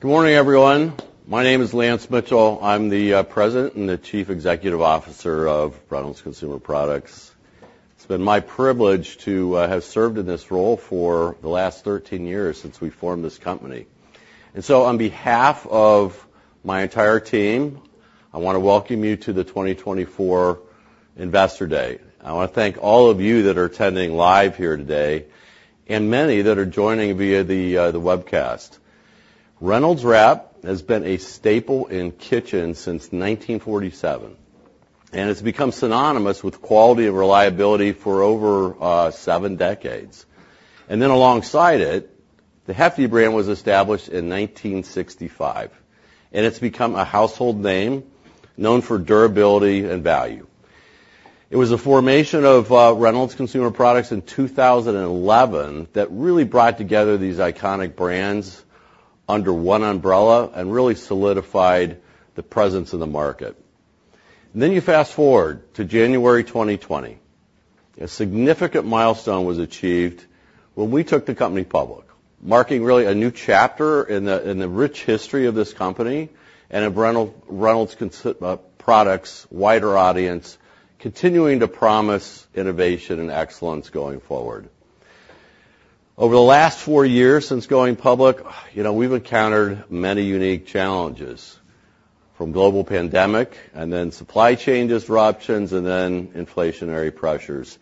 Good morning, everyone. My name is Lance Mitchell. I'm the President and Chief Executive Officer of Reynolds Consumer Products. It's been my privilege to have served in this role for the last 13 years since we formed this company. So on behalf of my entire team, I want to welcome you to the 2024 Investor Day. I want to thank all of you that are attending live here today and many that are joining via the webcast. Reynolds Wrap has been a staple in kitchens since 1947, and it's become synonymous with quality and reliability for over seven decades. Alongside it, the Hefty brand was established in 1965, and it's become a household name known for durability and value. It was the formation of Reynolds Consumer Products in 2011 that really brought together these iconic brands under one umbrella and really solidified the presence in the market. Then you fast forward to January 2020. A significant milestone was achieved when we took the company public, marking really a new chapter in the rich history of this company and of Reynolds Consumer Products' wider audience, continuing to promise innovation and excellence going forward. Over the last four years since going public, we've encountered many unique challenges from global pandemic and then supply chain disruptions and then inflationary pressures.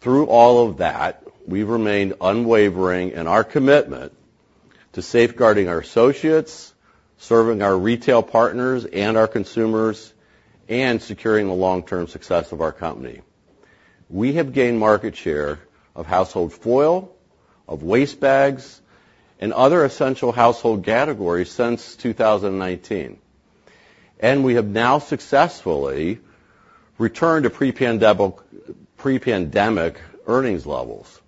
Through all of that, we've remained unwavering in our commitment to safeguarding our associates, serving our retail partners and our consumers, and securing the long-term success of our company. We have gained market share of household foil, of waste bags, and other essential household categories since 2019. We have now successfully returned to pre-pandemic earnings levels.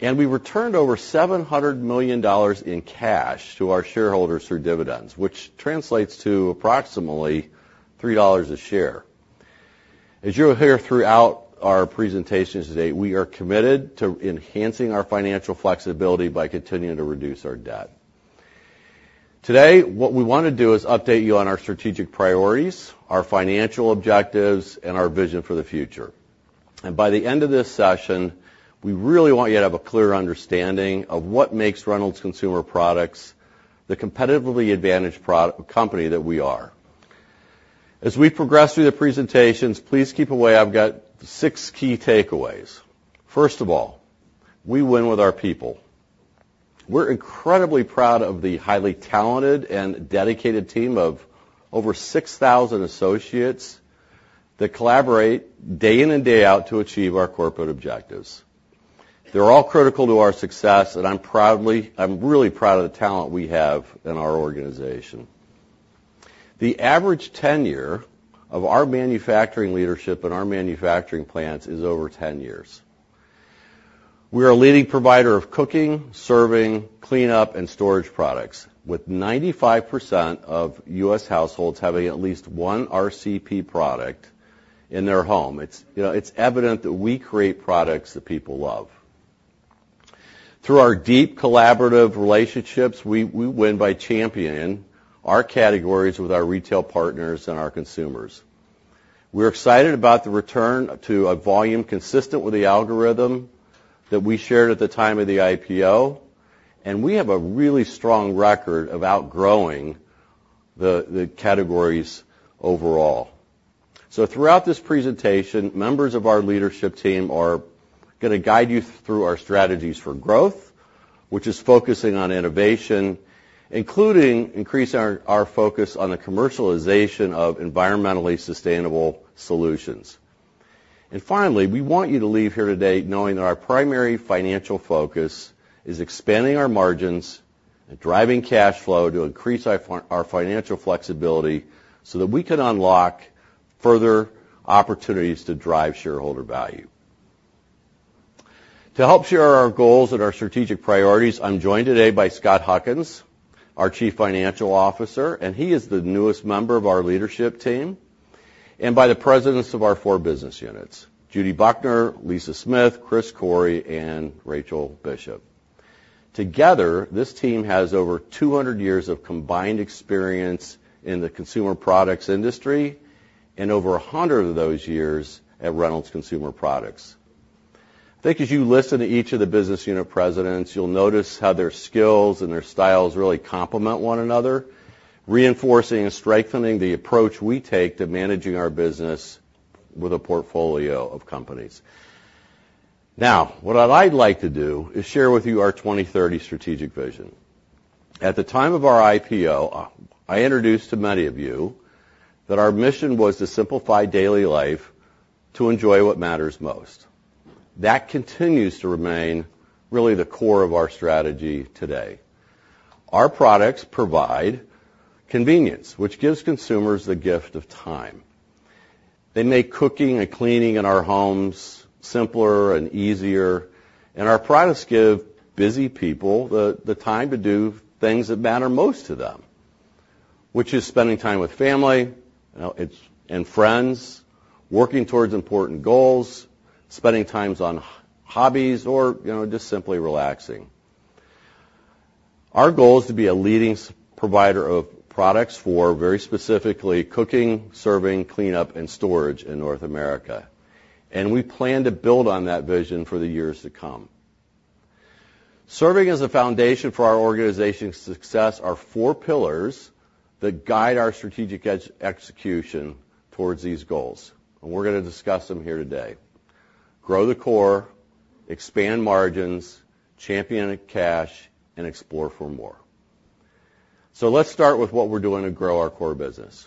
We returned over $700 million in cash to our shareholders through dividends, which translates to approximately $3 a share. As you'll hear throughout our presentations today, we are committed to enhancing our financial flexibility by continuing to reduce our debt. Today, what we want to do is update you on our strategic priorities, our financial objectives, and our vision for the future. By the end of this session, we really want you to have a clear understanding of what makes Reynolds Consumer Products the competitively advantaged company that we are. As we progress through the presentations, please keep in mind I've got six key takeaways. First of all, we win with our people. We're incredibly proud of the highly talented and dedicated team of over 6,000 associates that collaborate day in and day out to achieve our corporate objectives. They're all critical to our success, and I'm really proud of the talent we have in our organization. The average tenure of our manufacturing leadership in our manufacturing plants is over 10 years. We are a leading provider of cooking, serving, cleanup, and storage products, with 95% of U.S. households having at least one RCP product in their home. It's evident that we create products that people love. Through our deep collaborative relationships, we win by championing our categories with our retail partners and our consumers. We're excited about the return to a volume consistent with the algorithm that we shared at the time of the IPO, and we have a really strong record of outgrowing the categories overall. So throughout this presentation, members of our leadership team are going to guide you through our strategies for growth, which is focusing on innovation, including increasing our focus on the commercialization of environmentally sustainable solutions. And finally, we want you to leave here today knowing that our primary financial focus is expanding our margins and driving cash flow to increase our financial flexibility so that we can unlock further opportunities to drive shareholder value. To help share our goals and our strategic priorities, I'm joined today by Scott Huckins, our Chief Financial Officer, and he is the newest member of our leadership team, and by the presidents of our four business units, Judith Buckner, Lisa Smith, Chris Corey, and Rachel Bishop. Together, this team has over 200 years of combined experience in the consumer products industry and over 100 of those years at Reynolds Consumer Products. I think as you listen to each of the business unit presidents, you'll notice how their skills and their styles really complement one another, reinforcing and strengthening the approach we take to managing our business with a portfolio of companies. Now, what I'd like to do is share with you our 2030 strategic vision. At the time of our IPO, I introduced to many of you that our mission was to simplify daily life to enjoy what matters most. That continues to remain really the core of our strategy today. Our products provide convenience, which gives consumers the gift of time. They make cooking and cleaning in our homes simpler and easier, and our products give busy people the time to do things that matter most to them, which is spending time with family and friends, working towards important goals, spending times on hobbies, or just simply relaxing. Our goal is to be a leading provider of products for, very specifically, cooking, serving, cleanup, and storage in North America. We plan to build on that vision for the years to come. Serving as a foundation for our organization's success are four pillars that guide our strategic execution towards these goals. We're going to discuss them here today: grow the core, expand margins, champion cash, and explore for more. Let's start with what we're doing to grow our core business.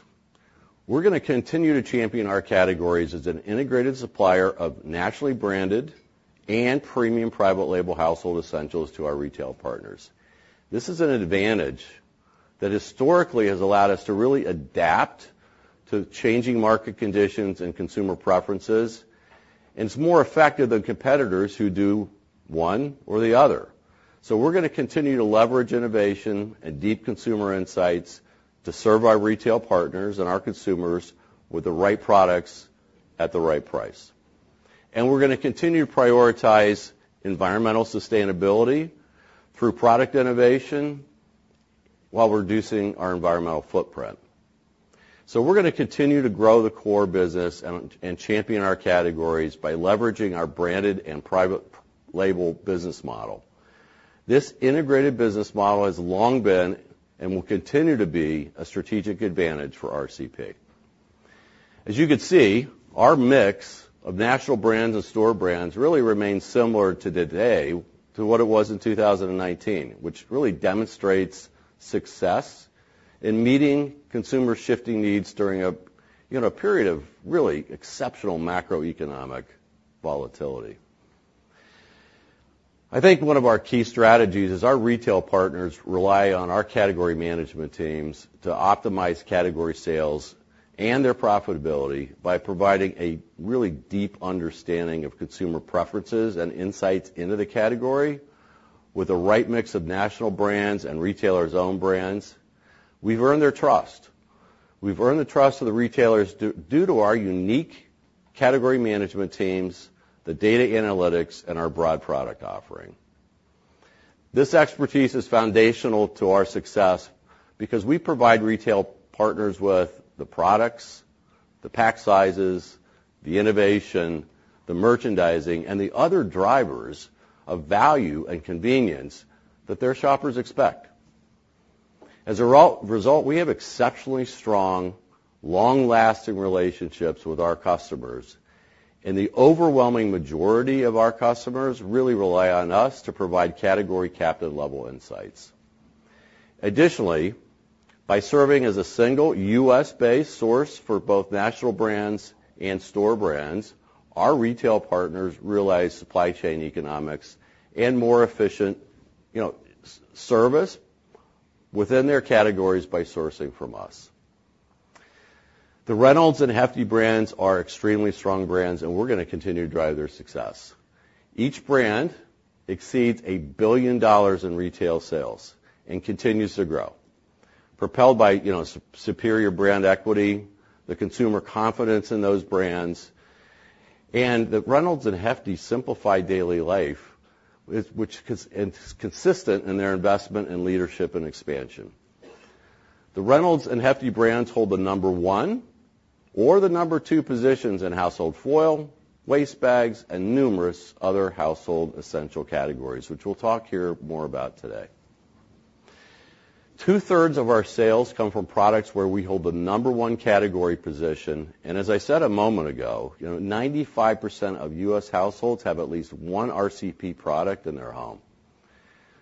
We're going to continue to champion our categories as an integrated supplier of naturally branded and premium private label household essentials to our retail partners. This is an advantage that historically has allowed us to really adapt to changing market conditions and consumer preferences. It's more effective than competitors who do one or the other. We're going to continue to leverage innovation and deep consumer insights to serve our retail partners and our consumers with the right products at the right price. We're going to continue to prioritize environmental sustainability through product innovation while reducing our environmental footprint. We're going to continue to grow the core business and champion our categories by leveraging our branded and private label business model. This integrated business model has long been and will continue to be a strategic advantage for RCP. As you can see, our mix of national brands and store brands really remains similar to today to what it was in 2019, which really demonstrates success in meeting consumers' shifting needs during a period of really exceptional macroeconomic volatility. I think one of our key strategies is our retail partners rely on our category management teams to optimize category sales and their profitability by providing a really deep understanding of consumer preferences and insights into the category with the right mix of national brands and retailers' own brands. We've earned their trust. We've earned the trust of the retailers due to our unique category management teams, the data analytics, and our broad product offering. This expertise is foundational to our success because we provide retail partners with the products, the pack sizes, the innovation, the merchandising, and the other drivers of value and convenience that their shoppers expect. As a result, we have exceptionally strong, long-lasting relationships with our customers. The overwhelming majority of our customers really rely on us to provide category captain-level insights. Additionally, by serving as a single US-based source for both national brands and store brands, our retail partners realize supply chain economics and more efficient service within their categories by sourcing from us. The Reynolds and Hefty brands are extremely strong brands, and we're going to continue to drive their success. Each brand exceeds $1 billion in retail sales and continues to grow, propelled by superior brand equity, the consumer confidence in those brands, and the Reynolds and Hefty simplified daily life, which is consistent in their investment in leadership and expansion. The Reynolds and Hefty brands hold the number one or the number two positions in household foil, waste bags, and numerous other household essential categories, which we'll talk here more about today. Two-thirds of our sales come from products where we hold the number one category position. As I said a moment ago, 95% of U.S. households have at least one RCP product in their home.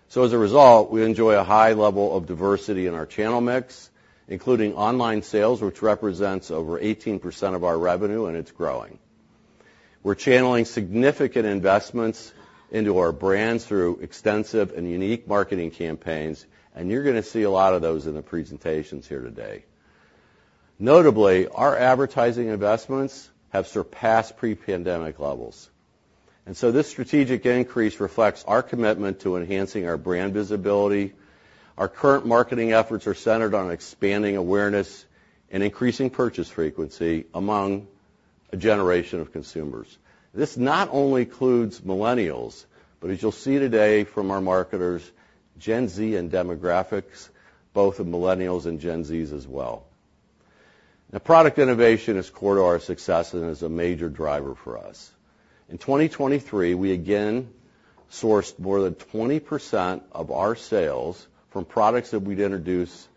So as a result, we enjoy a high level of diversity in our channel mix, including online sales, which represents over 18% of our revenue, and it's growing. We're channeling significant investments into our brands through extensive and unique marketing campaigns, and you're going to see a lot of those in the presentations here today. Notably, our advertising investments have surpassed pre-pandemic levels. So this strategic increase reflects our commitment to enhancing our brand visibility. Our current marketing efforts are centered on expanding awareness and increasing purchase frequency among a generation of consumers. This not only includes millennials, but as you'll see today from our marketers, Gen Z and demographics, both of millennials and Gen Zs as well. Now, product innovation is core to our success and is a major driver for us. In 2023, we again sourced more than 20% of our sales from products that we'd introduced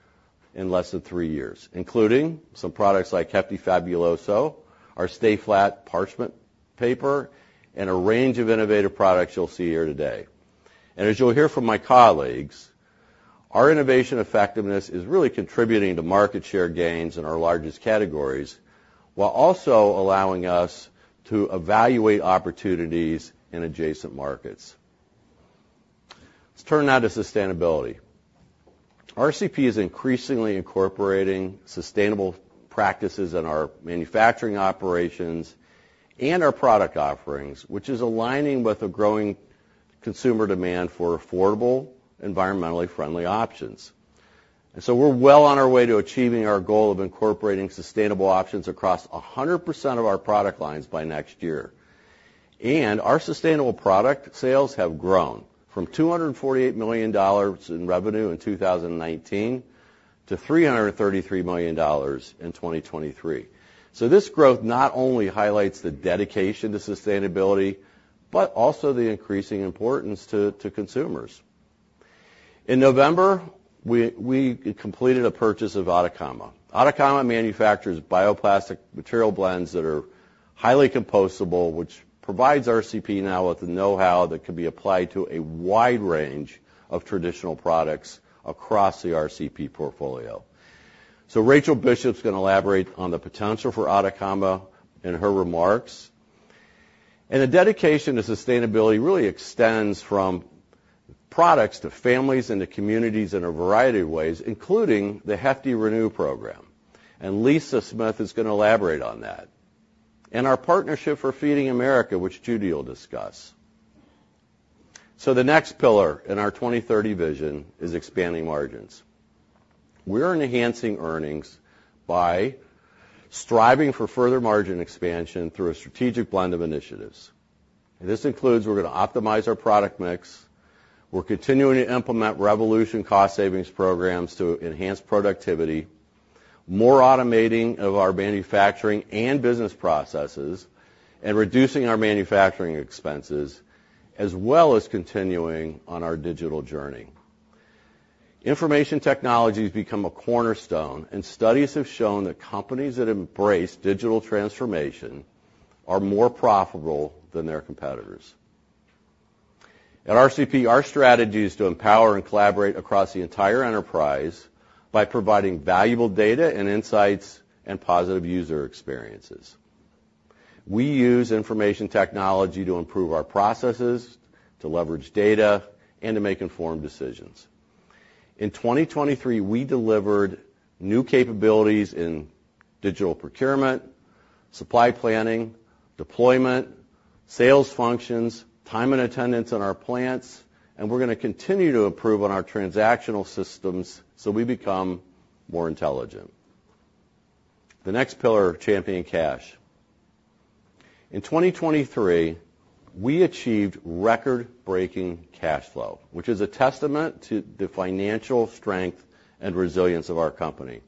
in less than three years, including some products like Hefty Fabuloso, our Stay Flat Parchment Paper, and a range of innovative products you'll see here today. And as you'll hear from my colleagues, our innovation effectiveness is really contributing to market share gains in our largest categories while also allowing us to evaluate opportunities in adjacent markets. Let's turn now to sustainability. RCP is increasingly incorporating sustainable practices in our manufacturing operations and our product offerings, which is aligning with a growing consumer demand for affordable, environmentally friendly options. And so we're well on our way to achieving our goal of incorporating sustainable options across 100% of our product lines by next year. Our sustainable product sales have grown from $248 million in revenue in 2019 to $333 million in 2023. This growth not only highlights the dedication to sustainability but also the increasing importance to consumers. In November, we completed a purchase of Atacama. Atacama manufactures bioplastic material blends that are highly compostable, which provides RCP now with the know-how that can be applied to a wide range of traditional products across the RCP portfolio. Rachel Bishop's going to elaborate on the potential for Atacama in her remarks. The dedication to sustainability really extends from products to families and to communities in a variety of ways, including the Hefty ReNew program. Lisa Smith is going to elaborate on that and our partnership for Feeding America, which Judy will discuss. The next pillar in our 2030 vision is expanding margins. We're enhancing earnings by striving for further margin expansion through a strategic blend of initiatives. This includes we're going to optimize our product mix. We're continuing to implement Revolution cost-savings programs to enhance productivity, more automation of our manufacturing and business processes, and reducing our manufacturing expenses, as well as continuing on our digital journey. Information technologies become a cornerstone, and studies have shown that companies that embrace digital transformation are more profitable than their competitors. At RCP, our strategy is to empower and collaborate across the entire enterprise by providing valuable data and insights and positive user experiences. We use information technology to improve our processes, to leverage data, and to make informed decisions. In 2023, we delivered new capabilities in digital procurement, supply planning, deployment, sales functions, time and attendance in our plants. And we're going to continue to improve on our transactional systems so we become more intelligent. The next pillar: champion cash. In 2023, we achieved record-breaking cash flow, which is a testament to the financial strength and resilience of our company.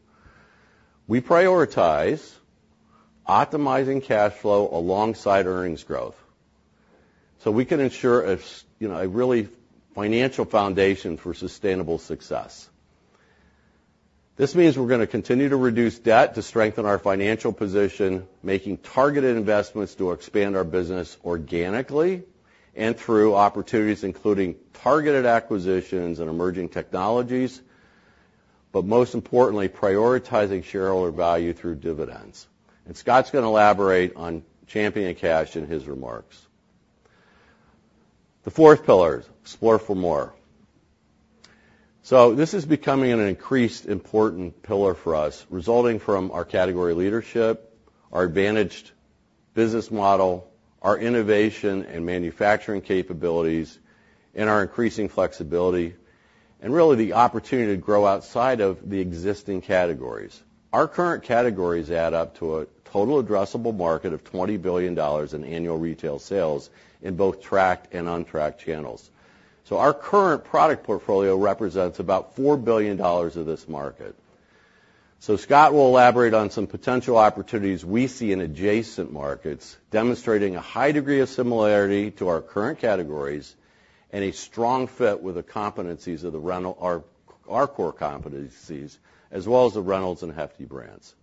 We prioritize optimizing cash flow alongside earnings growth so we can ensure a really financial foundation for sustainable success. This means we're going to continue to reduce debt to strengthen our financial position, making targeted investments to expand our business organically and through opportunities including targeted acquisitions and emerging technologies, but most importantly, prioritizing shareholder value through dividends. And Scott's going to elaborate on champion cash in his remarks. The fourth pillar: explore for more. So this is becoming an increasingly important pillar for us, resulting from our category leadership, our advantaged business model, our innovation and manufacturing capabilities, and our increasing flexibility, and really the opportunity to grow outside of the existing categories. Our current categories add up to a total addressable market of $20 billion in annual retail sales in both tracked and untracked channels. So our current product portfolio represents about $4 billion of this market. So Scott will elaborate on some potential opportunities we see in adjacent markets, demonstrating a high degree of similarity to our current categories and a strong fit with the core competencies as well as the Reynolds and Hefty brands.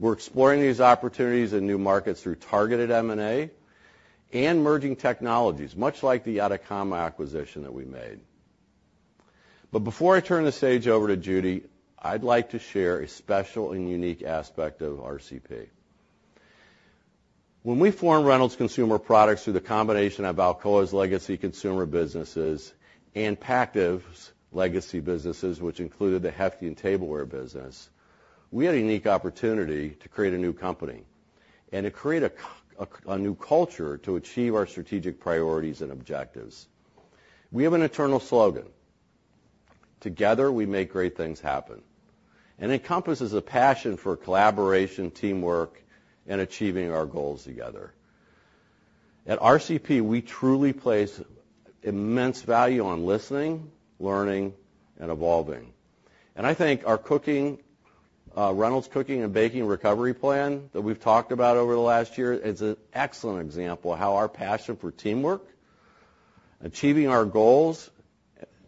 We're exploring these opportunities in new markets through targeted M&A and emerging technologies, much like the Atacama acquisition that we made. Before I turn the stage over to Judy, I'd like to share a special and unique aspect of RCP. When we formed Reynolds Consumer Products through the combination of Alcoa's legacy consumer businesses and Pactiv's legacy businesses, which included the Hefty and tableware business, we had a unique opportunity to create a new company and to create a new culture to achieve our strategic priorities and objectives. We have an internal slogan, "Together, we make great things happen," and it encompasses a passion for collaboration, teamwork, and achieving our goals together. At RCP, we truly place immense value on listening, learning, and evolving. I think our Reynolds Cooking & Baking Recovery Plan that we've talked about over the last year is an excellent example of how our passion for teamwork, achieving our goals,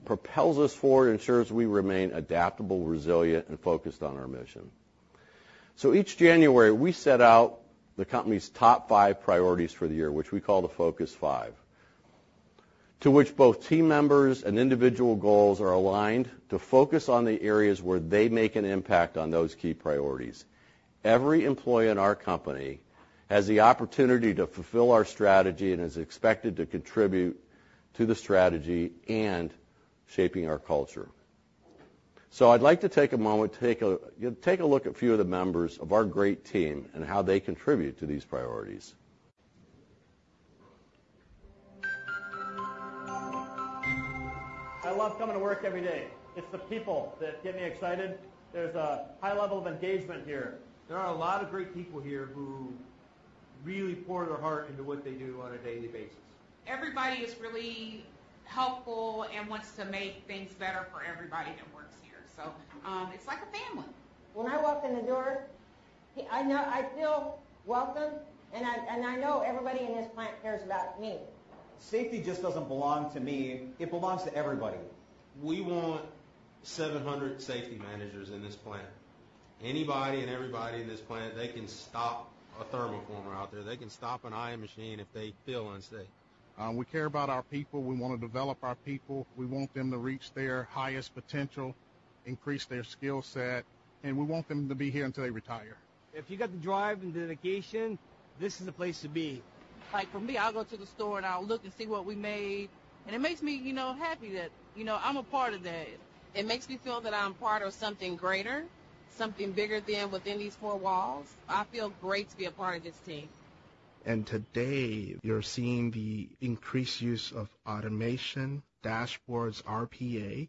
propels us forward and ensures we remain adaptable, resilient, and focused on our mission. So each January, we set out the company's top five priorities for the year, which we call the Focus Five, to which both team members and individual goals are aligned to focus on the areas where they make an impact on those key priorities. Every employee in our company has the opportunity to fulfill our strategy and is expected to contribute to the strategy and shaping our culture. So I'd like to take a moment to take a look at a few of the members of our great team and how they contribute to these priorities. I love coming to work every day. It's the people that get me excited. There's a high level of engagement here. There are a lot of great people here who really pour their heart into what they do on a daily basis. Everybody is really helpful and wants to make things better for everybody that works here. So it's like a family. When I walk in the door, I feel welcome, and I know everybody in this plant cares about me. Safety just doesn't belong to me. It belongs to everybody. We want 700 safety managers in this plant. Anybody and everybody in this plant, they can stop a thermoformer out there. They can stop an IM machine if they feel unsafe. We care about our people. We want to develop our people. We want them to reach their highest potential, increase their skill set, and we want them to be here until they retire. If you got the drive and dedication, this is the place to be. For me, I'll go to the store, and I'll look and see what we made. It makes me happy that I'm a part of that. It makes me feel that I'm part of something greater, something bigger than within these four walls. I feel great to be a part of this team. Today, you're seeing the increased use of automation, dashboards, RPA.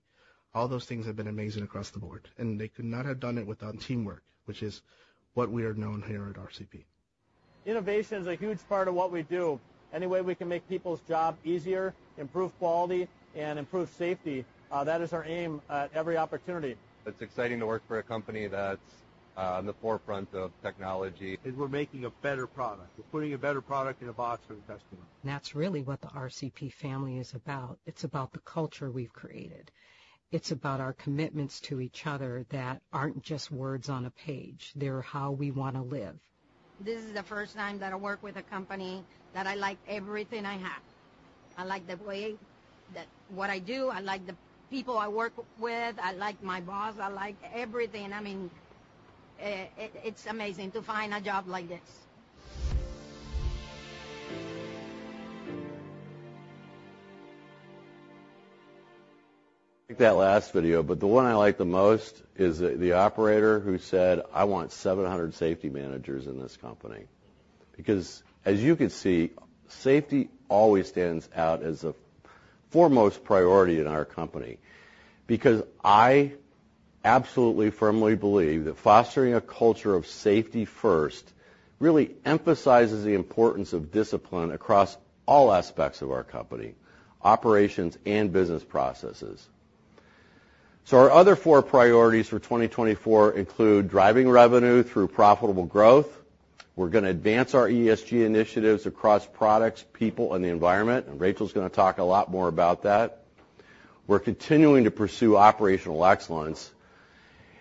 All those things have been amazing across the board. They could not have done it without teamwork, which is what we are known here at RCP. Innovation is a huge part of what we do. Any way we can make people's job easier, improve quality, and improve safety, that is our aim at every opportunity. It's exciting to work for a company that's on the forefront of technology. We're making a better product. We're putting a better product in a box for the customer. That's really what the RCP family is about. It's about the culture we've created. It's about our commitments to each other that aren't just words on a page. They're how we want to live. This is the first time that I work with a company that I like everything I have. I like the way that what I do. I like the people I work with. I like my boss. I like everything. I mean, it's amazing to find a job like this. I think that last video, but the one I like the most is the operator who said, "I want 700 safety managers in this company." Because as you can see, safety always stands out as a foremost priority in our company. Because I absolutely firmly believe that fostering a culture of safety first really emphasizes the importance of discipline across all aspects of our company, operations, and business processes. So our other four priorities for 2024 include driving revenue through profitable growth. We're going to advance our ESG initiatives across products, people, and the environment. And Rachel's going to talk a lot more about that. We're continuing to pursue operational excellence.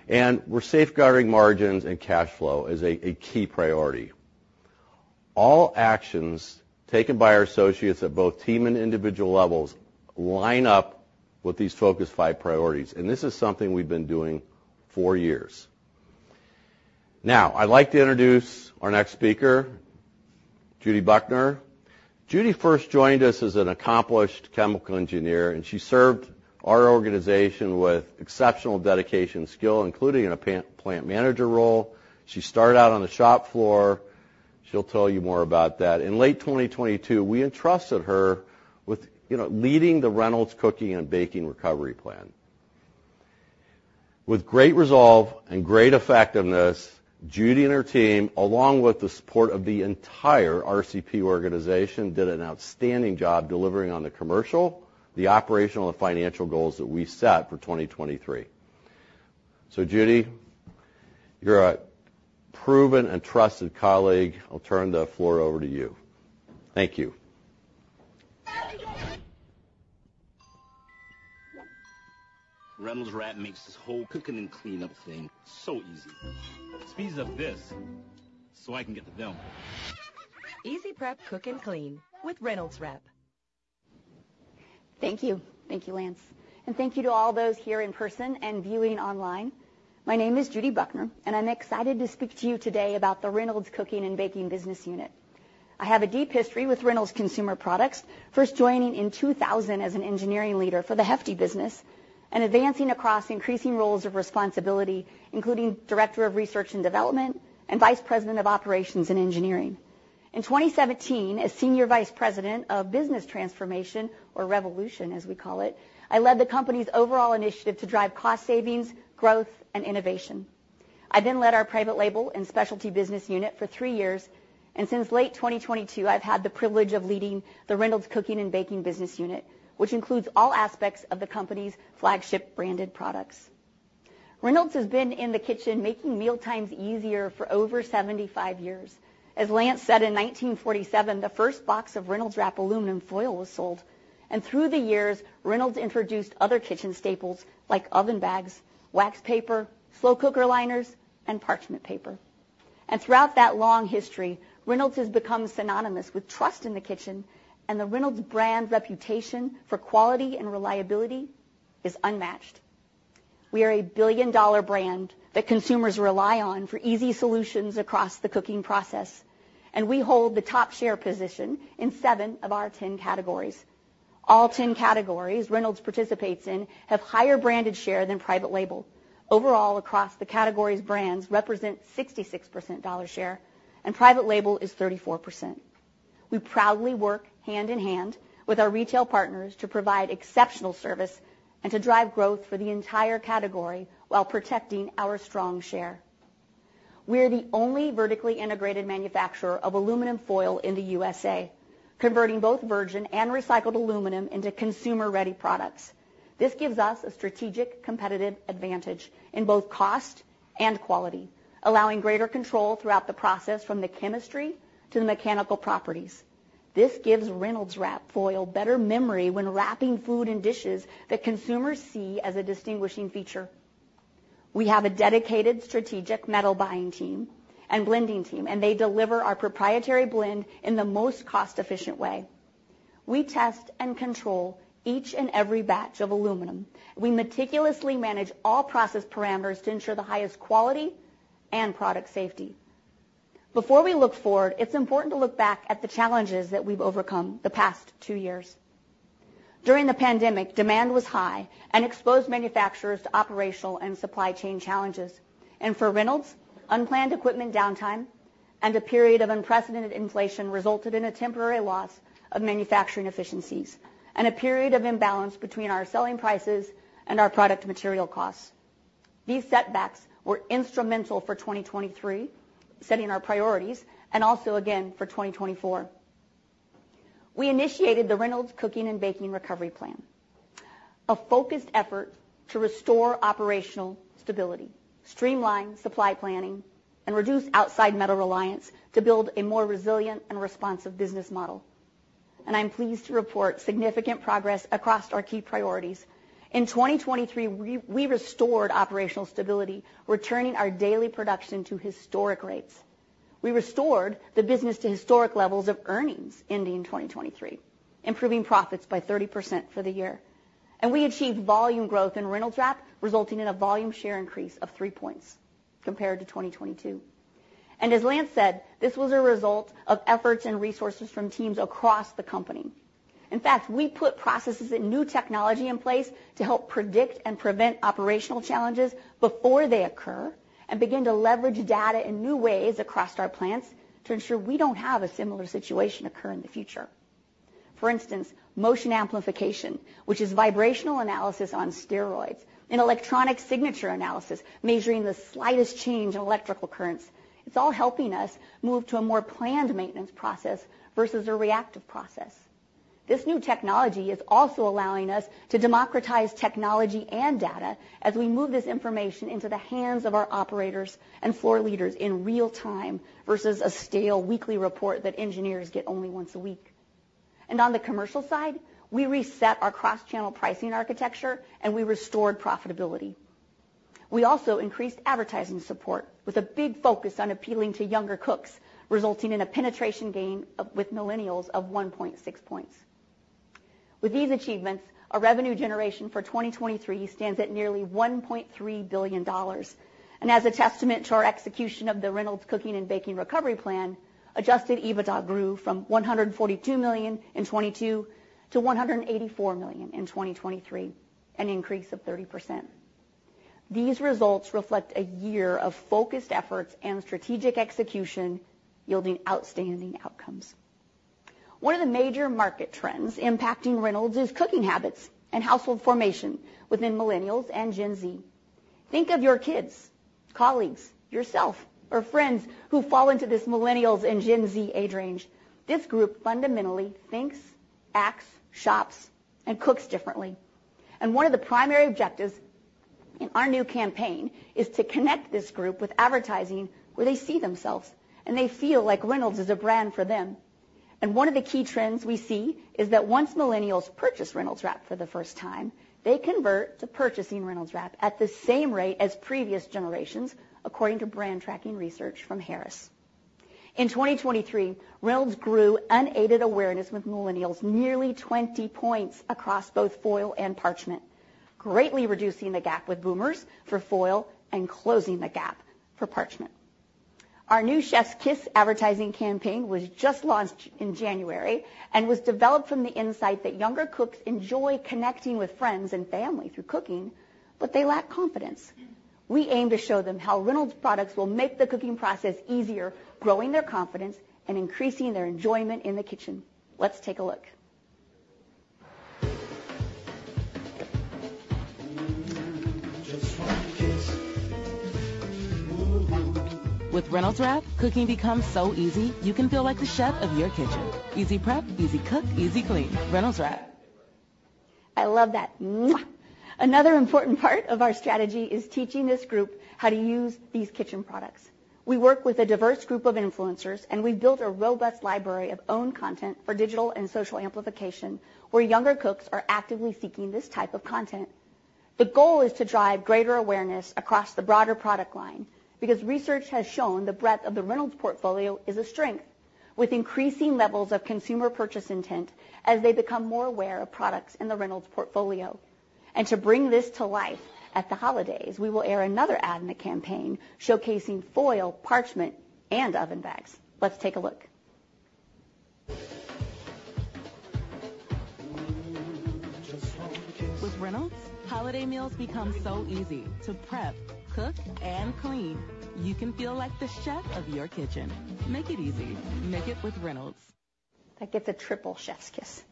And we're safeguarding margins and cash flow as a key priority. All actions taken by our associates at both team and individual levels line up with these Focus Five priorities. This is something we've been doing for years. Now, I'd like to introduce our next speaker, Judy Buckner. Judy first joined us as an accomplished chemical engineer, and she served our organization with exceptional dedication and skill, including in a plant manager role. She started out on the shop floor. She'll tell you more about that. In late 2022, we entrusted her with leading the Reynolds Cooking and Baking Recovery Plan. With great resolve and great effectiveness, Judy and her team, along with the support of the entire RCP organization, did an outstanding job delivering on the commercial, the operational, and financial goals that we set for 2023. So Judy, you're a proven and trusted colleague. I'll turn the floor over to you. Thank you. Reynolds Wrap makes this whole cooking and cleanup thing so easy. Speed this up so I can get to them. EasyPrep Cook and Clean with Reynolds Wrap. Thank you. Thank you, Lance. Thank you to all those here in person and viewing online. My name is Judith Buckner, and I'm excited to speak to you today about the Reynolds Cooking and Baking Business Unit. I have a deep history with Reynolds Consumer Products, first joining in 2000 as an engineering leader for the Hefty business and advancing across increasing roles of responsibility, including Director of Research and Development and Vice President of Operations and Engineering. In 2017, as Senior Vice President of Business Transformation, or Revolution as we call it, I led the company's overall initiative to drive cost savings, growth, and innovation. I then led our private label and specialty business unit for three years. Since late 2022, I've had the privilege of leading the Reynolds Cooking and Baking Business Unit, which includes all aspects of the company's flagship branded products. Reynolds has been in the kitchen making mealtimes easier for over 75 years. As Lance said in 1947, the first box of Reynolds Wrap aluminum foil was sold. Through the years, Reynolds introduced other kitchen staples like oven bags, wax paper, slow cooker liners, and parchment paper. Throughout that long history, Reynolds has become synonymous with trust in the kitchen, and the Reynolds brand reputation for quality and reliability is unmatched. We are a billion-dollar brand that consumers rely on for easy solutions across the cooking process. We hold the top share position in seven of our 10 categories. All 10 categories Reynolds participates in have higher branded share than private label. Overall, across the categories, brands represent 66% dollar share, and private label is 34%. We proudly work hand in hand with our retail partners to provide exceptional service and to drive growth for the entire category while protecting our strong share. We're the only vertically integrated manufacturer of aluminum foil in the USA, converting both virgin and recycled aluminum into consumer-ready products. This gives us a strategic competitive advantage in both cost and quality, allowing greater control throughout the process from the chemistry to the mechanical properties. This gives Reynolds Wrap foil better memory when wrapping food and dishes that consumers see as a distinguishing feature. We have a dedicated strategic metal buying team and blending team, and they deliver our proprietary blend in the most cost-efficient way. We test and control each and every batch of aluminum. We meticulously manage all process parameters to ensure the highest quality and product safety. Before we look forward, it's important to look back at the challenges that we've overcome the past two years. During the pandemic, demand was high and exposed manufacturers to operational and supply chain challenges. And for Reynolds, unplanned equipment downtime and a period of unprecedented inflation resulted in a temporary loss of manufacturing efficiencies and a period of imbalance between our selling prices and our product material costs. These setbacks were instrumental for 2023, setting our priorities, and also, again, for 2024. We initiated the Reynolds Cooking and Baking Recovery Plan, a focused effort to restore operational stability, streamline supply planning, and reduce outside metal reliance to build a more resilient and responsive business model. And I'm pleased to report significant progress across our key priorities. In 2023, we restored operational stability, returning our daily production to historic rates. We restored the business to historic levels of earnings ending 2023, improving profits by 30% for the year. We achieved volume growth in Reynolds RCP, resulting in a volume share increase of three points compared to 2022. As Lance said, this was a result of efforts and resources from teams across the company. In fact, we put processes and new technology in place to help predict and prevent operational challenges before they occur and begin to leverage data in new ways across our plants to ensure we don't have a similar situation occur in the future. For instance, motion amplification, which is vibrational analysis on steroids, and electronic signature analysis measuring the slightest change in electrical currents, it's all helping us move to a more planned maintenance process versus a reactive process. This new technology is also allowing us to democratize technology and data as we move this information into the hands of our operators and floor leaders in real time versus a stale weekly report that engineers get only once a week. On the commercial side, we reset our cross-channel pricing architecture, and we restored profitability. We also increased advertising support with a big focus on appealing to younger cooks, resulting in a penetration gain with millennials of 1.6 points. With these achievements, our revenue generation for 2023 stands at nearly $1.3 billion. As a testament to our execution of the Reynolds Cooking and Baking Recovery Plan, Adjusted EBITDA grew from $142 million in 2022 to $184 million in 2023, an increase of 30%. These results reflect a year of focused efforts and strategic execution yielding outstanding outcomes. One of the major market trends impacting Reynolds is cooking habits and household formation within millennials and Gen Z. Think of your kids, colleagues, yourself, or friends who fall into this millennials and Gen Z age range. This group fundamentally thinks, acts, shops, and cooks differently. One of the primary objectives in our new campaign is to connect this group with advertising where they see themselves and they feel like Reynolds is a brand for them. One of the key trends we see is that once millennials purchase Reynolds Wrap for the first time, they convert to purchasing Reynolds Wrap at the same rate as previous generations, according to brand tracking research from Harris. In 2023, Reynolds grew unaided awareness with millennials nearly 20 points across both foil and parchment, greatly reducing the gap with boomers for foil and closing the gap for parchment. Our new Chef's Kiss advertising campaign was just launched in January and was developed from the insight that younger cooks enjoy connecting with friends and family through cooking, but they lack confidence. We aim to show them how Reynolds products will make the cooking process easier, growing their confidence and increasing their enjoyment in the kitchen. Let's take a look. With Reynolds Wrap, cooking becomes so easy you can feel like the chef of your kitchen. EasyPrep, easyCook, easyClean. Reynolds Wrap. I love that. Another important part of our strategy is teaching this group how to use these kitchen products. We work with a diverse group of influencers, and we've built a robust library of own content for digital and social amplification where younger cooks are actively seeking this type of content. The goal is to drive greater awareness across the broader product line because research has shown the breadth of the Reynolds portfolio is a strength, with increasing levels of consumer purchase intent as they become more aware of products in the Reynolds portfolio. And to bring this to life at the holidays, we will air another ad in the campaign showcasing foil, parchment, and oven bags. Let's take a look. With Reynolds, holiday meals become so easy to prep, cook, and clean. You can feel like the chef of your kitchen. Make it easy. Make it with Reynolds. That gets a triple Chef's Kiss.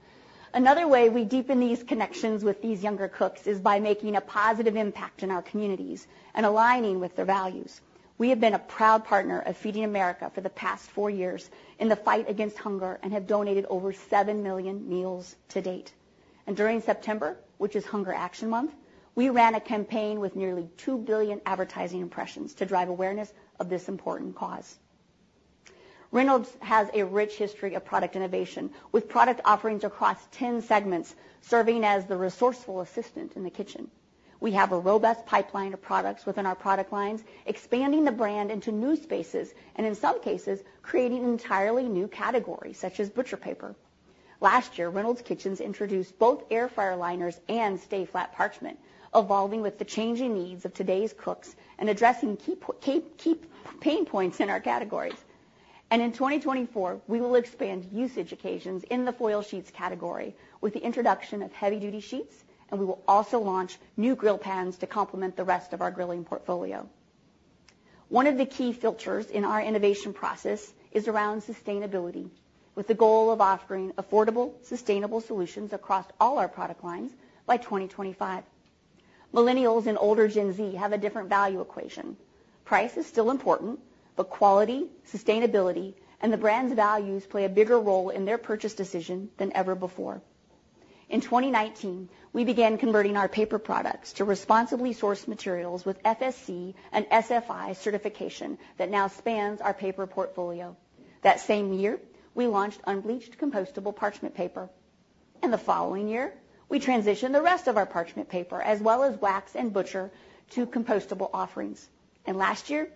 Another way we deepen these connections with these younger cooks is by making a positive impact in our communities and aligning with their values. We have been a proud partner of Feeding America for the past four years in the fight against hunger and have donated over 7 million meals to date. And during September, which is Hunger Action Month, we ran a campaign with nearly 2 billion advertising impressions to drive awareness of this important cause. Reynolds has a rich history of product innovation, with product offerings across 10 segments serving as the resourceful assistant in the kitchen. We have a robust pipeline of products within our product lines, expanding the brand into new spaces and, in some cases, creating entirely new categories such as butcher paper. Last year, Reynolds Kitchens introduced both Air Fryer Liners and Stay Flat Parchment, evolving with the changing needs of today's cooks and addressing key pain points in our categories. In 2024, we will expand usage occasions in the foil sheets category with the introduction of heavy-duty sheets, and we will also launch new grill pans to complement the rest of our grilling portfolio. One of the key filters in our innovation process is around sustainability, with the goal of offering affordable, sustainable solutions across all our product lines by 2025. Millennials and older Gen Z have a different value equation. Price is still important, but quality, sustainability, and the brand's values play a bigger role in their purchase decision than ever before. In 2019, we began converting our paper products to responsibly sourced materials with FSC and SFI certification that now spans our paper portfolio. That same year, we launched unbleached compostable parchment paper. The following year, we transitioned the rest of our parchment paper as well as wax and butcher to compostable offerings. Last year,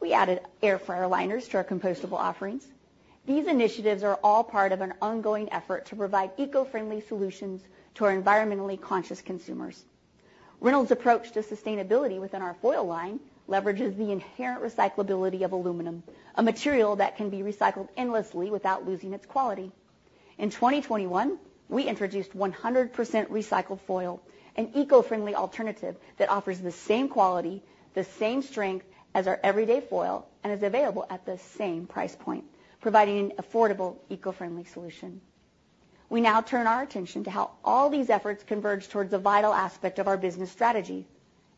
we added air fryer liners to our compostable offerings. These initiatives are all part of an ongoing effort to provide eco-friendly solutions to our environmentally conscious consumers. Reynolds' approach to sustainability within our foil line leverages the inherent recyclability of aluminum, a material that can be recycled endlessly without losing its quality. In 2021, we introduced 100% recycled foil, an eco-friendly alternative that offers the same quality, the same strength as our everyday foil, and is available at the same price point, providing an affordable, eco-friendly solution. We now turn our attention to how all these efforts converge towards a vital aspect of our business strategy: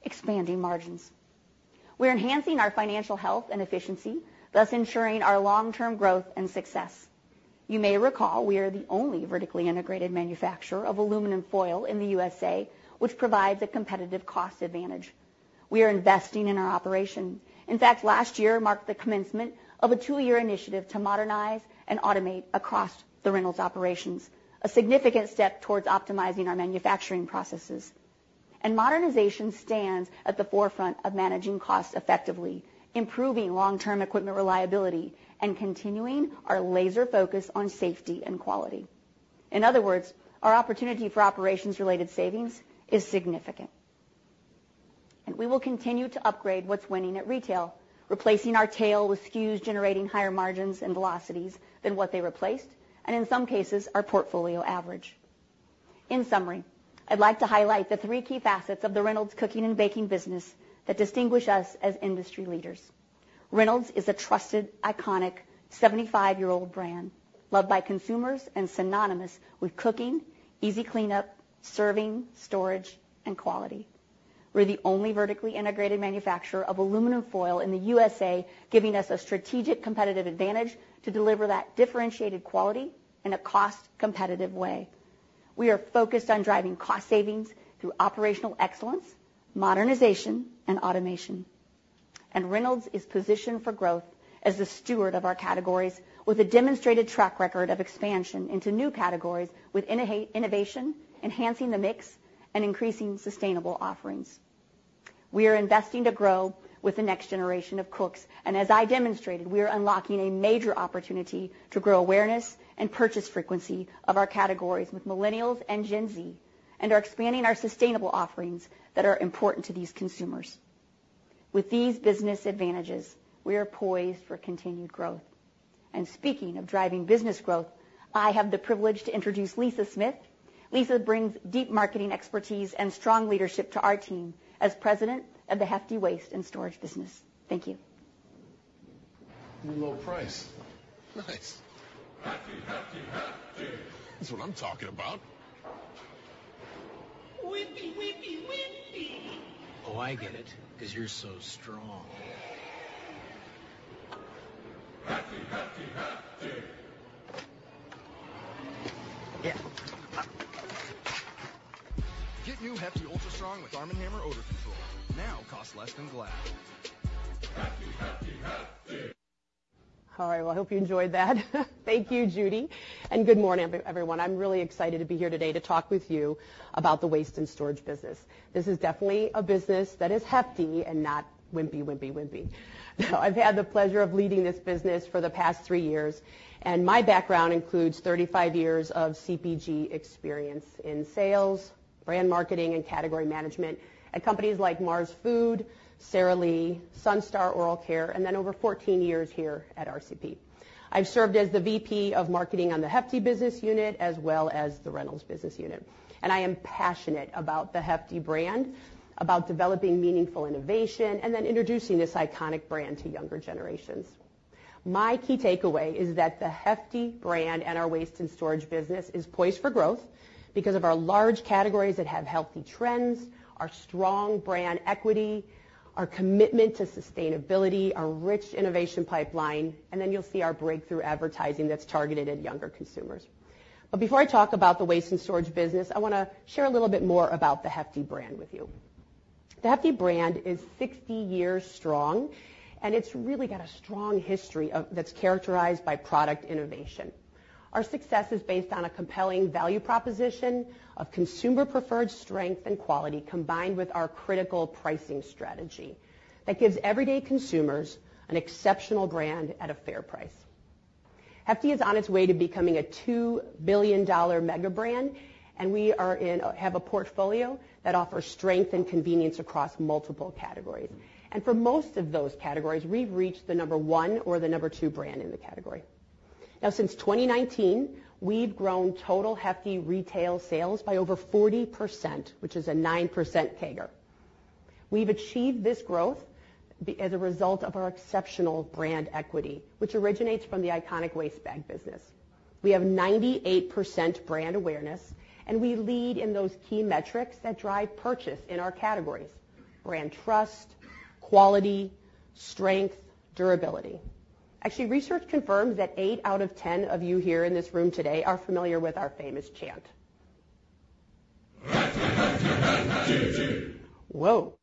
expanding margins. We're enhancing our financial health and efficiency, thus ensuring our long-term growth and success. You may recall we are the only vertically integrated manufacturer of aluminum foil in the U.S., which provides a competitive cost advantage. We are investing in our operation. In fact, last year marked the commencement of a two-year initiative to modernize and automate across the Reynolds operations, a significant step towards optimizing our manufacturing processes. Modernization stands at the forefront of managing costs effectively, improving long-term equipment reliability, and continuing our laser focus on safety and quality. In other words, our opportunity for operations-related savings is significant. We will continue to upgrade what's winning at retail, replacing our tail with SKUs generating higher margins and velocities than what they replaced, and in some cases, our portfolio average. In summary, I'd like to highlight the three key facets of the Reynolds Cooking and Baking business that distinguish us as industry leaders. Reynolds is a trusted, iconic, 75-year-old brand loved by consumers and synonymous with cooking, easy cleanup, serving, storage, and quality. We're the only vertically integrated manufacturer of aluminum foil in the USA, giving us a strategic competitive advantage to deliver that differentiated quality in a cost-competitive way. We are focused on driving cost savings through operational excellence, modernization, and automation. Reynolds is positioned for growth as the steward of our categories, with a demonstrated track record of expansion into new categories with innovation, enhancing the mix, and increasing sustainable offerings. We are investing to grow with the next generation of cooks, and as I demonstrated, we are unlocking a major opportunity to grow awareness and purchase frequency of our categories with millennials and Gen Z, and are expanding our sustainable offerings that are important to these consumers. With these business advantages, we are poised for continued growth. Seaking of driving business growth, I have the privilege to introduce Lisa Smith. Lisa brings deep marketing expertise and strong leadership to our team as President of the Hefty Waste and Storage business. Thank you. All right. Well, I hope you enjoyed that. Thank you, Judy. And good morning, everyone. I'm really excited to be here today to talk with you about the Waste and Storage business. This is definitely a business that is Hefty and not wimpy, wimpy, wimpy. Now, I've had the pleasure of leading this business for the past three years, and my background includes 35 years of CPG experience in sales, brand marketing, and category management at companies like Mars Food, Sara Lee, Sunstar Oral Care, and then over 14 years here at RCP. I've served as the VP of marketing on the Hefty business unit as well as the Reynolds business unit. And I am passionate about the Hefty brand, about developing meaningful innovation, and then introducing this iconic brand to younger generations. My key takeaway is that the Hefty brand and our Waste and Storage business is poised for growth because of our large categories that have healthy trends, our strong brand equity, our commitment to sustainability, our rich innovation pipeline, and then you'll see our breakthrough advertising that's targeted at younger consumers. But before I talk about the Waste and Storage business, I want to share a little bit more about the Hefty brand with you. The Hefty brand is 60 years strong, and it's really got a strong history that's characterized by product innovation. Our success is based on a compelling value proposition of consumer-preferred strength and quality combined with our critical pricing strategy that gives everyday consumers an exceptional brand at a fair price. Hefty is on its way to becoming a $2 billion mega brand, and we have a portfolio that offers strength and convenience across multiple categories. For most of those categories, we've reached the number one or the number two brand in the category. Now, since 2019, we've grown total Hefty retail sales by over 40%, which is a 9% CAGR. We've achieved this growth as a result of our exceptional brand equity, which originates from the iconic waste bag business. We have 98% brand awareness, and we lead in those key metrics that drive purchase in our categories: brand trust, quality, strength, durability. Actually, research confirms that eight out of 10 of you here in this room today are familiar with our famous chant. Whoa.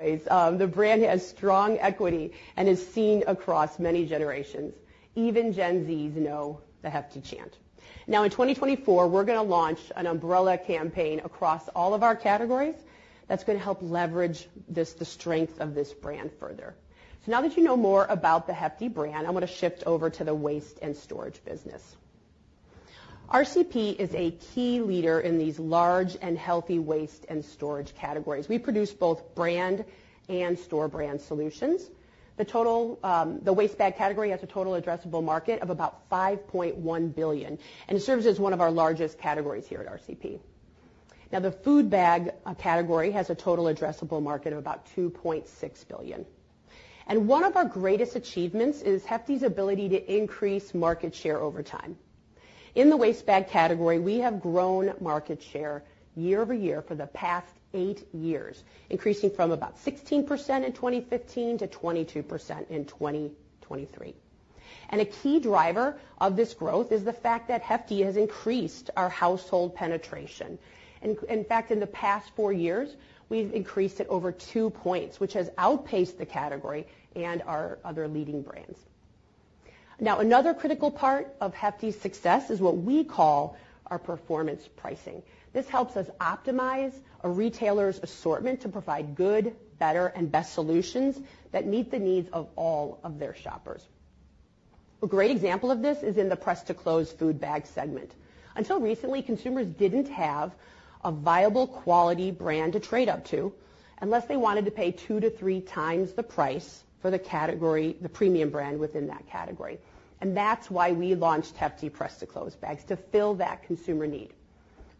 The brand has strong equity and is seen across many generations. Even Gen Zs know the Hefty chant. Now, in 2024, we're going to launch an umbrella campaign across all of our categories that's going to help leverage the strength of this brand further. So now that you know more about the Hefty brand, I want to shift over to the Waste and Storage business. RCP is a key leader in these large and healthy waste and storage categories. We produce both brand and store brand solutions. The waste bag category has a total addressable market of about $5.1 billion, and it serves as one of our largest categories here at RCP. Now, the food bag category has a total addressable market of about $2.6 billion. One of our greatest achievements is Hefty's ability to increase market share over time. In the waste bag category, we have grown market share year over year for the past eight years, increasing from about 16% in 2015 to 22% in 2023. A key driver of this growth is the fact that Hefty has increased our household penetration. In fact, in the past four years, we've increased it over two points, which has outpaced the category and our other leading brands. Now, another critical part of Hefty's success is what we call our performance pricing. This helps us optimize a retailer's assortment to provide good, better, and best solutions that meet the needs of all of their shoppers. A great example of this is in the press-to-close food bag segment. Until recently, consumers didn't have a viable quality brand to trade up to unless they wanted to pay 2x to 3x the price for the premium brand within that category. And that's why we launched Hefty Press-to-Close bags to fill that consumer need.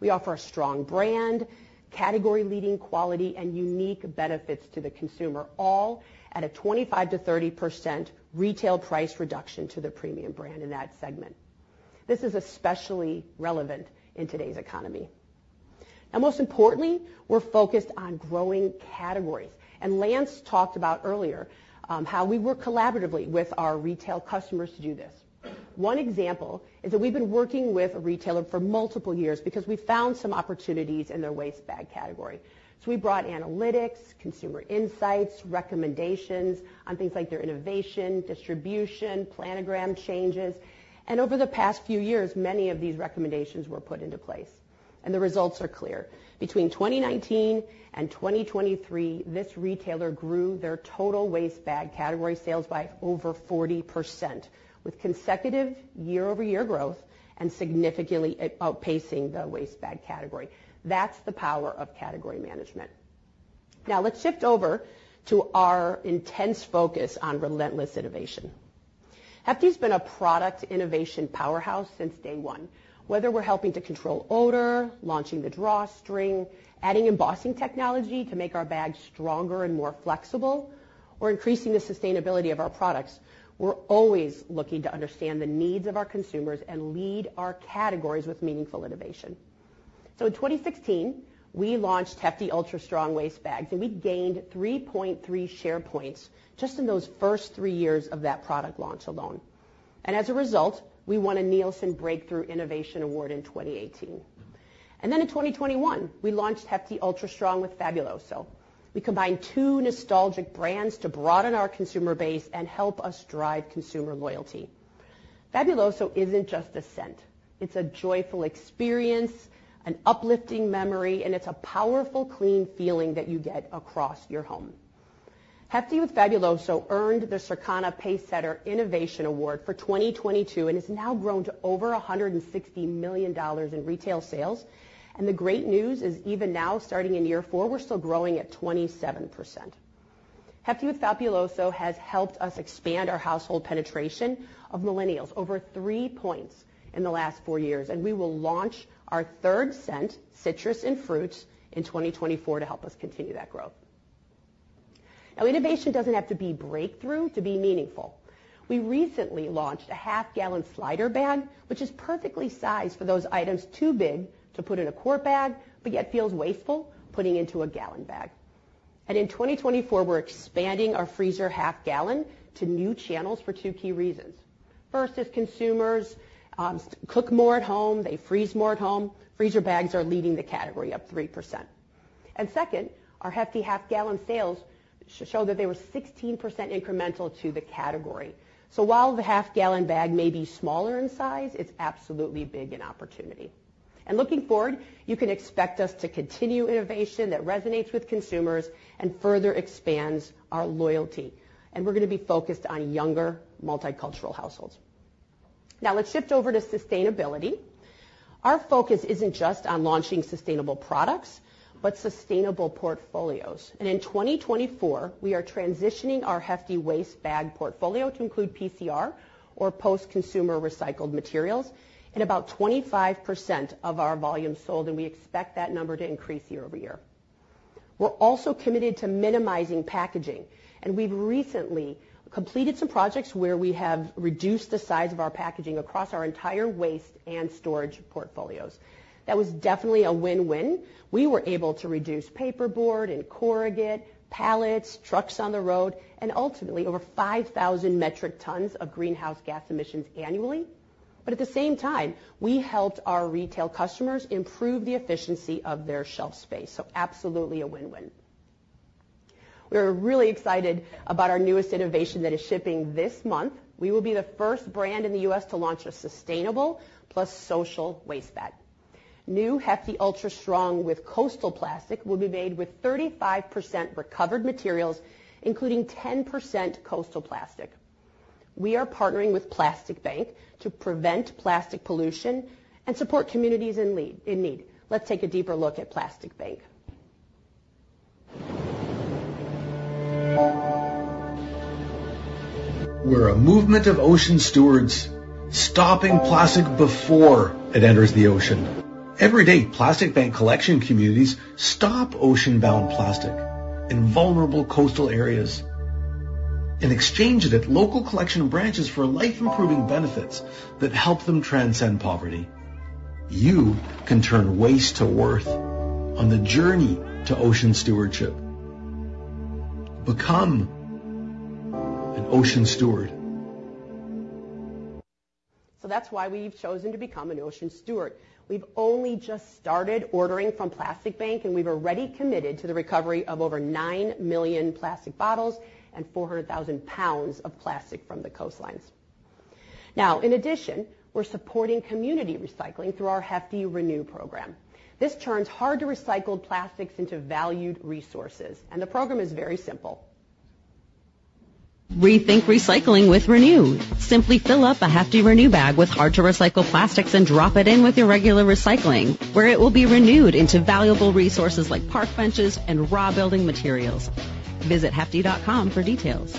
We offer a strong brand, category-leading quality, and unique benefits to the consumer, all at a 25%-30% retail price reduction to the premium brand in that segment. This is especially relevant in today's economy. Now, most importantly, we're focused on growing categories. Lance talked about earlier how we work collaboratively with our retail customers to do this. One example is that we've been working with a retailer for multiple years because we found some opportunities in their waste bag category. So we brought analytics, consumer insights, recommendations on things like their innovation, distribution, planogram changes. Over the past few years, many of these recommendations were put into place, and the results are clear. Between 2019 and 2023, this retailer grew their total waste bag category sales by over 40%, with consecutive year-over-year growth and significantly outpacing the waste bag category. That's the power of category management. Now, let's shift over to our intense focus on relentless innovation. Hefty's been a product innovation powerhouse since day one. Whether we're helping to control odor, launching the drawstring, adding embossing technology to make our bags stronger and more flexible, or increasing the sustainability of our products, we're always looking to understand the needs of our consumers and lead our categories with meaningful innovation. So in 2016, we launched Hefty Ultra Strong waste bags, and we gained 3.3 share points just in those first three years of that product launch alone. And as a result, we won a Nielsen Breakthrough Innovation Award in 2018. And then in 2021, we launched Hefty Ultra Strong with Fabuloso. We combined two nostalgic brands to broaden our consumer base and help us drive consumer loyalty. Fabuloso isn't just a scent. It's a joyful experience, an uplifting memory, and it's a powerful, clean feeling that you get across your home. Hefty with Fabuloso earned the Circana Pacesetter Innovation Award for 2022 and has now grown to over $160 million in retail sales. And the great news is even now, starting in year four, we're still growing at 27%. Hefty with Fabuloso has helped us expand our household penetration of millennials over three points in the last four years, and we will launch our third scent, citrus and fruits, in 2024 to help us continue that growth. Now, innovation doesn't have to be breakthrough to be meaningful. We recently launched a half-gallon Slider bag, which is perfectly sized for those items too big to put in a quart bag but yet feels wasteful putting into a gallon bag. In 2024, we're expanding our freezer half-gallon to new channels for two key reasons. First is consumers cook more at home. They freeze more at home. Freezer bags are leading the category up 3%. Second, our Hefty half-gallon sales show that they were 16% incremental to the category. So while the half-gallon bag may be smaller in size, it's absolutely a big opportunity. Looking forward, you can expect us to continue innovation that resonates with consumers and further expands our loyalty. We're going to be focused on younger multicultural households. Now, let's shift over to sustainability. Our focus isn't just on launching sustainable products but sustainable portfolios. In 2024, we are transitioning our Hefty waste bag portfolio to include PCR, or post-consumer recycled materials, in about 25% of our volume sold, and we expect that number to increase year-over-year. We're also committed to minimizing packaging, and we've recently completed some projects where we have reduced the size of our packaging across our entire waste and storage portfolios. That was definitely a win-win. We were able to reduce paperboard and corrugate, pallets, trucks on the road, and ultimately over 5,000 metric tons of greenhouse gas emissions annually. But at the same time, we helped our retail customers improve the efficiency of their shelf space. So absolutely a win-win. We're really excited about our newest innovation that is shipping this month. We will be the first brand in the U.S. to launch a sustainable plus social waste bag. New Hefty Ultra Strong with Coastal Plastic will be made with 35% recovered materials, including 10% coastal plastic. We are partnering with Plastic Bank to prevent plastic pollution and support communities in need. Let's take a deeper look at Plastic Bank. We're a movement of ocean stewards stopping plastic before it enters the ocean. Every day, Plastic Bank collection communities stop ocean-bound plastic in vulnerable coastal areas and exchange it at local collection branches for life-improving benefits that help them transcend poverty. You can turn waste to worth on the journey to ocean stewardship. Become an ocean steward. So that's why we've chosen to become an ocean steward. We've only just started ordering from Plastic Bank, and we've already committed to the recovery of over 9 million plastic bottles and 400,000 pounds of plastic from the coastlines. Now, in addition, we're supporting community recycling through our Hefty ReNew program. This turns hard-to-recycle plastics into valued resources, and the program is very simple. Rethink recycling with ReNew. Simply fill up a Hefty ReNew bag with hard-to-recycle plastics and drop it in with your regular recycling, where it will be renewed into valuable resources like park benches and raw building materials. Visit Hefty.com for details.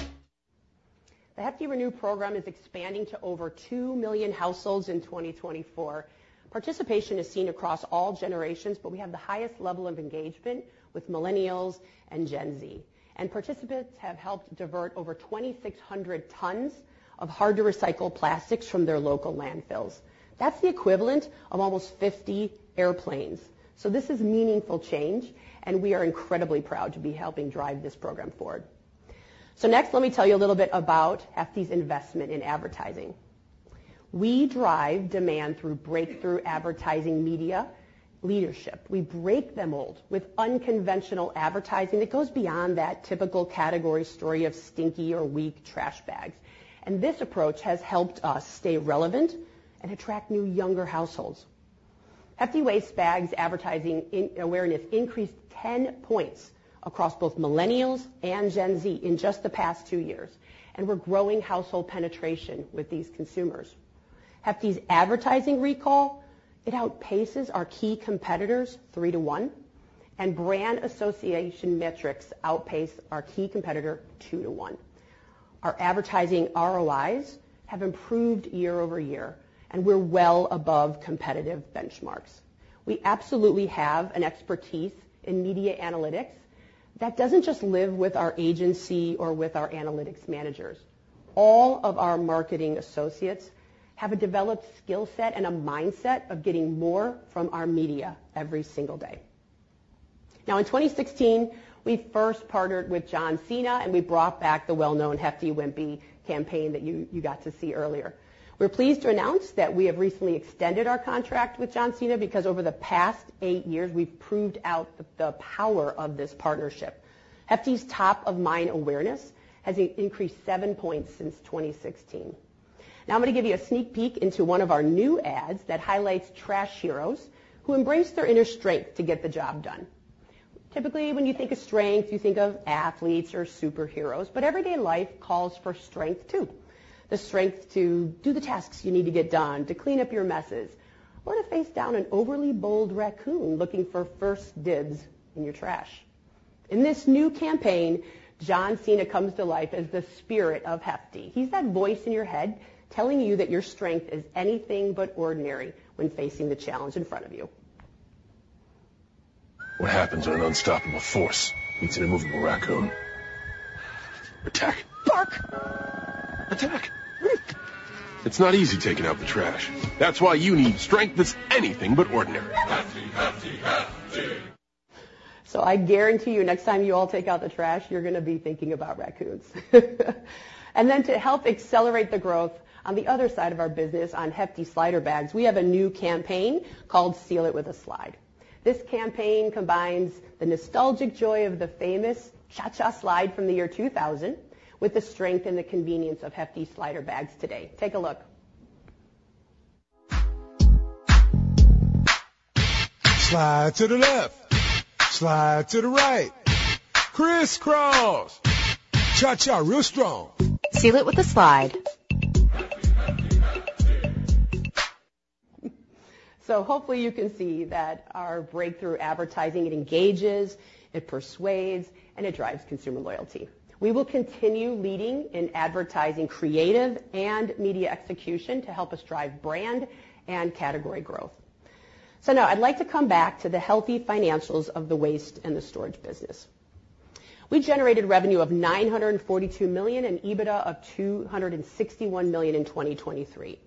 The Hefty ReNew program is expanding to over 2 million households in 2024. Participation is seen across all generations, but we have the highest level of engagement with millennials and Gen Z. Participants have helped divert over 2,600 tons of hard-to-recycle plastics from their local landfills. That's the equivalent of almost 50 airplanes. This is meaningful change, and we are incredibly proud to be helping drive this program forward. Next, let me tell you a little bit about Hefty's investment in advertising. We drive demand through breakthrough advertising media leadership. We break the mold with unconventional advertising that goes beyond that typical category story of stinky or weak trash bags. This approach has helped us stay relevant and attract new younger households. Hefty waste bags advertising awareness increased 10 points across both millennials and Gen Z in just the past two years, and we're growing household penetration with these consumers. Hefty's advertising recall. It outpaces our key competitors 3-to-1, and brand association metrics outpace our key competitor 2-to-1. Our advertising ROIs have improved year-over-year, and we're well above competitive benchmarks. We absolutely have an expertise in media analytics that doesn't just live with our agency or with our analytics managers. All of our marketing associates have a developed skill set and a mindset of getting more from our media every single day. Now, in 2016, we first partnered with John Cena, and we brought back the well-known Hefty Wimpy campaign that you got to see earlier. We're pleased to announce that we have recently extended our contract with John Cena because over the past eight years, we've proved out the power of this partnership. Hefty's top-of-mind awareness has increased seven points since 2016. Now, I'm going to give you a sneak peek into one of our new ads that highlights trash heroes who embrace their inner strength to get the job done. Typically, when you think of strength, you think of athletes or superheroes, but everyday life calls for strength too. The strength to do the tasks you need to get done, to clean up your messes, or to face down an overly bold raccoon looking for first dibs in your trash. In this new campaign, John Cena comes to life as the spirit of Hefty. He's that voice in your head telling you that your strength is anything but ordinary when facing the challenge in front of you. What happens when an unstoppable force meets an immovable raccoon? Attack. Bark! Attack! It's not easy taking out the trash. That's why you need strength that's anything but ordinary. Hefty, hefty, hefty! So I guarantee you next time you all take out the trash, you're going to be thinking about raccoons. And then to help accelerate the growth, on the other side of our business on Hefty Slider Bags, we have a new campaign called Seal It With a Slide. This campaign combines the nostalgic joy of the famous Cha-Cha Slide from the year 2000 with the strength and the convenience of Hefty Slider Bags today. Hopefully you can see that our breakthrough advertising, it engages, it persuades, and it drives consumer loyalty. We will continue leading in advertising creative and media execution to help us drive brand and category growth. Now, I'd like to come back to the healthy financials of the waste and the storage business. We generated revenue of $942 million and EBITDA of $261 million in 2023.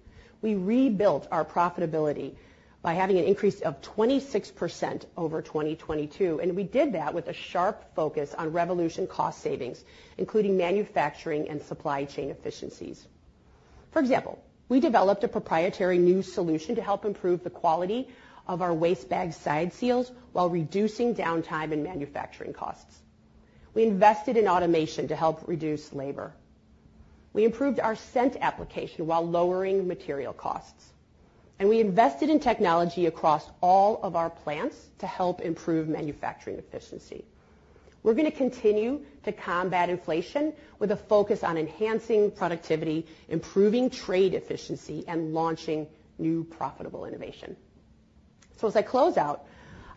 We rebuilt our profitability by having an increase of 26% over 2022, and we did that with a sharp focus on Revolution cost savings, including manufacturing and supply chain efficiencies. For example, we developed a proprietary new solution to help improve the quality of our waste bag side seals while reducing downtime and manufacturing costs. We invested in automation to help reduce labor. We improved our scent application while lowering material costs. We invested in technology across all of our plants to help improve manufacturing efficiency. We're going to continue to combat inflation with a focus on enhancing productivity, improving trade efficiency, and launching new profitable innovation. As I close out,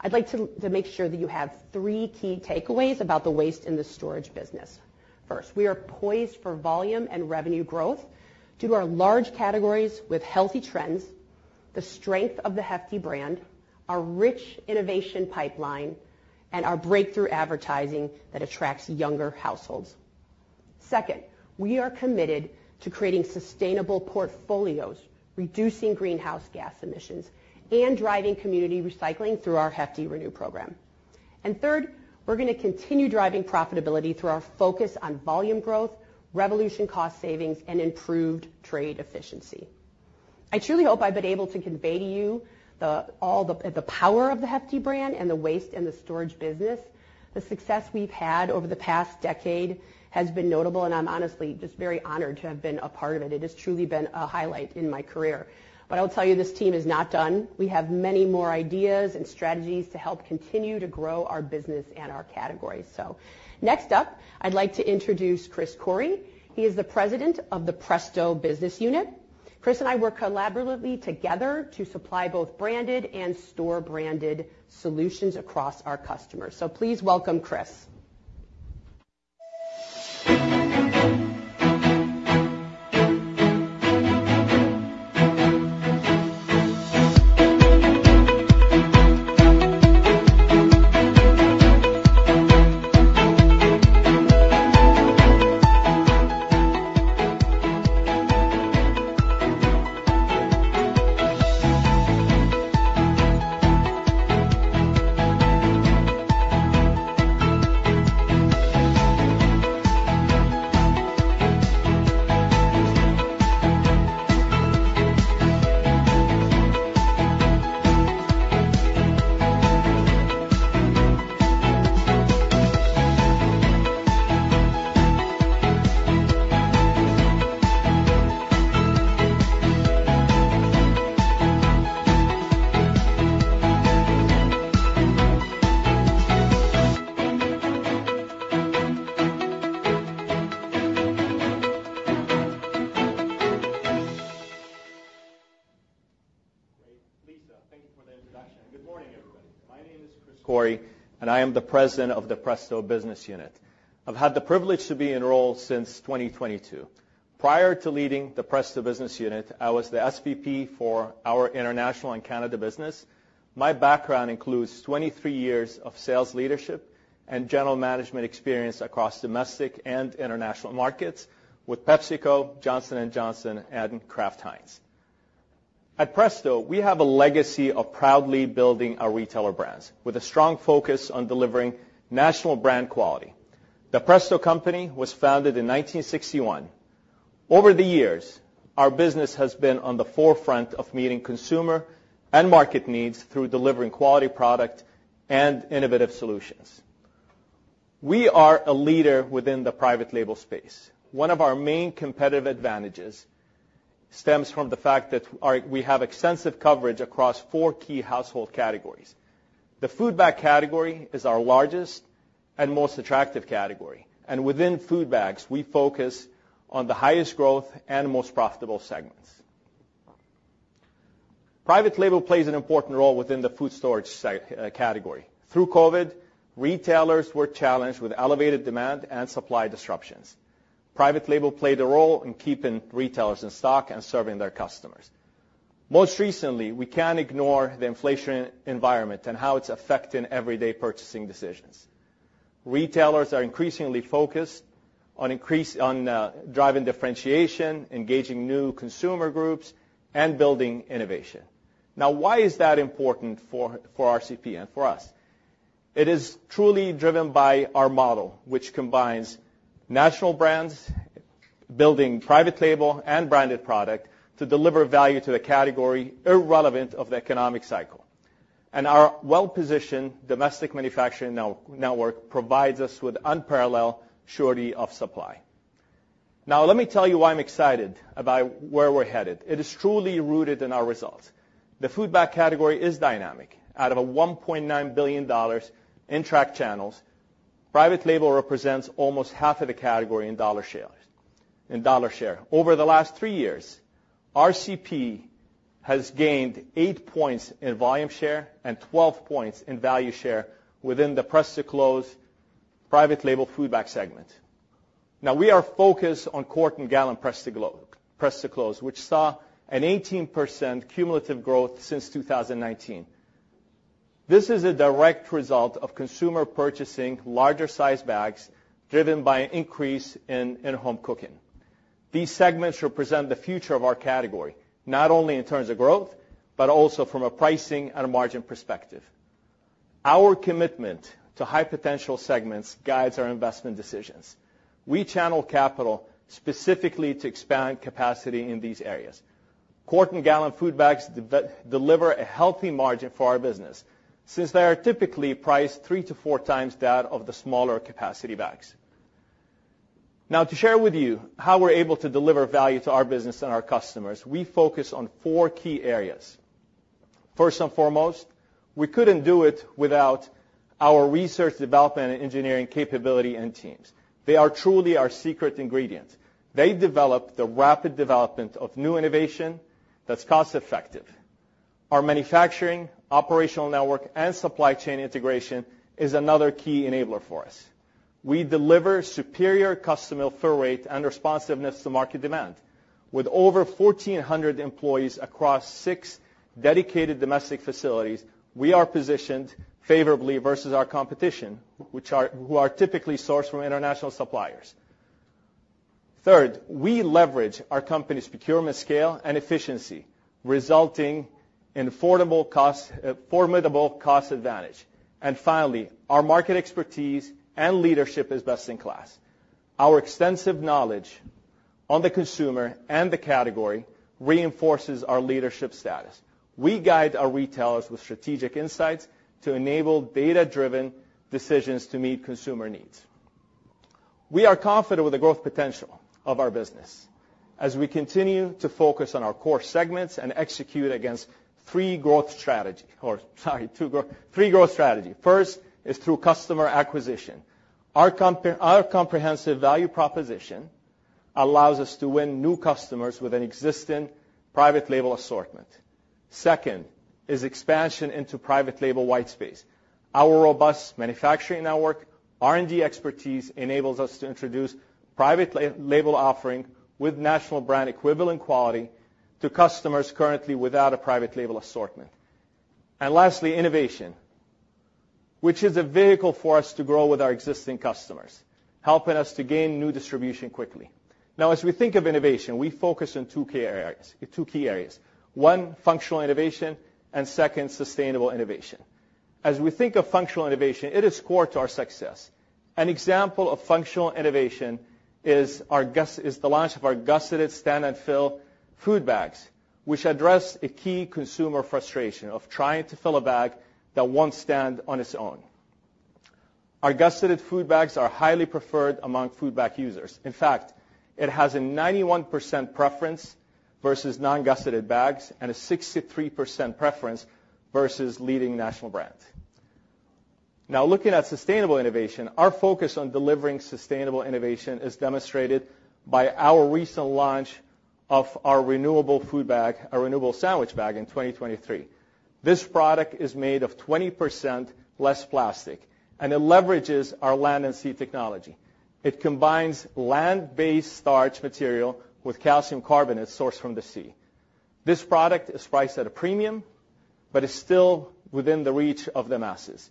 I'd like to make sure that you have three key takeaways about the waste and the storage business. First, we are poised for volume and revenue growth due to our large categories with healthy trends, the strength of the Hefty brand, our rich innovation pipeline, and our breakthrough advertising that attracts younger households. Second, we are committed to creating sustainable portfolios, reducing greenhouse gas emissions, and driving community recycling through our Hefty ReNew program. And third, we're going to continue driving profitability through our focus on volume growth, Revolution cost savings, and improved trade efficiency. I truly hope I've been able to convey to you the power of the Hefty brand and the waste and the storage business. The success we've had over the past decade has been notable, and I'm honestly just very honored to have been a part of it. It has truly been a highlight in my career. But I'll tell you, this team is not done. We have many more ideas and strategies to help continue to grow our business and our categories. So next up, I'd like to introduce Chris Corey. He is the president of the Presto Business Unit. Chris and I work collaboratively together to supply both branded and store-branded solutions across our customers. So please welcome Chris. Great. Lisa, thank you for the introduction. Good morning, everybody. My name is Chris Corey, and I am the President of the Presto Business Unit. I've had the privilege to be in role since 2022. Prior to leading the Presto Business Unit, I was the SVP for our international and Canada business. My background includes 23 years of sales leadership and general management experience across domestic and international markets with PepsiCo, Johnson & Johnson, and Kraft Heinz. At Presto, we have a legacy of proudly building our retailer brands with a strong focus on delivering national brand quality. The Presto company was founded in 1961. Over the years, our business has been on the forefront of meeting consumer and market needs through delivering quality product and innovative solutions. We are a leader within the private label space. One of our main competitive advantages stems from the fact that we have extensive coverage across four key household categories. The food bag category is our largest and most attractive category, and within food bags, we focus on the highest growth and most profitable segments. Private label plays an important role within the food storage category. Through COVID, retailers were challenged with elevated demand and supply disruptions. Private label played a role in keeping retailers in stock and serving their customers. Most recently, we can't ignore the inflation environment and how it's affecting everyday purchasing decisions. Retailers are increasingly focused on driving differentiation, engaging new consumer groups, and building innovation. Now, why is that important for RCP and for us? It is truly driven by our model, which combines national brands, building private label, and branded product to deliver value to the category irrelevant of the economic cycle. And our well-positioned domestic manufacturing network provides us with unparalleled surety of supply. Now, let me tell you why I'm excited about where we're headed. It is truly rooted in our results. The food bag category is dynamic. Out of a $1.9 billion in trade channels, private label represents almost half of the category in dollar share. Over the last three years, RCP has gained eight points in volume share and 12 points in value share within the press-to-close private label food bag segment. Now, we are focused on quart and gallon press-to-close, which saw an 18% cumulative growth since 2019. This is a direct result of consumer purchasing larger-sized bags driven by an increase in in-home cooking. These segments represent the future of our category, not only in terms of growth but also from a pricing and margin perspective. Our commitment to high-potential segments guides our investment decisions. We channel capital specifically to expand capacity in these areas. Quart and gallon food bags deliver a healthy margin for our business since they are typically priced 3x-4x that of the smaller capacity bags. Now, to share with you how we're able to deliver value to our business and our customers, we focus on four key areas. First and foremost, we couldn't do it without our research, development, and engineering capability and teams. They are truly our secret ingredients. They develop the rapid development of new innovation that's cost-effective. Our manufacturing, operational network, and supply chain integration is another key enabler for us. We deliver superior customer fill rate and responsiveness to market demand. With over 1,400 employees across six dedicated domestic facilities, we are positioned favorably versus our competition, who are typically sourced from international suppliers. Third, we leverage our company's procurement scale and efficiency, resulting in formidable cost advantage. And finally, our market expertise and leadership is best in class. Our extensive knowledge on the consumer and the category reinforces our leadership status. We guide our retailers with strategic insights to enable data-driven decisions to meet consumer needs. We are confident with the growth potential of our business as we continue to focus on our core segments and execute against three growth strategies or, sorry, three growth strategies. First is through customer acquisition. Our comprehensive value proposition allows us to win new customers with an existing private label assortment. Second is expansion into private label whitespace. Our robust manufacturing network, R&D expertise enables us to introduce private label offering with national brand equivalent quality to customers currently without a private label assortment. Lastly, innovation, which is a vehicle for us to grow with our existing customers, helping us to gain new distribution quickly. Now, as we think of innovation, we focus on two key areas: one, functional innovation, and second, sustainable innovation. As we think of functional innovation, it is core to our success. An example of functional innovation is the launch of our gusseted stand-and-fill food bags, which address a key consumer frustration of trying to fill a bag that won't stand on its own. Our gusseted food bags are highly preferred among food bag users. In fact, it has a 91% preference versus non-gusseted bags and a 63% preference versus leading national brands. Now, looking at sustainable innovation, our focus on delivering sustainable innovation is demonstrated by our recent launch of our renewable food bag, our renewable sandwich bag, in 2023. This product is made of 20% less plastic and it leverages our Land and Sea Technology. It combines land-based starch material with calcium carbonate sourced from the sea. This product is priced at a premium but is still within the reach of the masses.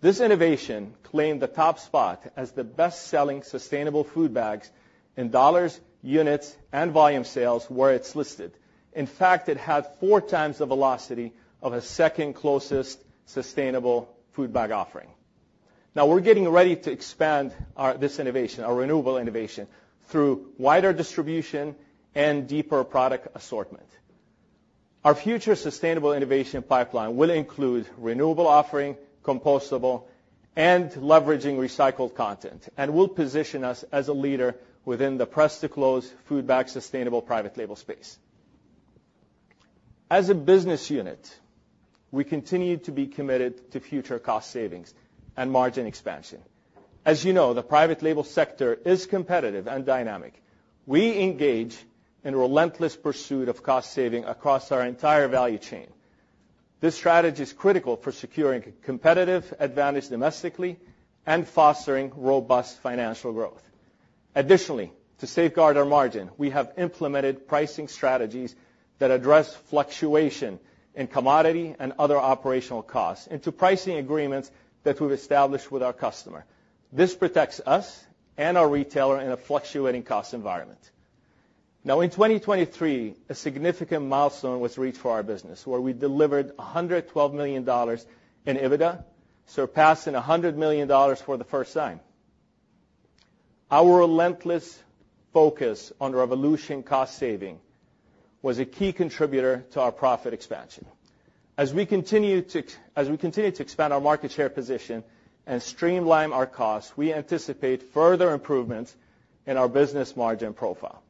This innovation claimed the top spot as the best-selling sustainable food bags in dollars, units, and volume sales where it's listed. In fact, it had 4x the velocity of the second closest sustainable food bag offering. Now, we're getting ready to expand this innovation, our renewable innovation, through wider distribution and deeper product assortment. Our future sustainable innovation pipeline will include renewable offering, compostable, and leveraging recycled content, and will position us as a leader within the Presto close food bag sustainable private label space. As a business unit, we continue to be committed to future cost savings and margin expansion. As you know, the private label sector is competitive and dynamic. We engage in a relentless pursuit of cost savings across our entire value chain. This strategy is critical for securing competitive advantage domestically and fostering robust financial growth. Additionally, to safeguard our margin, we have implemented pricing strategies that address fluctuation in commodity and other operational costs into pricing agreements that we've established with our customer. This protects us and our retailer in a fluctuating cost environment. Now, in 2023, a significant milestone was reached for our business, where we delivered $112 million in EBITDA, surpassing $100 million for the first time. Our relentless focus on Revolution cost savings was a key contributor to our profit expansion. As we continue to expand our market share position and streamline our costs, we anticipate further improvements in our business margin profile.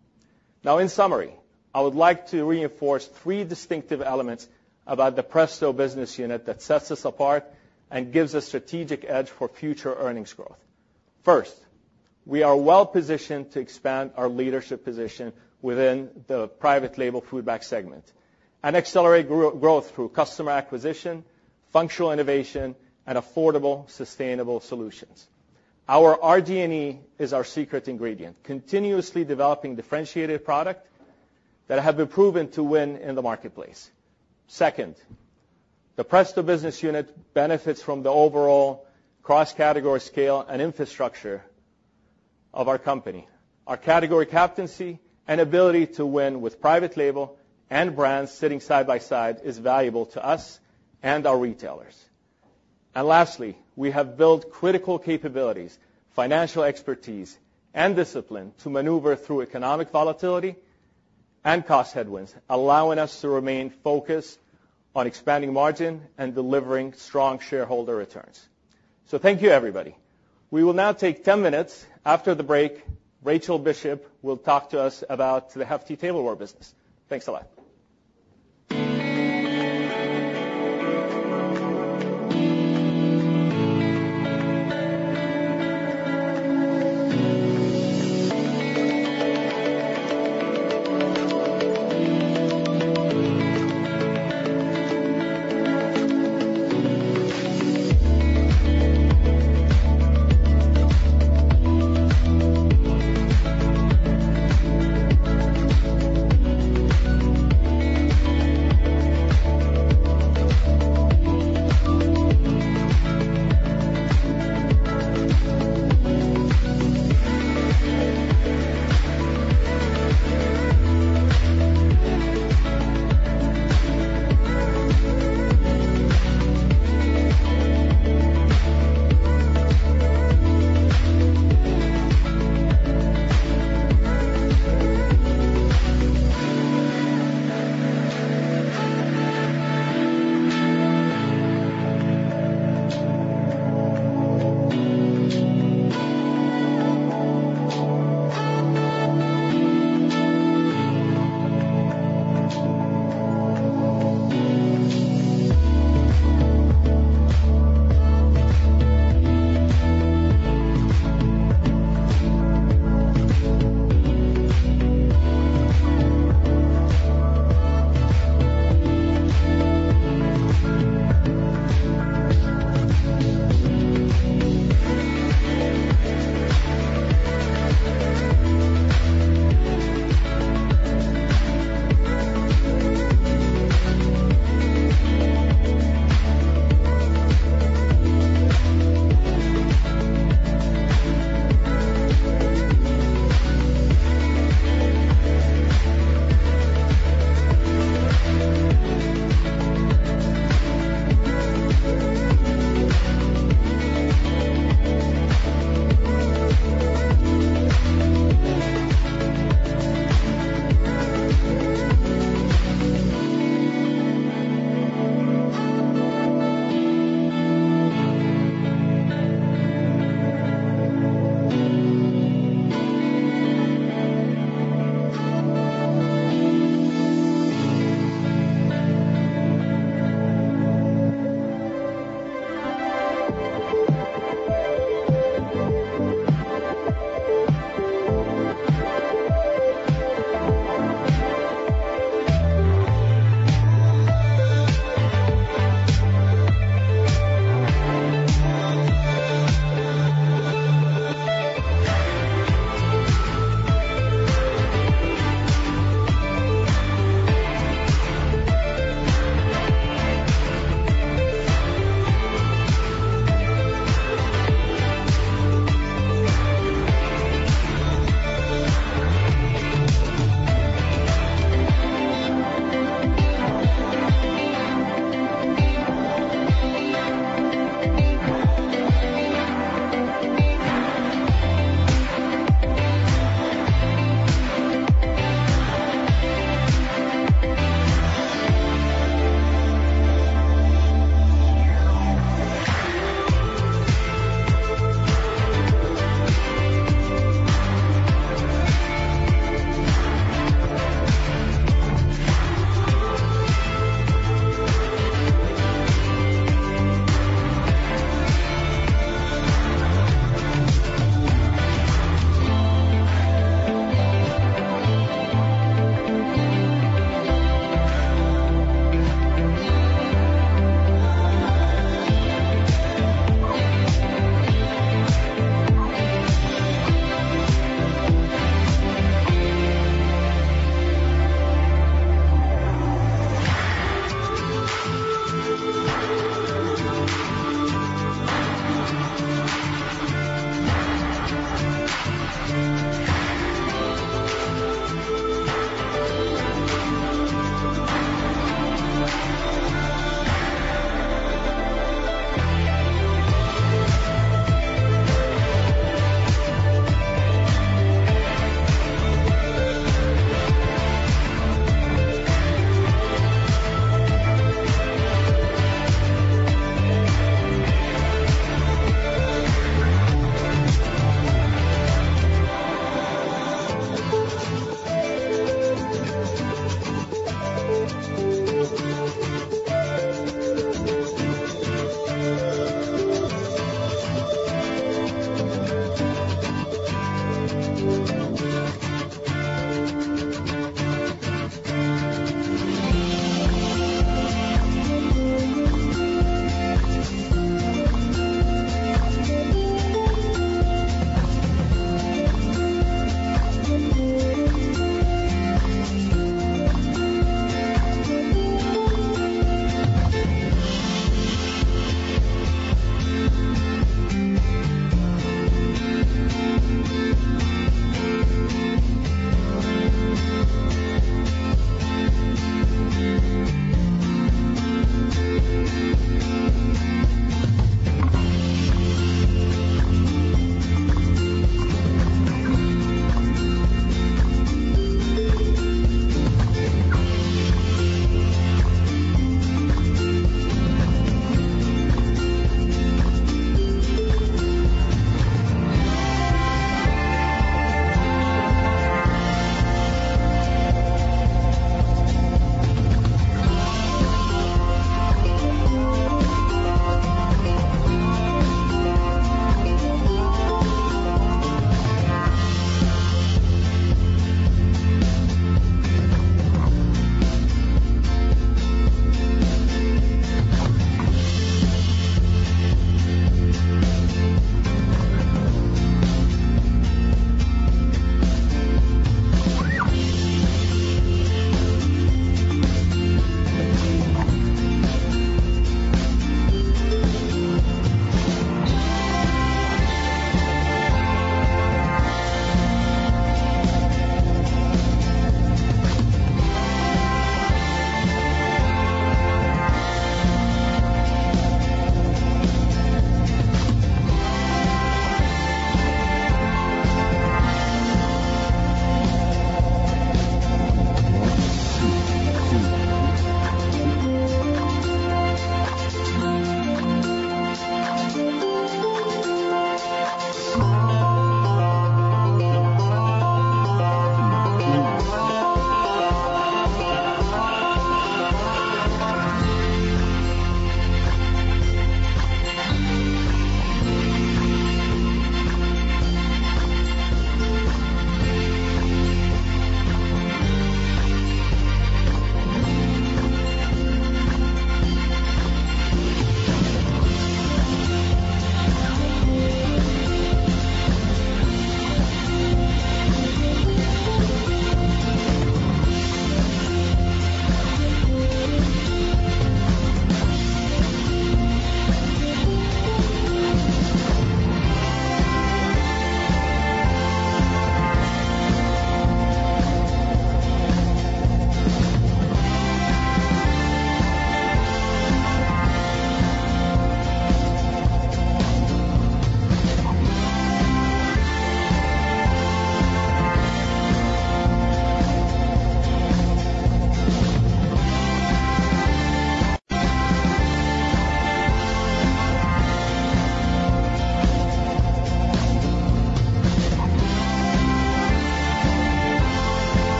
Now, in summary, I would like to reinforce three distinctive elements about the Presto Business Unit that sets us apart and gives a strategic edge for future earnings growth. First, we are well-positioned to expand our leadership position within the private label food bag segment and accelerate growth through customer acquisition, functional innovation, and affordable sustainable solutions. Our RD&E is our secret ingredient, continuously developing differentiated products that have been proven to win in the marketplace. Second, the Presto Business Unit benefits from the overall cross-category scale and infrastructure of our company. Our category captaincy and ability to win with private label and brands sitting side by side is valuable to us and our retailers. And lastly, we have built critical capabilities, financial expertise, and discipline to maneuver through economic volatility and cost headwinds, allowing us to remain focused on expanding margin and delivering strong shareholder returns. So thank you, everybody. We will now take 10 minutes. After the break, Rachel Bishop will talk to us about the Hefty tableware business. Thanks a lot.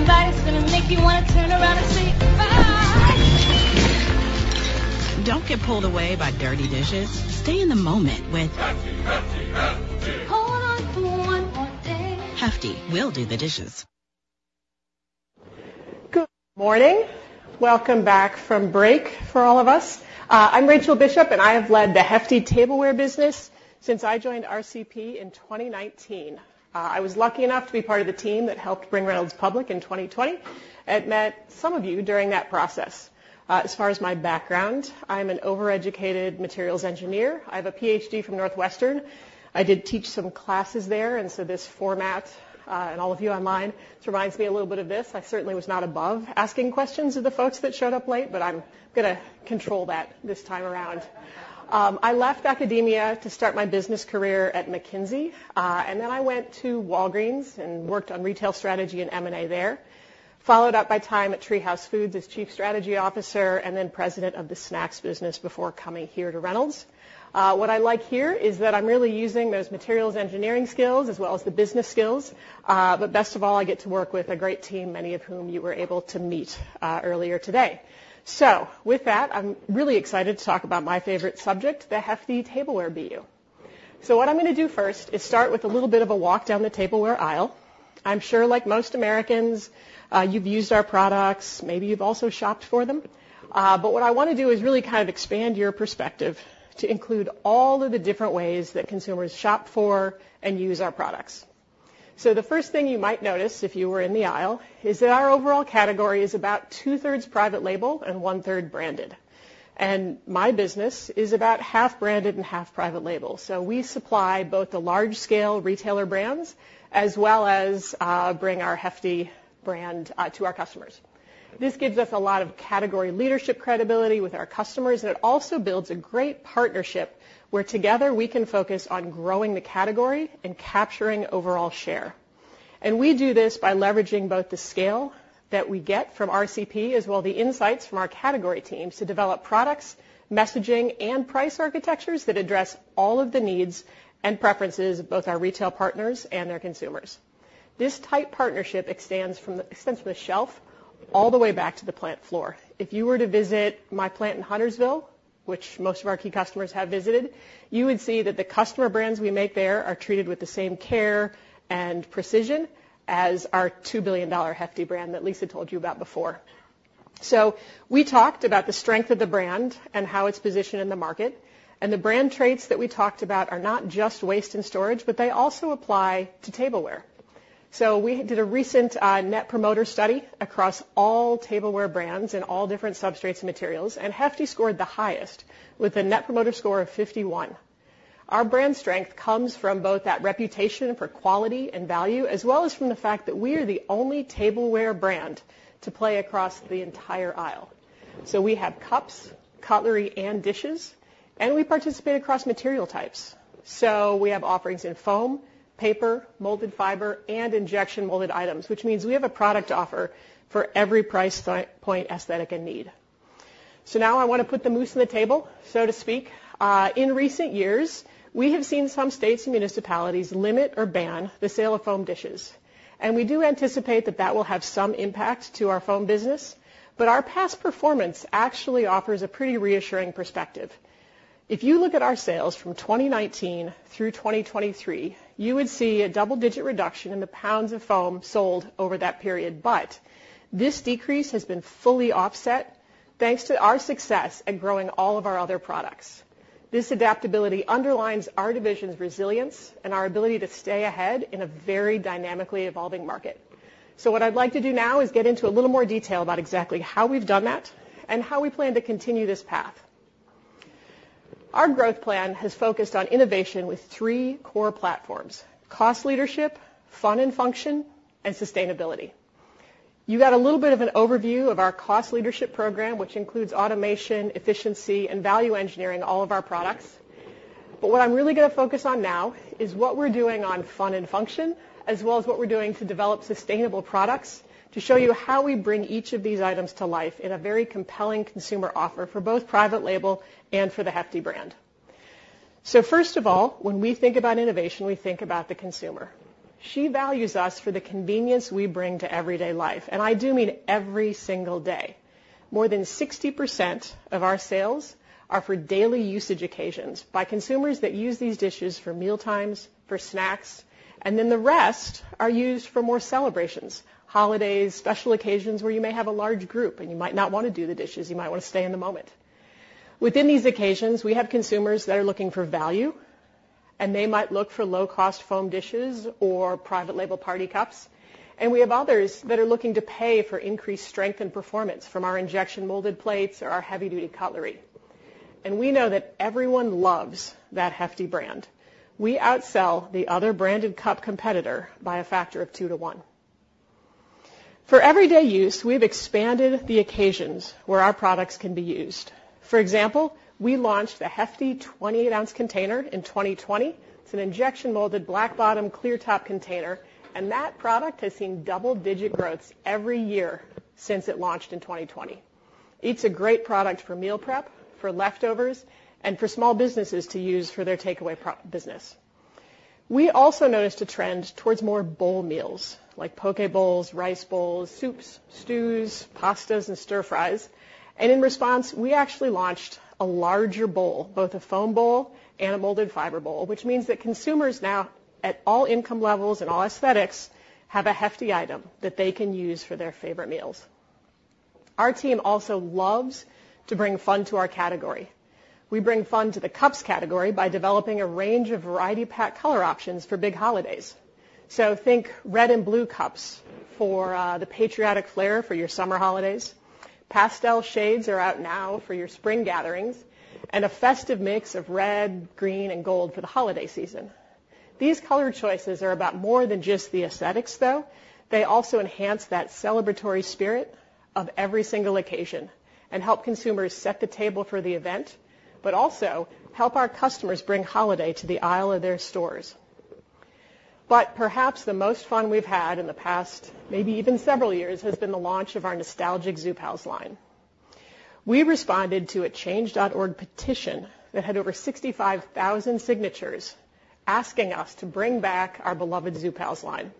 Good morning. Welcome back from break for all of us. I'm Rachel Bishop, and I have led the Hefty tableware business since I joined RCP in 2019. I was lucky enough to be part of the team that helped bring Reynolds public in 2020 and met some of you during that process. As far as my background, I'm an over-educated materials engineer. I have a PhD from Northwestern. I did teach some classes there, and so this format, and all of you online, it reminds me a little bit of this. I certainly was not above asking questions of the folks that showed up late, but I'm gonna control that this time around. I left academia to start my business career at McKinsey, and then I went to Walgreens and worked on retail strategy and M&A there, followed up by time at TreeHouse Foods as chief strategy officer and then president of the snacks business before coming here to Reynolds. What I like here is that I'm really using those materials engineering skills as well as the business skills, but best of all, I get to work with a great team, many of whom you were able to meet earlier today. So with that, I'm really excited to talk about my favorite subject, the Hefty tableware BU. So what I'm going to do first is start with a little bit of a walk down the tableware aisle. I'm sure, like most Americans, you've used our products. Maybe you've also shopped for them. But what I want to do is really kind of expand your perspective to include all of the different ways that consumers shop for and use our products. So the first thing you might notice if you were in the aisle is that our overall category is about two-thirds private label and one-third branded. And my business is about half branded and half private label. So we supply both the large-scale retailer brands as well as bring our Hefty brand to our customers. This gives us a lot of category leadership credibility with our customers, and it also builds a great partnership where together we can focus on growing the category and capturing overall share. We do this by leveraging both the scale that we get from RCP as well as the insights from our category teams to develop products, messaging, and price architectures that address all of the needs and preferences of both our retail partners and their consumers. This tight partnership extends from the shelf all the way back to the plant floor. If you were to visit my plant in Huntersville, which most of our key customers have visited, you would see that the customer brands we make there are treated with the same care and precision as our $2 billion Hefty brand that Lisa told you about before. So we talked about the strength of the brand and how it's positioned in the market, and the brand traits that we talked about are not just waste and storage, but they also apply to tableware. So we did a recent net promoter study across all tableware brands in all different substrates and materials, and Hefty scored the highest with a net promoter score of 51. Our brand strength comes from both that reputation for quality and value as well as from the fact that we are the only tableware brand to play across the entire aisle. So we have cups, cutlery, and dishes, and we participate across material types. So we have offerings in foam, paper, molded fiber, and injection molded items, which means we have a product to offer for every price point, aesthetic, and need. So now I wanna put the moose on the table, so to speak. In recent years, we have seen some states and municipalities limit or ban the sale of foam dishes. And we do anticipate that that will have some impact to our foam business, but our past performance actually offers a pretty reassuring perspective. If you look at our sales from 2019 through 2023, you would see a double-digit reduction in the pounds of foam sold over that period, but this decrease has been fully offset thanks to our success at growing all of our other products. This adaptability underlines our division's resilience and our ability to stay ahead in a very dynamically evolving market. So what I'd like to do now is get into a little more detail about exactly how we've done that and how we plan to continue this path. Our growth plan has focused on innovation with three core platforms: cost leadership, fun and function, and sustainability. You got a little bit of an overview of our cost leadership program, which includes automation, efficiency, and value engineering all of our products. But what I'm really gonna focus on now is what we're doing on fun and function as well as what we're doing to develop sustainable products to show you how we bring each of these items to life in a very compelling consumer offer for both private label and for the Hefty brand. So first of all, when we think about innovation, we think about the consumer. She values us for the convenience we bring to everyday life, and I do mean every single day. More than 60% of our sales are for daily usage occasions by consumers that use these dishes for mealtimes, for snacks, and then the rest are used for more celebrations: holidays, special occasions where you may have a large group, and you might not wanna do the dishes. You might wanna stay in the moment. Within these occasions, we have consumers that are looking for value, and they might look for low-cost foam dishes or private label party cups. We have others that are looking to pay for increased strength and performance from our injection molded plates or our heavy-duty cutlery. We know that everyone loves that Hefty brand. We outsell the other branded cup competitor by a factor of 2-to-1. For everyday use, we've expanded the occasions where our products can be used. For example, we launched the Hefty 28-ounce container in 2020. It's an injection molded black-bottom, clear-top container, and that product has seen double-digit growths every year since it launched in 2020. It's a great product for meal prep, for leftovers, and for small businesses to use for their takeaway pro business. We also noticed a trend towards more bowl meals like poke bowls, rice bowls, soups, stews, pastas, and stir-fries. And in response, we actually launched a larger bowl, both a foam bowl and a molded fiber bowl, which means that consumers now, at all income levels and all aesthetics, have a Hefty item that they can use for their favorite meals. Our team also loves to bring fun to our category. We bring fun to the cups category by developing a range of variety-packed color options for big holidays. So think red and blue cups for the patriotic flair for your summer holidays. Pastel shades are out now for your spring gatherings and a festive mix of red, green, and gold for the holiday season. These color choices are about more than just the aesthetics, though. They also enhance that celebratory spirit of every single occasion and help consumers set the table for the event but also help our customers bring holiday to the aisle of their stores. But perhaps the most fun we've had in the past, maybe even several years, has been the launch of our nostalgic Zoo Pals line. We responded to a Change.org petition that had over 65,000 signatures asking us to bring back our beloved Zoo Pals line.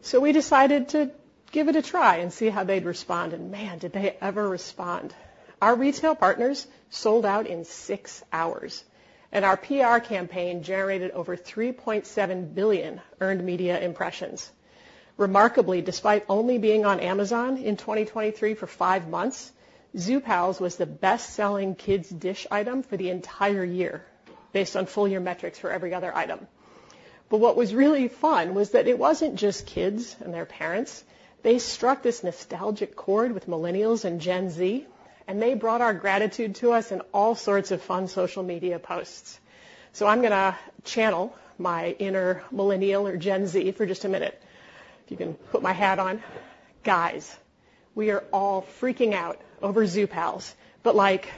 So we decided to give it a try and see how they'd respond. And man, did they ever respond? Our retail partners sold out in 6 hours, and our PR campaign generated over 3.7 billion earned media impressions. Remarkably, despite only being on Amazon in 2023 for five months, Zoo Pals was the best-selling kids' dish item for the entire year based on full-year metrics for every other item. But what was really fun was that it wasn't just kids and their parents. They struck this nostalgic chord with millennials and Gen Z, and they brought our gratitude to us in all sorts of fun social media posts. So I'm going to channel my inner millennial or Gen Z for just a minute. If you can put my hat on. Guys, we are all freaking out over Zoo Pals, but, like,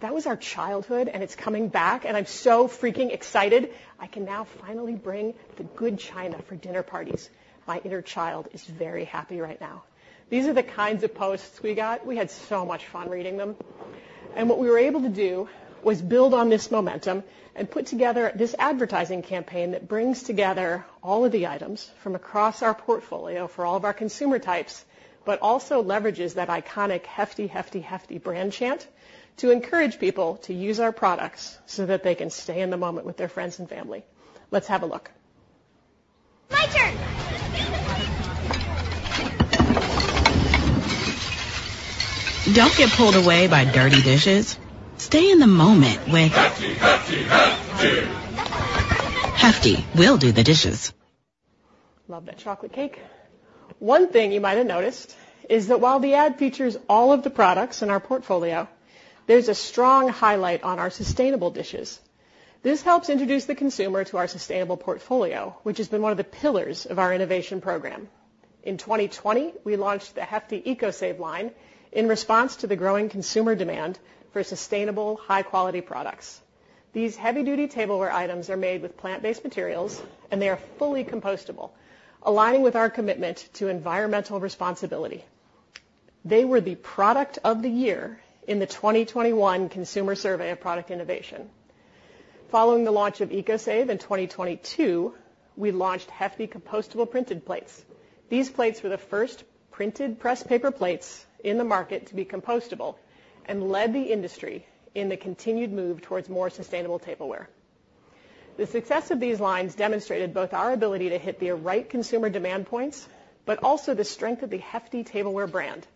that was our childhood, and it's coming back, and I'm so freaking excited. I can now finally bring the good China for dinner parties. My inner child is very happy right now. These are the kinds of posts we got. We had so much fun reading them. What we were able to do was build on this momentum and put together this advertising campaign that brings together all of the items from across our portfolio for all of our consumer types but also leverages that iconic Hefty, Hefty, Hefty brand chant to encourage people to use our products so that they can stay in the moment with their friends and family. Let's have a look. One thing you might have noticed is that while the ad features all of the products in our portfolio, there's a strong highlight on our sustainable dishes. This helps introduce the consumer to our sustainable portfolio, which has been one of the pillars of our innovation program. In 2020, we launched the Hefty EcoSave line in response to the growing consumer demand for sustainable, high-quality products. These heavy-duty tableware items are made with plant-based materials, and they are fully compostable, aligning with our commitment to environmental responsibility. They were the product of the year in the 2021 Consumer Survey of Product Innovation. Following the launch of EcoSave in 2022, we launched Hefty compostable printed plates. These plates were the first printed pressed paper plates in the market to be compostable and led the industry in the continued move towards more sustainable tableware. The success of these lines demonstrated both our ability to hit the right consumer demand points but also the strength of the Hefty tableware brand.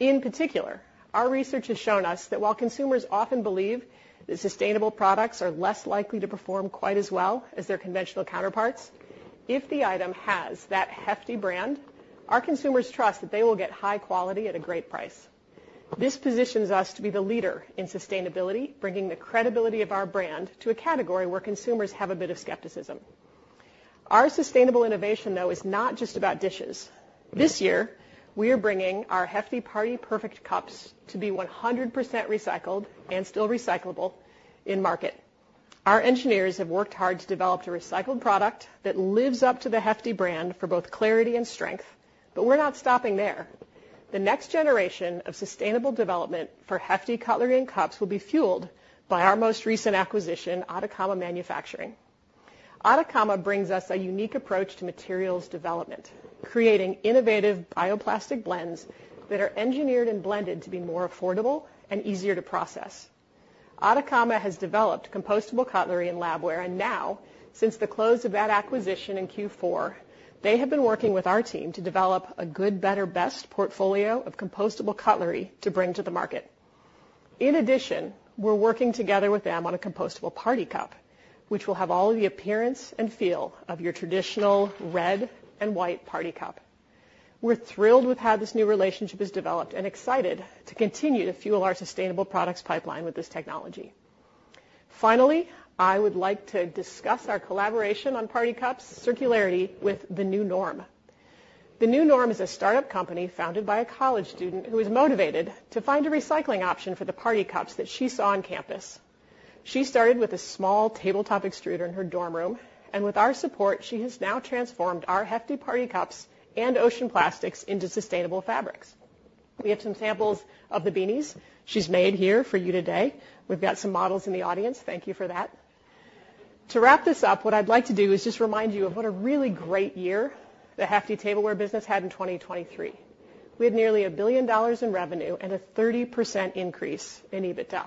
In particular, our research has shown us that while consumers often believe that sustainable products are less likely to perform quite as well as their conventional counterparts, if the item has that Hefty brand, our consumers trust that they will get high quality at a great price. This positions us to be the leader in sustainability, bringing the credibility of our brand to a category where consumers have a bit of skepticism. Our sustainable innovation, though, is not just about dishes. This year, we are bringing our Hefty Party Perfect cups to be 100% recycled and still recyclable in market. Our engineers have worked hard to develop a recycled product that lives up to the Hefty brand for both clarity and strength, but we're not stopping there. The next generation of sustainable development for Hefty cutlery and cups will be fueled by our most recent acquisition, Atacama Manufacturing. Atacama brings us a unique approach to materials development, creating innovative bioplastic blends that are engineered and blended to be more affordable and easier to process. Atacama has developed compostable cutlery and labware, and now, since the close of that acquisition in Q4, they have been working with our team to develop a good, better, best portfolio of compostable cutlery to bring to the market. In addition, we're working together with them on a compostable party cup, which will have all of the appearance and feel of your traditional red and white party cup. We're thrilled with how this new relationship has developed and excited to continue to fuel our sustainable products pipeline with this technology. Finally, I would like to discuss our collaboration on party cups' circularity with The New Norm. The New Norm is a startup company founded by a college student who is motivated to find a recycling option for the party cups that she saw on campus. She started with a small tabletop extruder in her dorm room, and with our support, she has now transformed our Hefty Party Cups and ocean plastics into sustainable fabrics. We have some samples of the beanies she's made here for you today. We've got some models in the audience. Thank you for that. To wrap this up, what I'd like to do is just remind you of what a really great year the Hefty Tableware business had in 2023. We had nearly $1 billion in revenue and a 30% increase in EBITDA.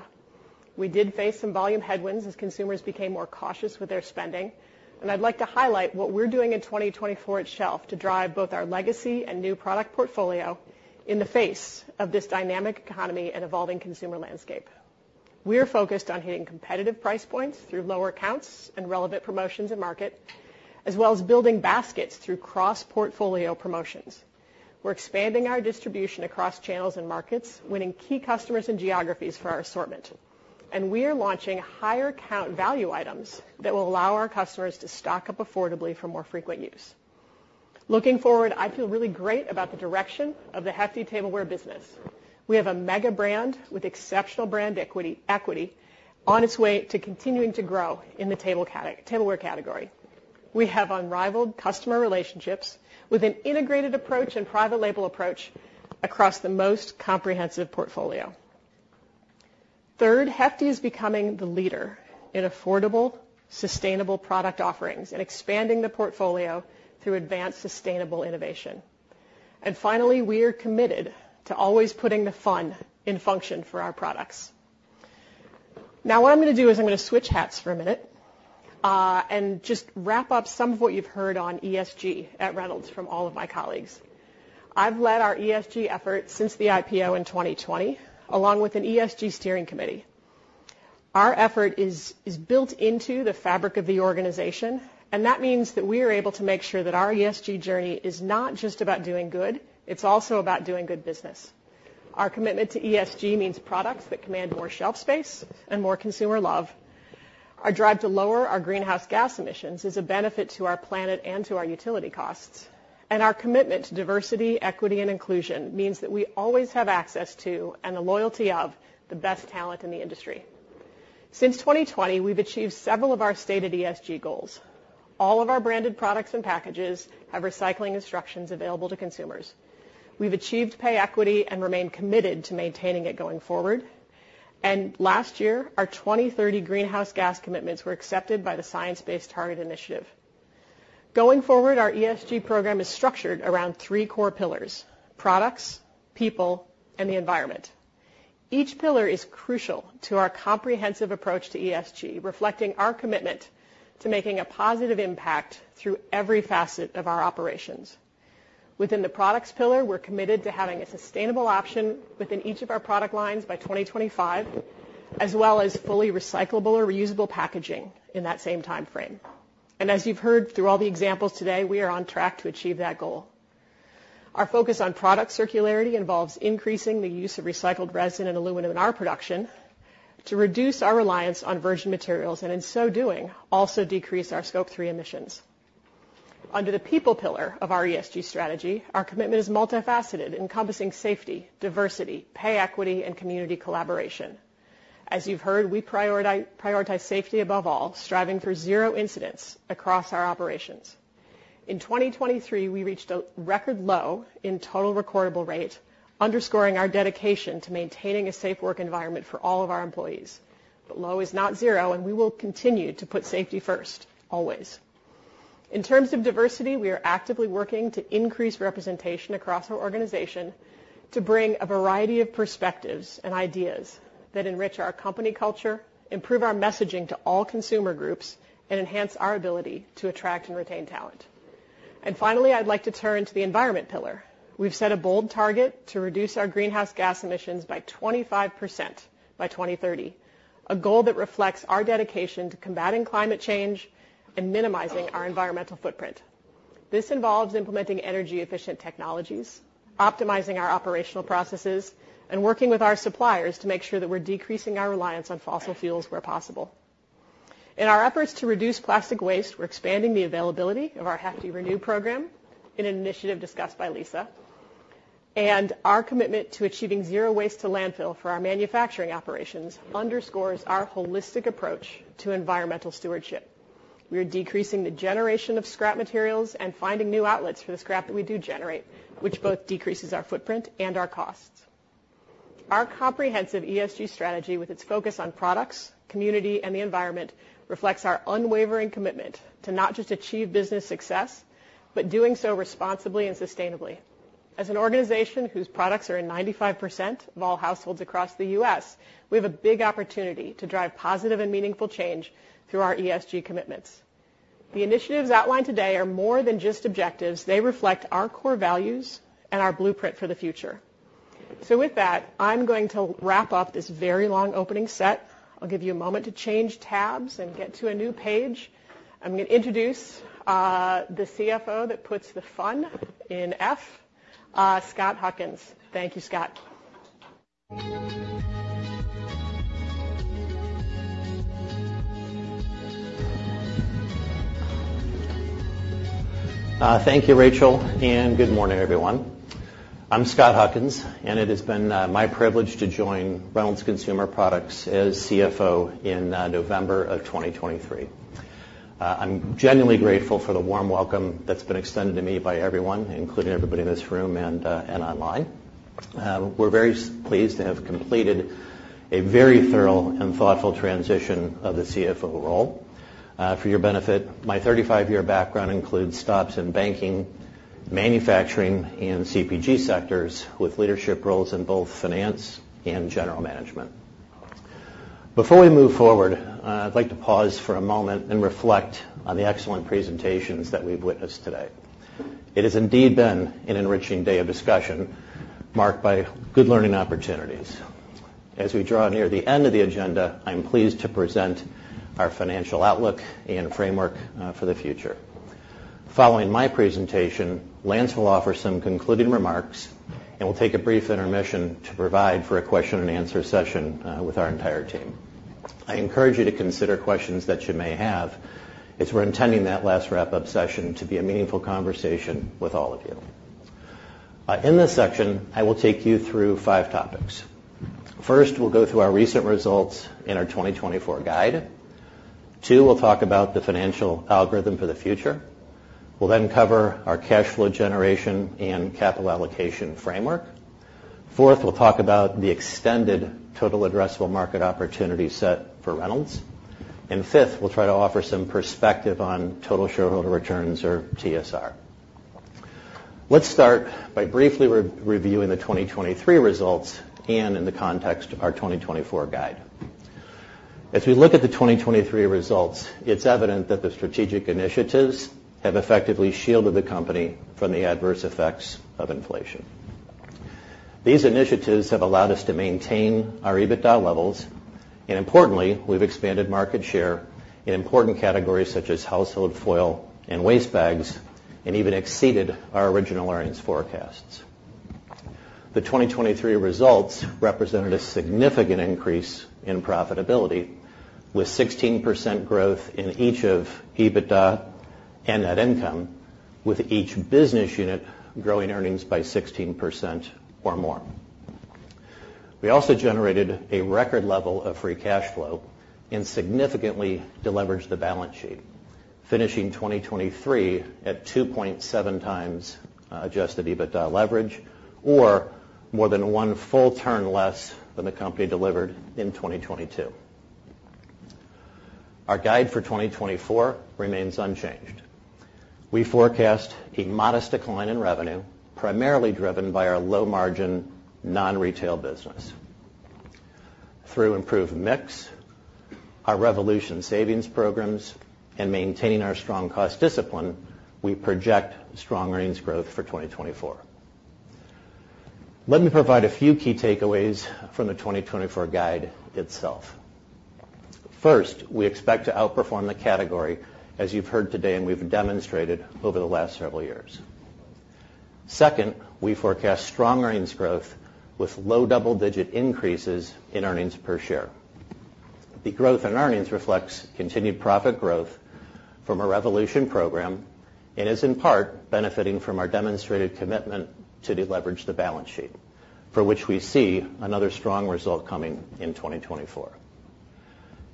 We did face some volume headwinds as consumers became more cautious with their spending, and I'd like to highlight what we're doing in 2024 itself to drive both our legacy and new product portfolio in the face of this dynamic economy and evolving consumer landscape. We are focused on hitting competitive price points through lower counts and relevant promotions in market as well as building baskets through cross-portfolio promotions. We're expanding our distribution across channels and markets, winning key customers and geographies for our assortment, and we are launching higher-count value items that will allow our customers to stock up affordably for more frequent use. Looking forward, I feel really great about the direction of the Hefty tableware business. We have a mega brand with exceptional brand equity on its way to continuing to grow in the tableware category. We have unrivaled customer relationships with an integrated approach and private label approach across the most comprehensive portfolio. Third, Hefty is becoming the leader in affordable, sustainable product offerings and expanding the portfolio through advanced sustainable innovation. And finally, we are committed to always putting the fun in function for our products. Now, what I'm gonna do is I'm gonna switch hats for a minute, and just wrap up some of what you've heard on ESG at Reynolds from all of my colleagues. I've led our ESG effort since the IPO in 2020 along with an ESG steering committee. Our effort is built into the fabric of the organization, and that means that we are able to make sure that our ESG journey is not just about doing good. It's also about doing good business. Our commitment to ESG means products that command more shelf space and more consumer love. Our drive to lower our greenhouse gas emissions is a benefit to our planet and to our utility costs, and our commitment to diversity, equity, and inclusion means that we always have access to and the loyalty of the best talent in the industry. Since 2020, we've achieved several of our stated ESG goals. All of our branded products and packages have recycling instructions available to consumers. We've achieved pay equity and remained committed to maintaining it going forward. Last year, our 2030 greenhouse gas commitments were accepted by the Science Based Targets initiative. Going forward, our ESG program is structured around three core pillars: products, people, and the environment. Each pillar is crucial to our comprehensive approach to ESG, reflecting our commitment to making a positive impact through every facet of our operations. Within the products pillar, we're committed to having a sustainable option within each of our product lines by 2025 as well as fully recyclable or reusable packaging in that same time frame. As you've heard through all the examples today, we are on track to achieve that goal. Our focus on product circularity involves increasing the use of recycled resin and aluminum in our production to reduce our reliance on virgin materials and, in so doing, also decrease our Scope 3 emissions. Under the people pillar of our ESG strategy, our commitment is multifaceted, encompassing safety, diversity, pay equity, and community collaboration. As you've heard, we prioritize safety above all, striving for zero incidents across our operations. In 2023, we reached a record low in total recordable rate, underscoring our dedication to maintaining a safe work environment for all of our employees. But low is not zero, and we will continue to put safety first, always. In terms of diversity, we are actively working to increase representation across our organization to bring a variety of perspectives and ideas that enrich our company culture, improve our messaging to all consumer groups, and enhance our ability to attract and retain talent. And finally, I'd like to turn to the environment pillar. We've set a bold target to reduce our greenhouse gas emissions by 25% by 2030, a goal that reflects our dedication to combating climate change and minimizing our environmental footprint. This involves implementing energy-efficient technologies, optimizing our operational processes, and working with our suppliers to make sure that we're decreasing our reliance on fossil fuels where possible. In our efforts to reduce plastic waste, we're expanding the availability of our Hefty ReNew program in an initiative discussed by Lisa. Our commitment to achieving zero waste to landfill for our manufacturing operations underscores our holistic approach to environmental stewardship. We are decreasing the generation of scrap materials and finding new outlets for the scrap that we do generate, which both decreases our footprint and our costs. Our comprehensive ESG strategy, with its focus on products, community, and the environment, reflects our unwavering commitment to not just achieve business success but doing so responsibly and sustainably. As an organization whose products are in 95% of all households across the U.S., we have a big opportunity to drive positive and meaningful change through our ESG commitments. The initiatives outlined today are more than just objectives. They reflect our core values and our blueprint for the future. With that, I'm going to wrap up this very long opening set. I'll give you a moment to change tabs and get to a new page. I'm gonna introduce the CFO that puts the fun in F, Scott Huckins. Thank you, Scott. Thank you, Rachel, and good morning, everyone. I'm Scott Huckins, and it has been my privilege to join Reynolds Consumer Products as CFO in November of 2023. I'm genuinely grateful for the warm welcome that's been extended to me by everyone, including everybody in this room and online. We're very pleased to have completed a very thorough and thoughtful transition of the CFO role. For your benefit, my 35-year background includes stops in banking, manufacturing, and CPG sectors with leadership roles in both finance and general management. Before we move forward, I'd like to pause for a moment and reflect on the excellent presentations that we've witnessed today. It has indeed been an enriching day of discussion marked by good learning opportunities. As we draw near the end of the agenda, I'm pleased to present our financial outlook and framework, for the future. Following my presentation, Lance will offer some concluding remarks and will take a brief intermission to provide for a question-and-answer session, with our entire team. I encourage you to consider questions that you may have, as we're intending that last wrap-up session to be a meaningful conversation with all of you. In this section, I will take you through five topics. First, we'll go through our recent results in our 2024 guide. Two, we'll talk about the financial algorithm for the future. We'll then cover our cash flow generation and capital allocation framework. Fourth, we'll talk about the extended total addressable market opportunity set for Reynolds. Fifth, we'll try to offer some perspective on total shareholder returns, or TSR. Let's start by briefly reviewing the 2023 results and in the context of our 2024 guide. As we look at the 2023 results, it's evident that the strategic initiatives have effectively shielded the company from the adverse effects of inflation. These initiatives have allowed us to maintain our EBITDA levels, and importantly, we've expanded market share in important categories such as household foil and waste bags and even exceeded our original earnings forecasts. The 2023 results represented a significant increase in profitability with 16% growth in each of EBITDA and net income, with each business unit growing earnings by 16% or more. We also generated a record level of free cash flow and significantly deleveraged the balance sheet, finishing 2023 at 2.7x Adjusted EBITDA leverage, or more than one full turn less than the company delivered in 2022. Our guide for 2024 remains unchanged. We forecast a modest decline in revenue, primarily driven by our low-margin non-retail business. Through improved mix, our Revolution savings programs, and maintaining our strong cost discipline, we project strong earnings growth for 2024. Let me provide a few key takeaways from the 2024 guide itself. First, we expect to outperform the category, as you've heard today and we've demonstrated over the last several years. Second, we forecast strong earnings growth with low double-digit increases in earnings per share. The growth in earnings reflects continued profit growth from our Revolution program and is in part benefiting from our demonstrated commitment to deleverage the balance sheet, for which we see another strong result coming in 2024.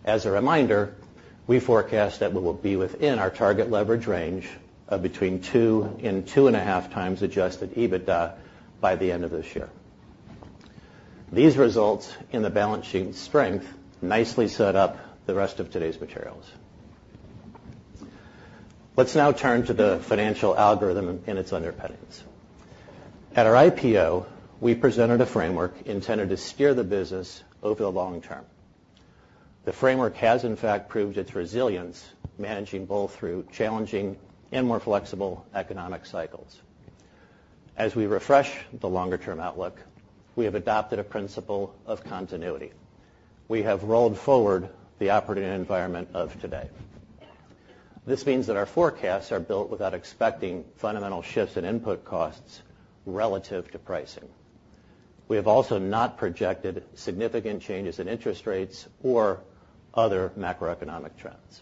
As a reminder, we forecast that we will be within our target leverage range of between 2x and 2.5x Adjusted EBITDA by the end of this year. These results in the balance sheet's strength nicely set up the rest of today's materials. Let's now turn to the financial algorithm and its underpinnings. At our IPO, we presented a framework intended to steer the business over the long term. The framework has, in fact, proved its resilience managing both through challenging and more flexible economic cycles. As we refresh the longer-term outlook, we have adopted a principle of continuity. We have rolled forward the operating environment of today. This means that our forecasts are built without expecting fundamental shifts in input costs relative to pricing. We have also not projected significant changes in interest rates or other macroeconomic trends.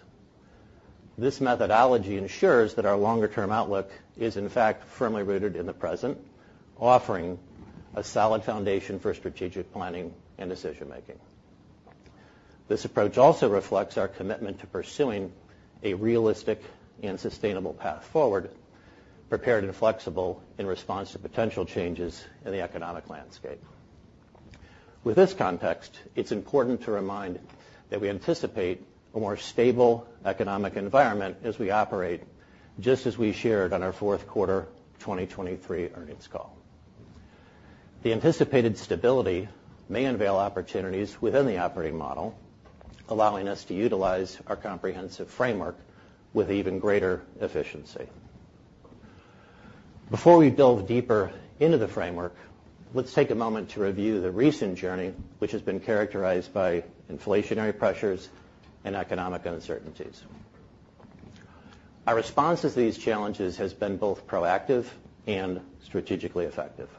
This methodology ensures that our longer-term outlook is, in fact, firmly rooted in the present, offering a solid foundation for strategic planning and decision-making. This approach also reflects our commitment to pursuing a realistic and sustainable path forward, prepared and flexible in response to potential changes in the economic landscape. With this context, it's important to remind that we anticipate a more stable economic environment as we operate, just as we shared on our fourth-quarter 2023 earnings call. The anticipated stability may unveil opportunities within the operating model, allowing us to utilize our comprehensive framework with even greater efficiency. Before we delve deeper into the framework, let's take a moment to review the recent journey, which has been characterized by inflationary pressures and economic uncertainties. Our response to these challenges has been both proactive and strategically effective.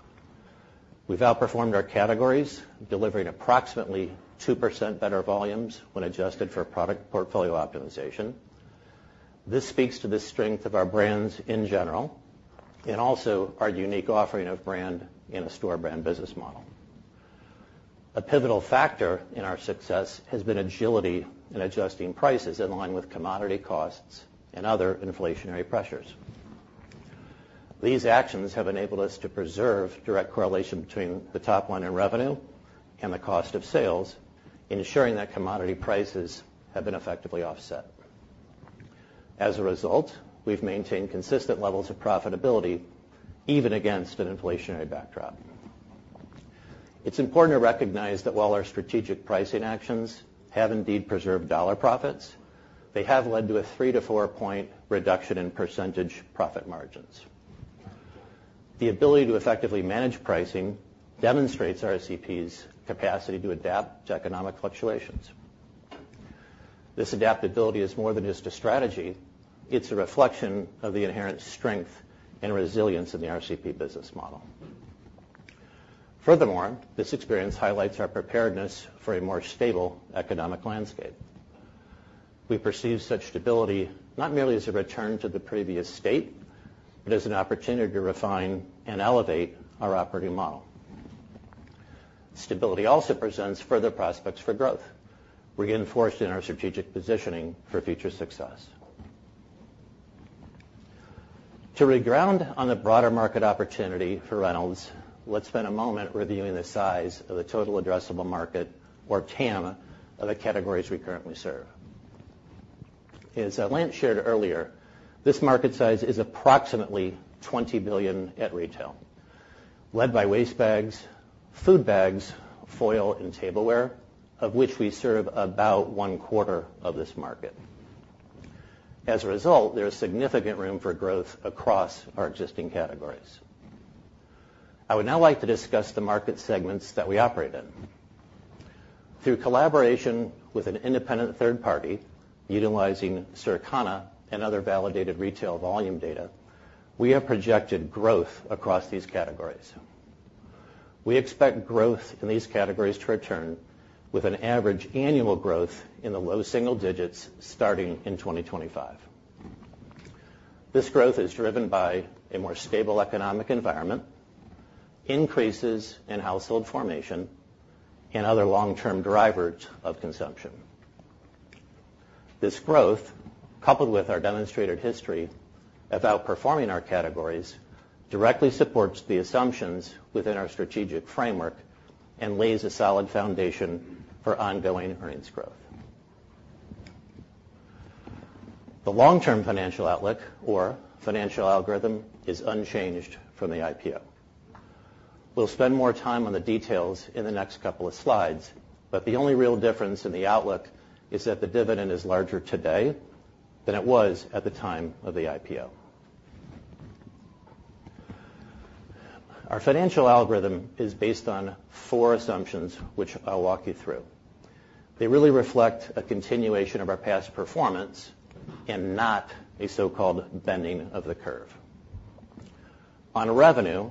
We've outperformed our categories, delivering approximately 2% better volumes when adjusted for product portfolio optimization. This speaks to the strength of our brands in general and also our unique offering of brand and a store brand business model. A pivotal factor in our success has been agility in adjusting prices in line with commodity costs and other inflationary pressures. These actions have enabled us to preserve direct correlation between the top line in revenue and the cost of sales, ensuring that commodity prices have been effectively offset. As a result, we've maintained consistent levels of profitability even against an inflationary backdrop. It's important to recognize that while our strategic pricing actions have indeed preserved dollar profits, they have led to a 3-4-point reduction in percentage profit margins. The ability to effectively manage pricing demonstrates RCP's capacity to adapt to economic fluctuations. This adaptability is more than just a strategy. It's a reflection of the inherent strength and resilience in the RCP business model. Furthermore, this experience highlights our preparedness for a more stable economic landscape. We perceive such stability not merely as a return to the previous state but as an opportunity to refine and elevate our operating model. Stability also presents further prospects for growth, reinforced in our strategic positioning for future success. To reground on the broader market opportunity for Reynolds, let's spend a moment reviewing the size of the total addressable market, or TAM, of the categories we currently serve. As Lance shared earlier, this market size is approximately $20 billion at retail, led by waste bags, food bags, foil, and tableware, of which we serve about one-quarter of this market. As a result, there is significant room for growth across our existing categories. I would now like to discuss the market segments that we operate in. Through collaboration with an independent third party, utilizing Circana and other validated retail volume data, we have projected growth across these categories. We expect growth in these categories to return with an average annual growth in the low single digits starting in 2025. This growth is driven by a more stable economic environment, increases in household formation, and other long-term drivers of consumption. This growth, coupled with our demonstrated history of outperforming our categories, directly supports the assumptions within our strategic framework and lays a solid foundation for ongoing earnings growth. The long-term financial outlook, or financial algorithm, is unchanged from the IPO. We'll spend more time on the details in the next couple of slides, but the only real difference in the outlook is that the dividend is larger today than it was at the time of the IPO. Our financial algorithm is based on four assumptions, which I'll walk you through. They really reflect a continuation of our past performance and not a so-called bending of the curve. On revenue,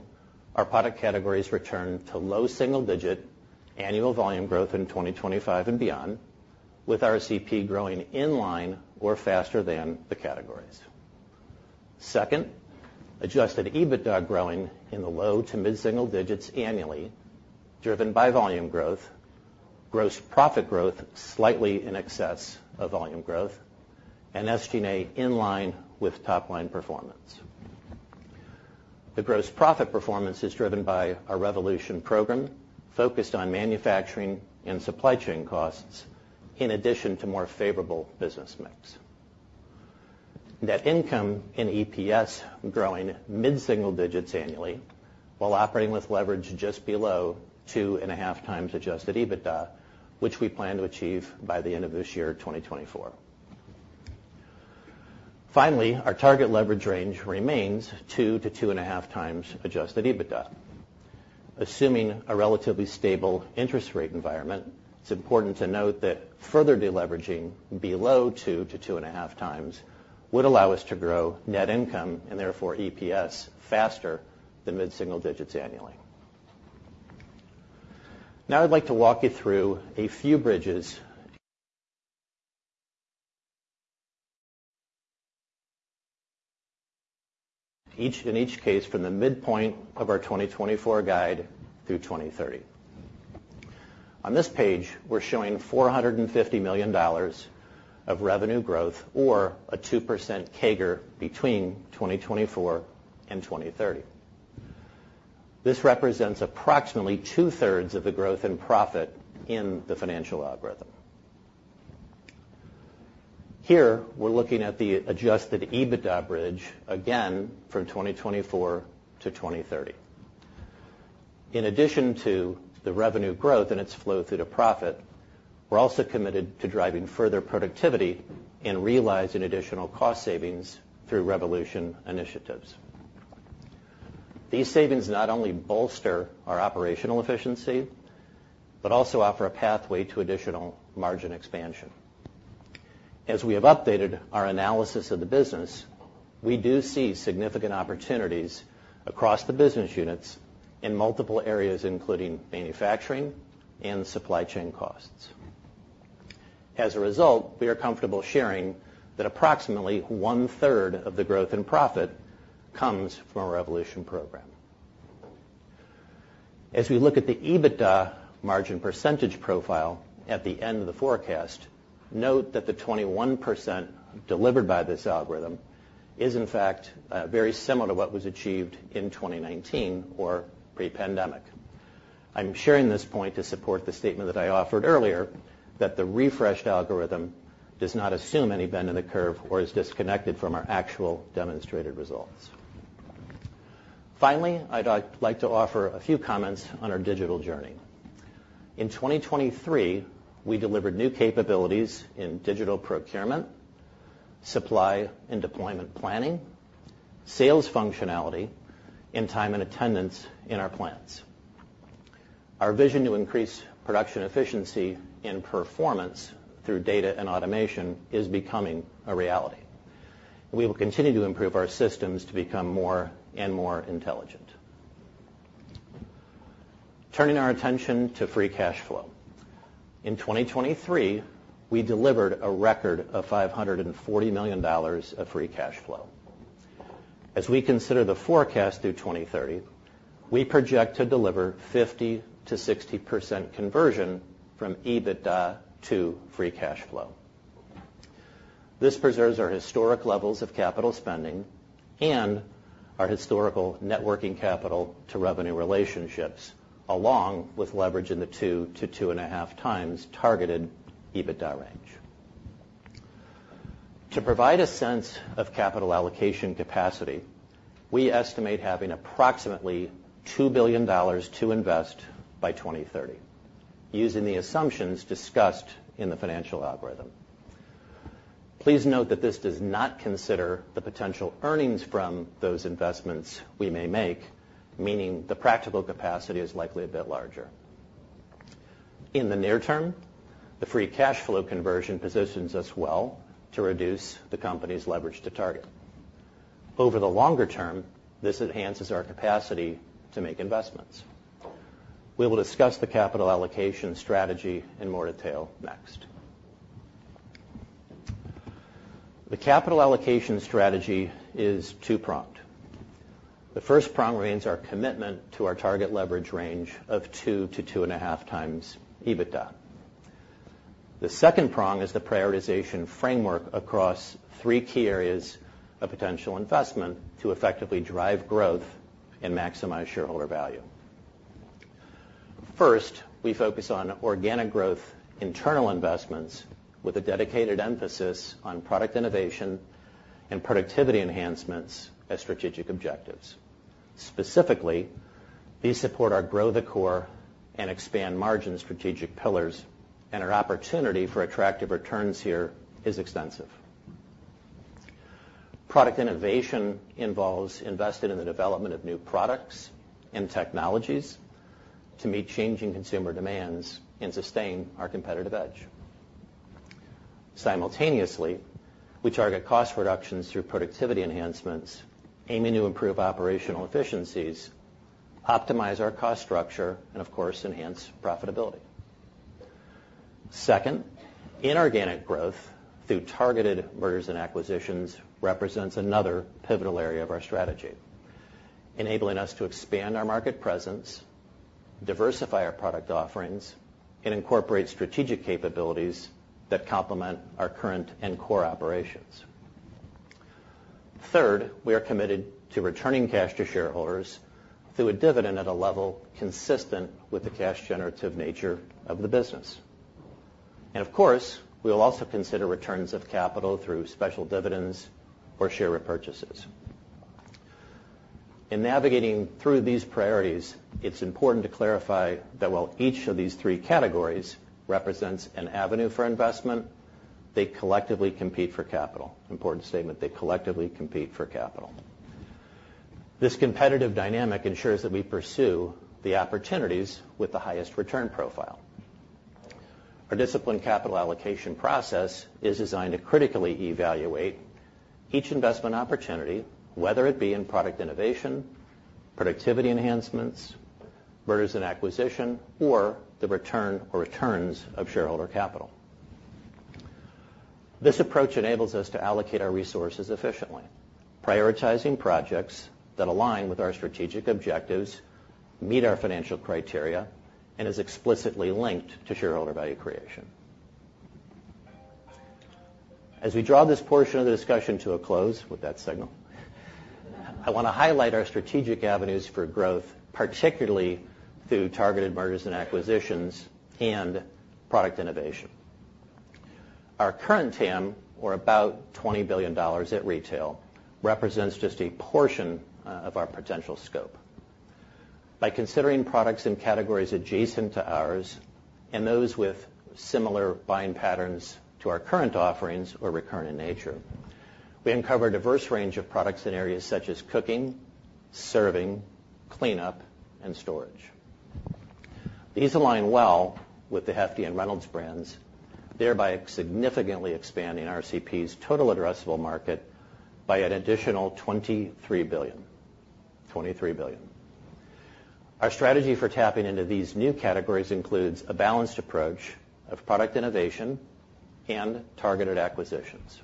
our product categories return to low single-digit annual volume growth in 2025 and beyond, with RCP growing in line or faster than the categories. Second, Adjusted EBITDA growing in the low to mid-single digits annually, driven by volume growth, gross profit growth slightly in excess of volume growth, and SG&A in line with top-line performance. The gross profit performance is driven by our Revolution program focused on manufacturing and supply chain costs in addition to more favorable business mix. Net income and EPS growing mid-single digits annually while operating with leverage just below 2.5x Adjusted EBITDA, which we plan to achieve by the end of this year, 2024. Finally, our target leverage range remains 2x-2.5x Adjusted EBITDA. Assuming a relatively stable interest rate environment, it's important to note that further deleveraging below 2x-2.5x would allow us to grow net income and, therefore, EPS faster than mid-single digits annually. Now, I'd like to walk you through a few bridges each in each case from the midpoint of our 2024 guide through 2030. On this page, we're showing $450 million of revenue growth, or a 2% CAGR, between 2024 and 2030. This represents approximately two-thirds of the growth in profit in the financial algorithm. Here, we're looking at the Adjusted EBITDA bridge, again, from 2024 to 2030. In addition to the revenue growth and its flow through to profit, we're also committed to driving further productivity and realizing additional cost savings through Revolution initiatives. These savings not only bolster our operational efficiency but also offer a pathway to additional margin expansion. As we have updated our analysis of the business, we do see significant opportunities across the business units in multiple areas, including manufacturing and supply chain costs. As a result, we are comfortable sharing that approximately one-third of the growth in profit comes from our Revolution program. As we look at the EBITDA margin percentage profile at the end of the forecast, note that the 21% delivered by this algorithm is, in fact, very similar to what was achieved in 2019, or pre-pandemic. I'm sharing this point to support the statement that I offered earlier, that the refreshed algorithm does not assume any bend in the curve or is disconnected from our actual demonstrated results. Finally, I'd like to offer a few comments on our digital journey. In 2023, we delivered new capabilities in digital procurement, supply and deployment planning, sales functionality, and time and attendance in our plants. Our vision to increase production efficiency and performance through data and automation is becoming a reality, and we will continue to improve our systems to become more and more intelligent. Turning our attention to free cash flow. In 2023, we delivered a record of $540 million of free cash flow. As we consider the forecast through 2030, we project to deliver 50%-60% conversion from EBITDA to free cash flow. This preserves our historic levels of capital spending and our historical net working capital-to-revenue relationships, along with leverage in the 2x-2.5 times targeted EBITDA range. To provide a sense of capital allocation capacity, we estimate having approximately $2 billion to invest by 2030, using the assumptions discussed in the financial appendix. Please note that this does not consider the potential earnings from those investments we may make, meaning the practical capacity is likely a bit larger. In the near term, the free cash flow conversion positions us well to reduce the company's leverage to target. Over the longer term, this enhances our capacity to make investments. We will discuss the capital allocation strategy in more detail next. The capital allocation strategy is two-pronged. The first prong remains our commitment to our target leverage range of 2x-2.5x EBITDA. The second prong is the prioritization framework across three key areas of potential investment to effectively drive growth and maximize shareholder value. First, we focus on organic growth internal investments with a dedicated emphasis on product innovation and productivity enhancements as strategic objectives. Specifically, these support our Grow the Core and Expand Margin strategic pillars, and our opportunity for attractive returns here is extensive. Product innovation involves investing in the development of new products and technologies to meet changing consumer demands and sustain our competitive edge. Simultaneously, we target cost reductions through productivity enhancements, aiming to improve operational efficiencies, optimize our cost structure, and, of course, enhance profitability. Second, inorganic growth through targeted mergers and acquisitions represents another pivotal area of our strategy, enabling us to expand our market presence, diversify our product offerings, and incorporate strategic capabilities that complement our current and core operations. Third, we are committed to returning cash to shareholders through a dividend at a level consistent with the cash-generative nature of the business. And, of course, we will also consider returns of capital through special dividends or share repurchases. In navigating through these priorities, it's important to clarify that while each of these three categories represents an avenue for investment, they collectively compete for capital. Important statement: they collectively compete for capital. This competitive dynamic ensures that we pursue the opportunities with the highest return profile. Our disciplined capital allocation process is designed to critically evaluate each investment opportunity, whether it be in product innovation, productivity enhancements, mergers and acquisition, or the return or returns of shareholder capital. This approach enables us to allocate our resources efficiently, prioritizing projects that align with our strategic objectives, meet our financial criteria, and is explicitly linked to shareholder value creation. As we draw this portion of the discussion to a close with that signal, I wanna highlight our strategic avenues for growth, particularly through targeted mergers and acquisitions and product innovation. Our current TAM, or about $20 billion at retail, represents just a portion of our potential scope. By considering products and categories adjacent to ours and those with similar buying patterns to our current offerings or recurrent in nature, we uncover a diverse range of products in areas such as cooking, serving, cleanup, and storage. These align well with the Hefty and Reynolds brands, thereby significantly expanding RCP's total addressable market by an additional $23 billion. $23 billion. Our strategy for tapping into these new categories includes a balanced approach of product innovation and targeted acquisitions.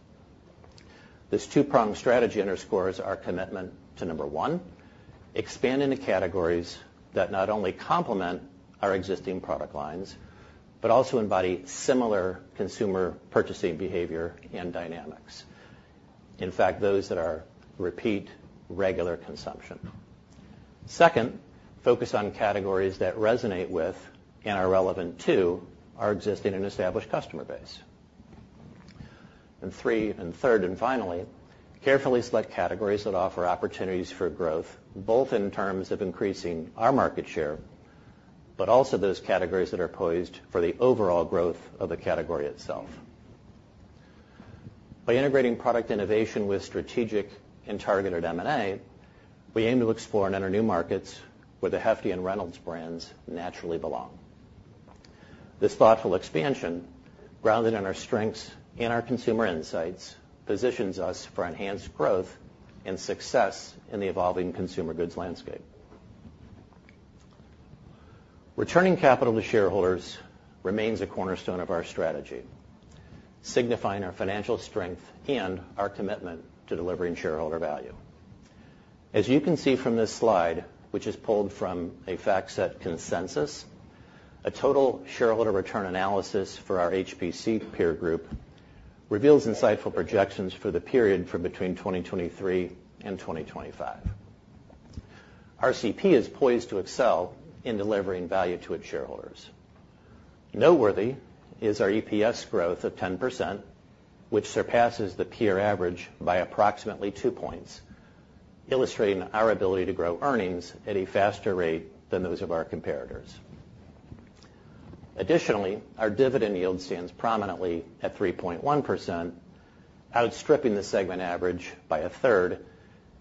This two-pronged strategy underscores our commitment to, number one, expanding to categories that not only complement our existing product lines but also embody similar consumer purchasing behavior and dynamics. In fact, those that are repeat, regular consumption. Second, focus on categories that resonate with and are relevant to our existing and established customer base. And three, and third, and finally, carefully select categories that offer opportunities for growth, both in terms of increasing our market share but also those categories that are poised for the overall growth of the category itself. By integrating product innovation with strategic and targeted M&A, we aim to explore and enter new markets where the Hefty and Reynolds brands naturally belong. This thoughtful expansion, grounded in our strengths and our consumer insights, positions us for enhanced growth and success in the evolving consumer goods landscape. Returning capital to shareholders remains a cornerstone of our strategy, signifying our financial strength and our commitment to delivering shareholder value. As you can see from this slide, which is pulled from a FactSet consensus, a total shareholder return analysis for our HPC peer group reveals insightful projections for the period from between 2023 and 2025. RCP is poised to excel in delivering value to its shareholders. Noteworthy is our EPS growth of 10%, which surpasses the peer average by approximately two points, illustrating our ability to grow earnings at a faster rate than those of our competitors. Additionally, our dividend yield stands prominently at 3.1%, outstripping the segment average by a third,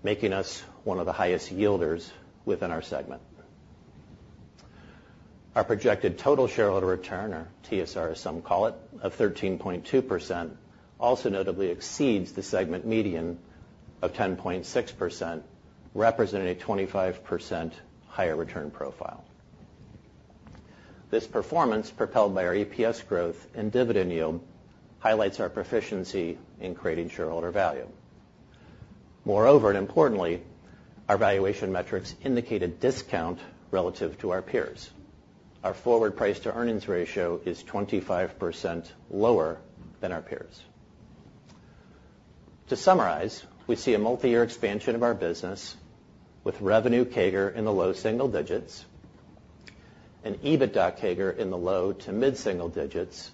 making us one of the highest yielders within our segment. Our projected total shareholder return, or TSR as some call it, of 13.2% also notably exceeds the segment median of 10.6%, representing a 25% higher return profile. This performance, propelled by our EPS growth and dividend yield, highlights our proficiency in creating shareholder value. Moreover, and importantly, our valuation metrics indicate a discount relative to our peers. Our forward price-to-earnings ratio is 25% lower than our peers. To summarize, we see a multiyear expansion of our business with revenue CAGR in the low single digits, an EBITDA CAGR in the low to mid-single digits,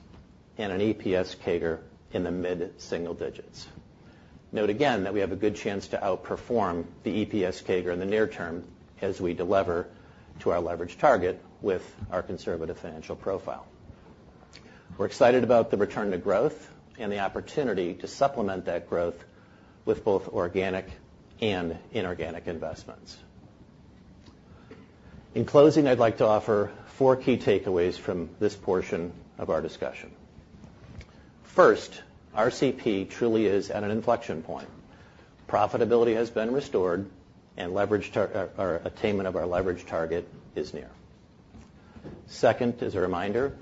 and an EPS CAGR in the mid-single digits. Note again that we have a good chance to outperform the EPS CAGR in the near term as we deliver to our leverage target with our conservative financial profile. We're excited about the return to growth and the opportunity to supplement that growth with both organic and inorganic investments. In closing, I'd like to offer four key takeaways from this portion of our discussion. First, RCP truly is at an inflection point. Profitability has been restored, and leverage target, our attainment of our leverage target is near. Second, as a reminder,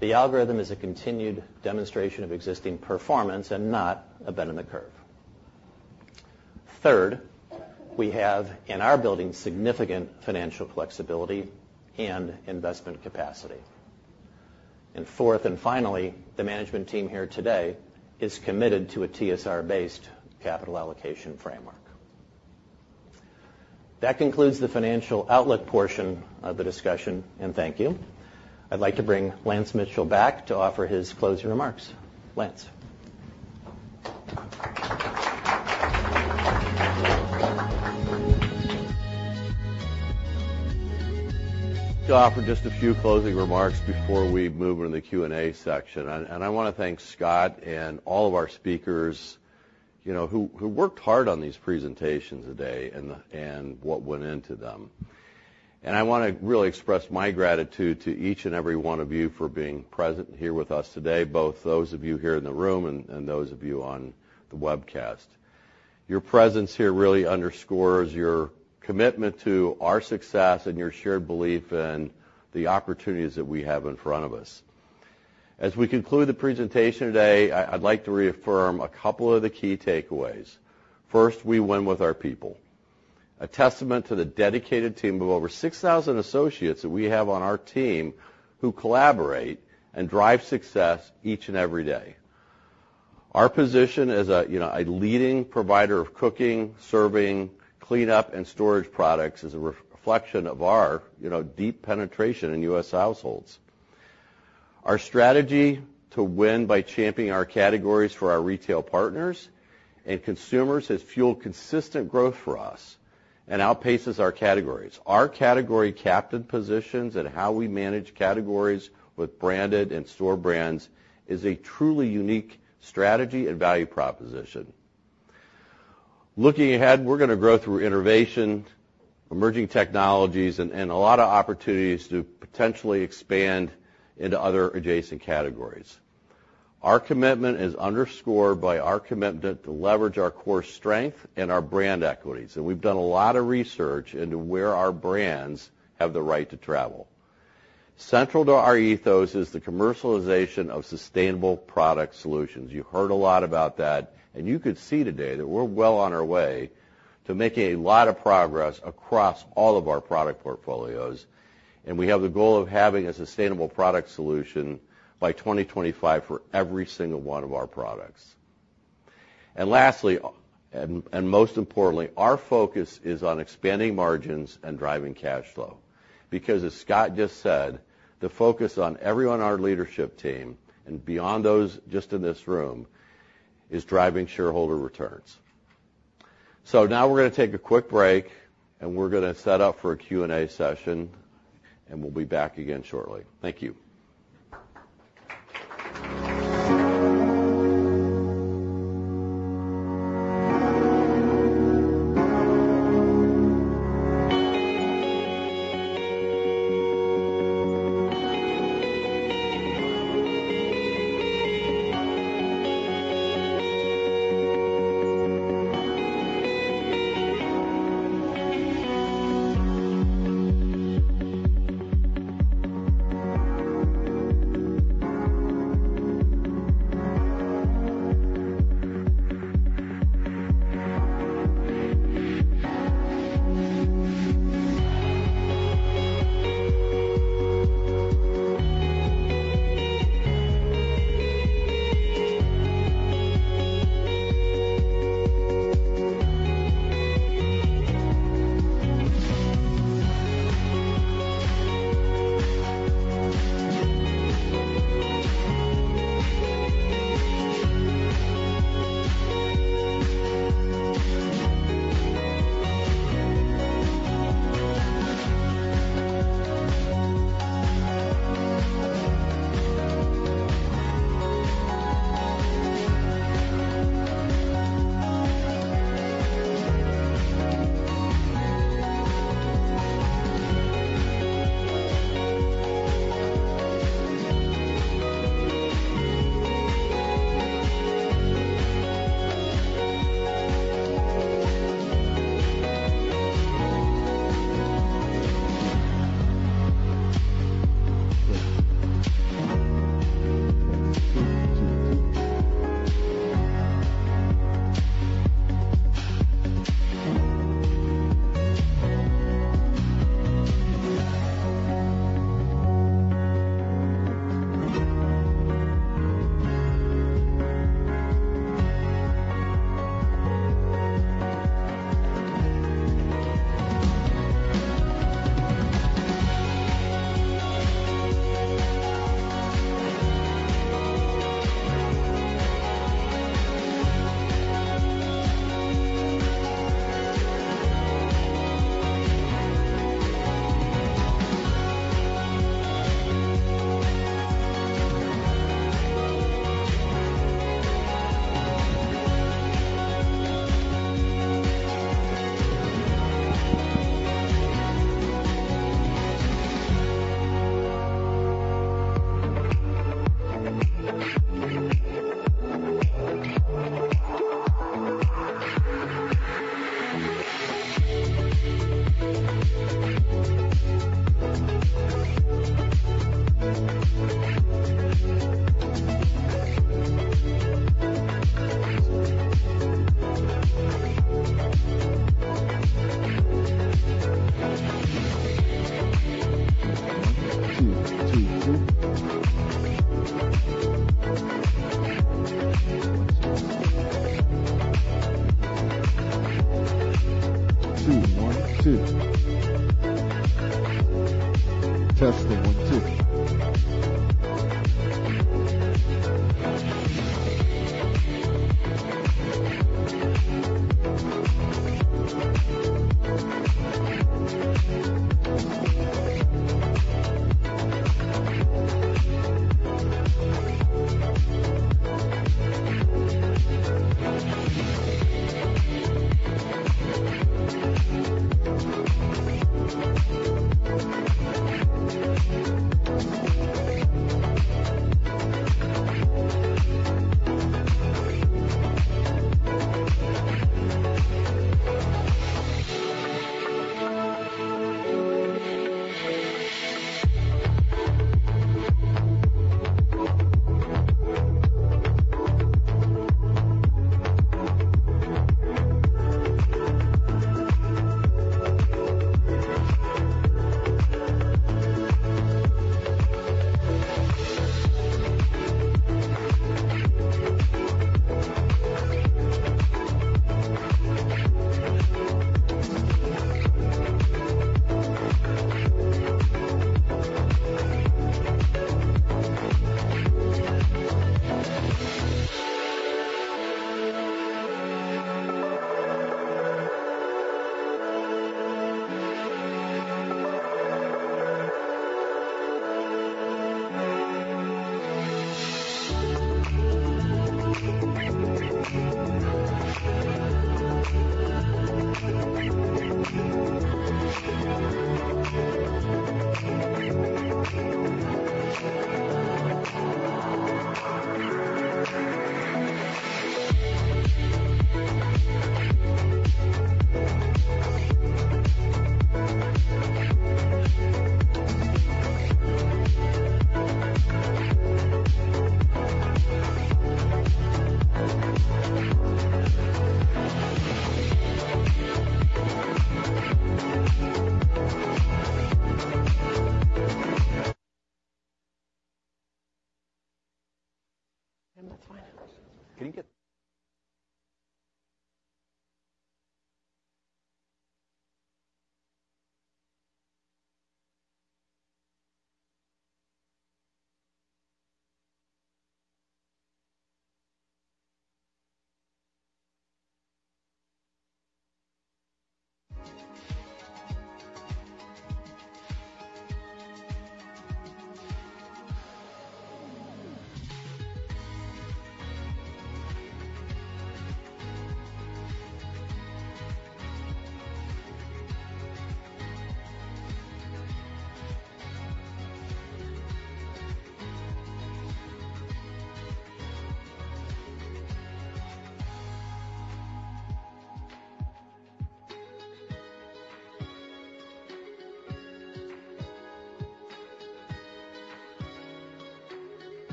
the algorithm is a continued demonstration of existing performance and not a bend in the curve. Third, we have in our building significant financial flexibility and investment capacity. And fourth and finally, the management team here today is committed to a TSR-based capital allocation framework. That concludes the financial outlook portion of the discussion, and thank you. I'd like to bring Lance Mitchell back to offer his closing remarks. Lance. To offer just a few closing remarks before we move into the Q&A section, and I wanna thank Scott and all of our speakers, you know, who worked hard on these presentations today and what went into them. I wanna really express my gratitude to each and every one of you for being present here with us today, both those of you here in the room and those of you on the webcast. Your presence here really underscores your commitment to our success and your shared belief in the opportunities that we have in front of us. As we conclude the presentation today, I'd like to reaffirm a couple of the key takeaways. First, we win with our people, a testament to the dedicated team of over 6,000 associates that we have on our team who collaborate and drive success each and every day. Our position as a, you know, a leading provider of cooking, serving, cleanup, and storage products is a reflection of our, you know, deep penetration in U.S. households. Our strategy to win by championing our categories for our retail partners and consumers has fueled consistent growth for us and outpaces our categories. Our category captain positions and how we manage categories with branded and store brands is a truly unique strategy and value proposition. Looking ahead, we're gonna grow through innovation, emerging technologies, and, and a lot of opportunities to potentially expand into other adjacent categories. Our commitment is underscored by our commitment to leverage our core strength and our brand equities. We've done a lot of research into where our brands have the right to travel. Central to our ethos is the commercialization of sustainable product solutions. You heard a lot about that, and you could see today that we're well on our way to making a lot of progress across all of our product portfolios. We have the goal of having a sustainable product solution by 2025 for every single one of our products. Lastly, most importantly, our focus is on expanding margins and driving cash flow because, as Scott just said, the focus on everyone on our leadership team and beyond those just in this room is driving shareholder returns. So now we're gonna take a quick break, and we're gonna set up for a Q&A session, and we'll be back again shortly. Thank you.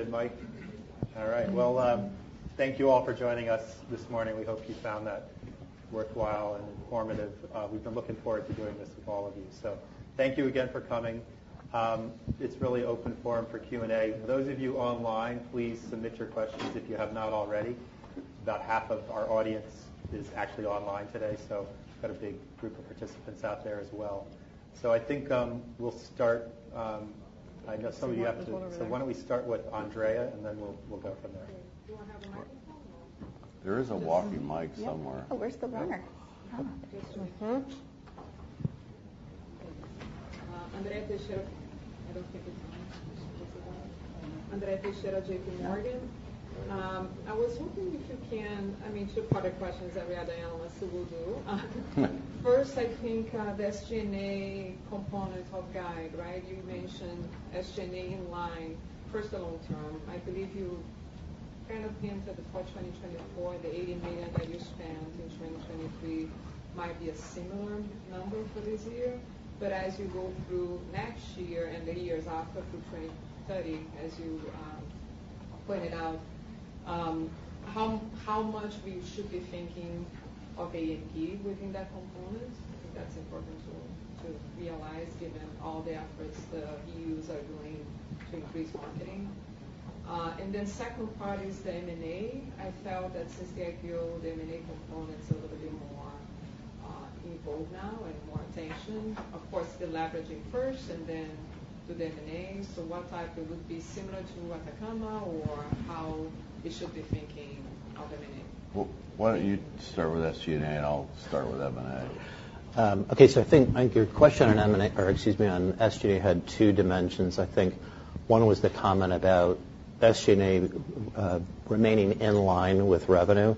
Testing, one, two. That's fine. Can you get you good, Mike? All right. Well, thank you all for joining us this morning. We hope you found that worthwhile and informative. We've been looking forward to doing this with all of you. Thank you again for coming. It's really open forum for Q&A. For those of you online, please submit your questions if you have not already. About half of our audience is actually online today, so we've got a big group of participants out there as well. I think we'll start. I know some of you have to. Why don't we start with Andrea, and then we'll go from there. Okay. Do you wanna have a microphone, or? There is a walking mic somewhere. Oh, where's the runner? Andrea, please share. I don't think it's on. Please close the button. Andrea from J.P. Morgan. I was hoping if you can. I mean, two-part questions that we had. Diana, let's see who will do first. I think the SG&A component of GAAP, right? You mentioned SG&A in line for the long term. I believe you kind of hinted at the 2024, the $80 million that you spent in 2023 might be a similar number for this year. But as you go through next year and the years after through 2030, as you pointed out, how much we should be thinking of A&P within that component? I think that's important to realize given all the efforts the BUs are doing to increase marketing. And then second part is the M&A. I felt that since the IPO, the M&A component's a little bit more involved now and more attention. Of course, the leveraging first and then to the M&A. So what type it would be similar to Atacama or how we should be thinking of M&A? Well, why don't you start with SG&A, and I'll start with M&A. Okay. So I think, I think your question on M&A or, excuse me, on SG&A had two dimensions. I think one was the comment about SG&A remaining in line with revenue.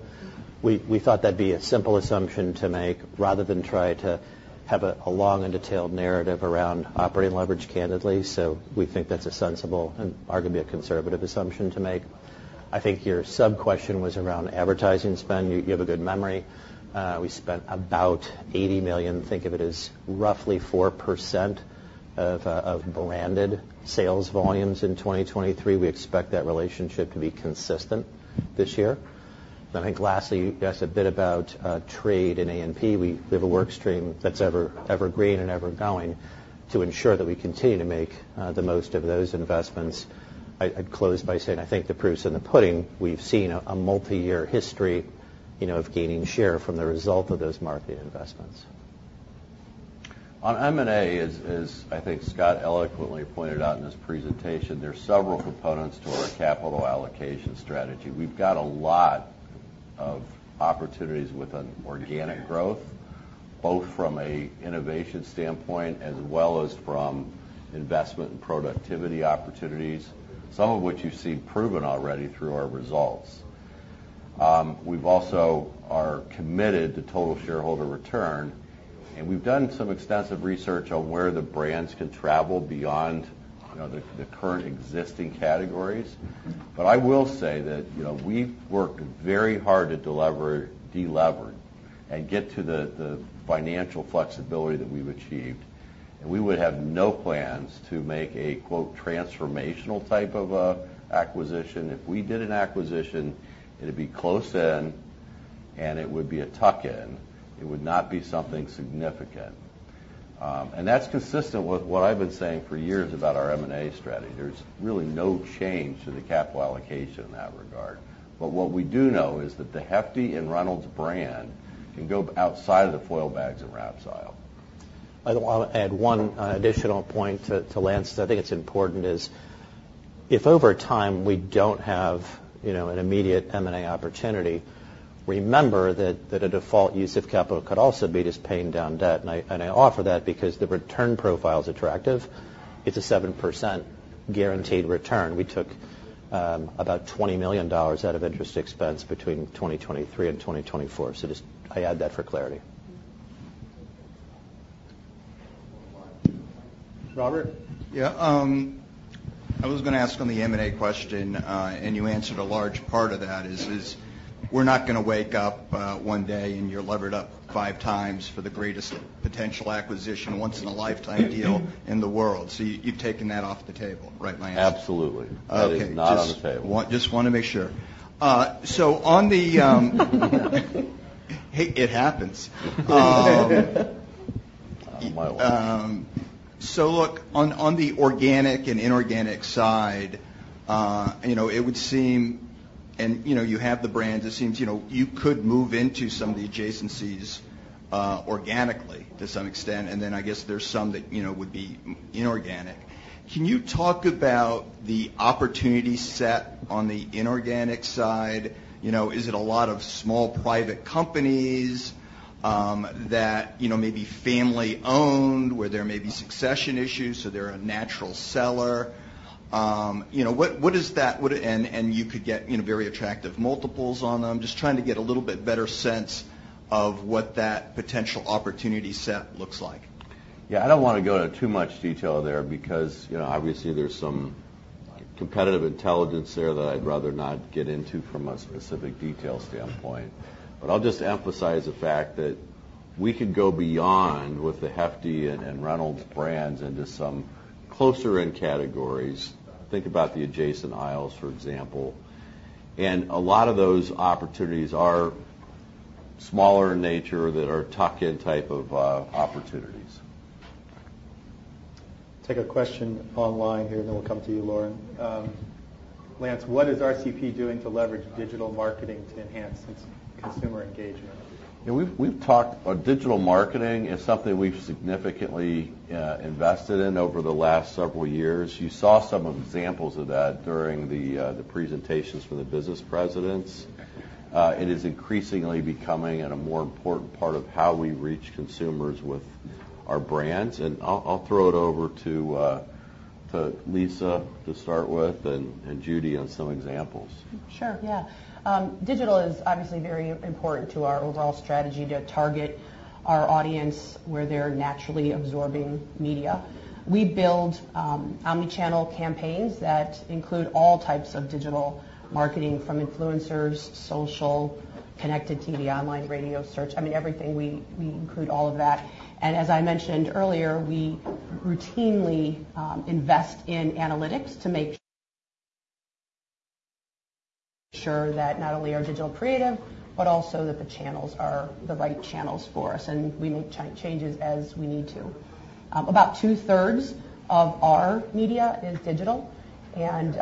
We, we thought that'd be a simple assumption to make rather than try to have a, a long and detailed narrative around operating leverage candidly. So we think that's a sensible and arguably a conservative assumption to make. I think your sub-question was around advertising spend. You, you have a good memory. We spent about $80 million. Think of it as roughly 4% of, of branded sales volumes in 2023. We expect that relationship to be consistent this year. I think lastly, you asked a bit about trade in A&P. We have a workstream that's evergreen and evergoing to ensure that we continue to make the most of those investments. I'd close by saying, I think the proof's in the pudding. We've seen a multi-year history, you know, of gaining share from the result of those marketing investments. On M&A, as I think Scott eloquently pointed out in his presentation, there's several components to our capital allocation strategy. We've got a lot of opportunities within organic growth, both from a innovation standpoint as well as from investment and productivity opportunities, some of which you've seen proven already through our results. We've also are committed to total shareholder return, and we've done some extensive research on where the brands can travel beyond, you know, the current existing categories. But I will say that, you know, we've worked very hard to deliver delevered and get to the financial flexibility that we've achieved. And we would have no plans to make a, quote, "transformational" type of acquisition. If we did an acquisition, it'd be close-in, and it would be a tuck-in. It would not be something significant. And that's consistent with what I've been saying for years about our M&A strategy. There's really no change to the capital allocation in that regard. But what we do know is that the Hefty and Reynolds brand can go outside of the foil bags and wraps aisle. I don't want to add one additional point to Lance that I think it's important is if over time we don't have, you know, an immediate M&A opportunity, remember that a default use of capital could also be just paying down debt. I offer that because the return profile's attractive. It's a 7% guaranteed return. We took about $20 million out of interest expense between 2023 and 2024. So just I add that for clarity. Robert? Yeah. I was gonna ask on the M&A question, and you answered a large part of that is, we're not gonna wake up one day and you're levered up 5x for the greatest potential acquisition, once-in-a-lifetime deal in the world. So you've taken that off the table, right, Lance? Absolutely. That is not on the table. Okay. Just wanna make sure. So on the, hey, it happens. So look, on the organic and inorganic side, you know, it would seem and, you know, you have the brands. It seems, you know, you could move into some of the adjacencies, organically to some extent. And then I guess there's some that, you know, would be inorganic. Can you talk about the opportunity set on the inorganic side? You know, is it a lot of small private companies, that, you know, may be family-owned where there may be succession issues, so they're a natural seller? You know, what is that, and you could get, you know, very attractive multiples on them. Just trying to get a little bit better sense of what that potential opportunity set looks like. Yeah. I don't want to go to too much detail there because, you know, obviously, there's some competitive intelligence there that I'd rather not get into from a specific detail standpoint. But I'll just emphasize the fact that we could go beyond with the Hefty and Reynolds brands into some closer-in categories. Think about the adjacent aisles, for example. A lot of those opportunities are smaller in nature that are tuck-in type of opportunities. Take a question online here, and then we'll come to you, Lauren. Lance, what is RCP doing to leverage digital marketing to enhance its consumer engagement? Yeah. We've talked our digital marketing is something we've significantly invested in over the last several years. You saw some examples of that during the presentations for the business presidents. It is increasingly becoming a more important part of how we reach consumers with our brands. And I'll throw it over to Lisa to start with and Judy on some examples. Sure. Yeah. Digital is obviously very important to our overall strategy to target our audience where they're naturally absorbing media. We build omnichannel campaigns that include all types of digital marketing from influencers, social, connected TV, online radio, search. I mean, everything. We include all of that. And as I mentioned earlier, we routinely invest in analytics to make sure that not only are digital creative but also that the channels are the right channels for us. And we make changes as we need to. About two-thirds of our media is digital. And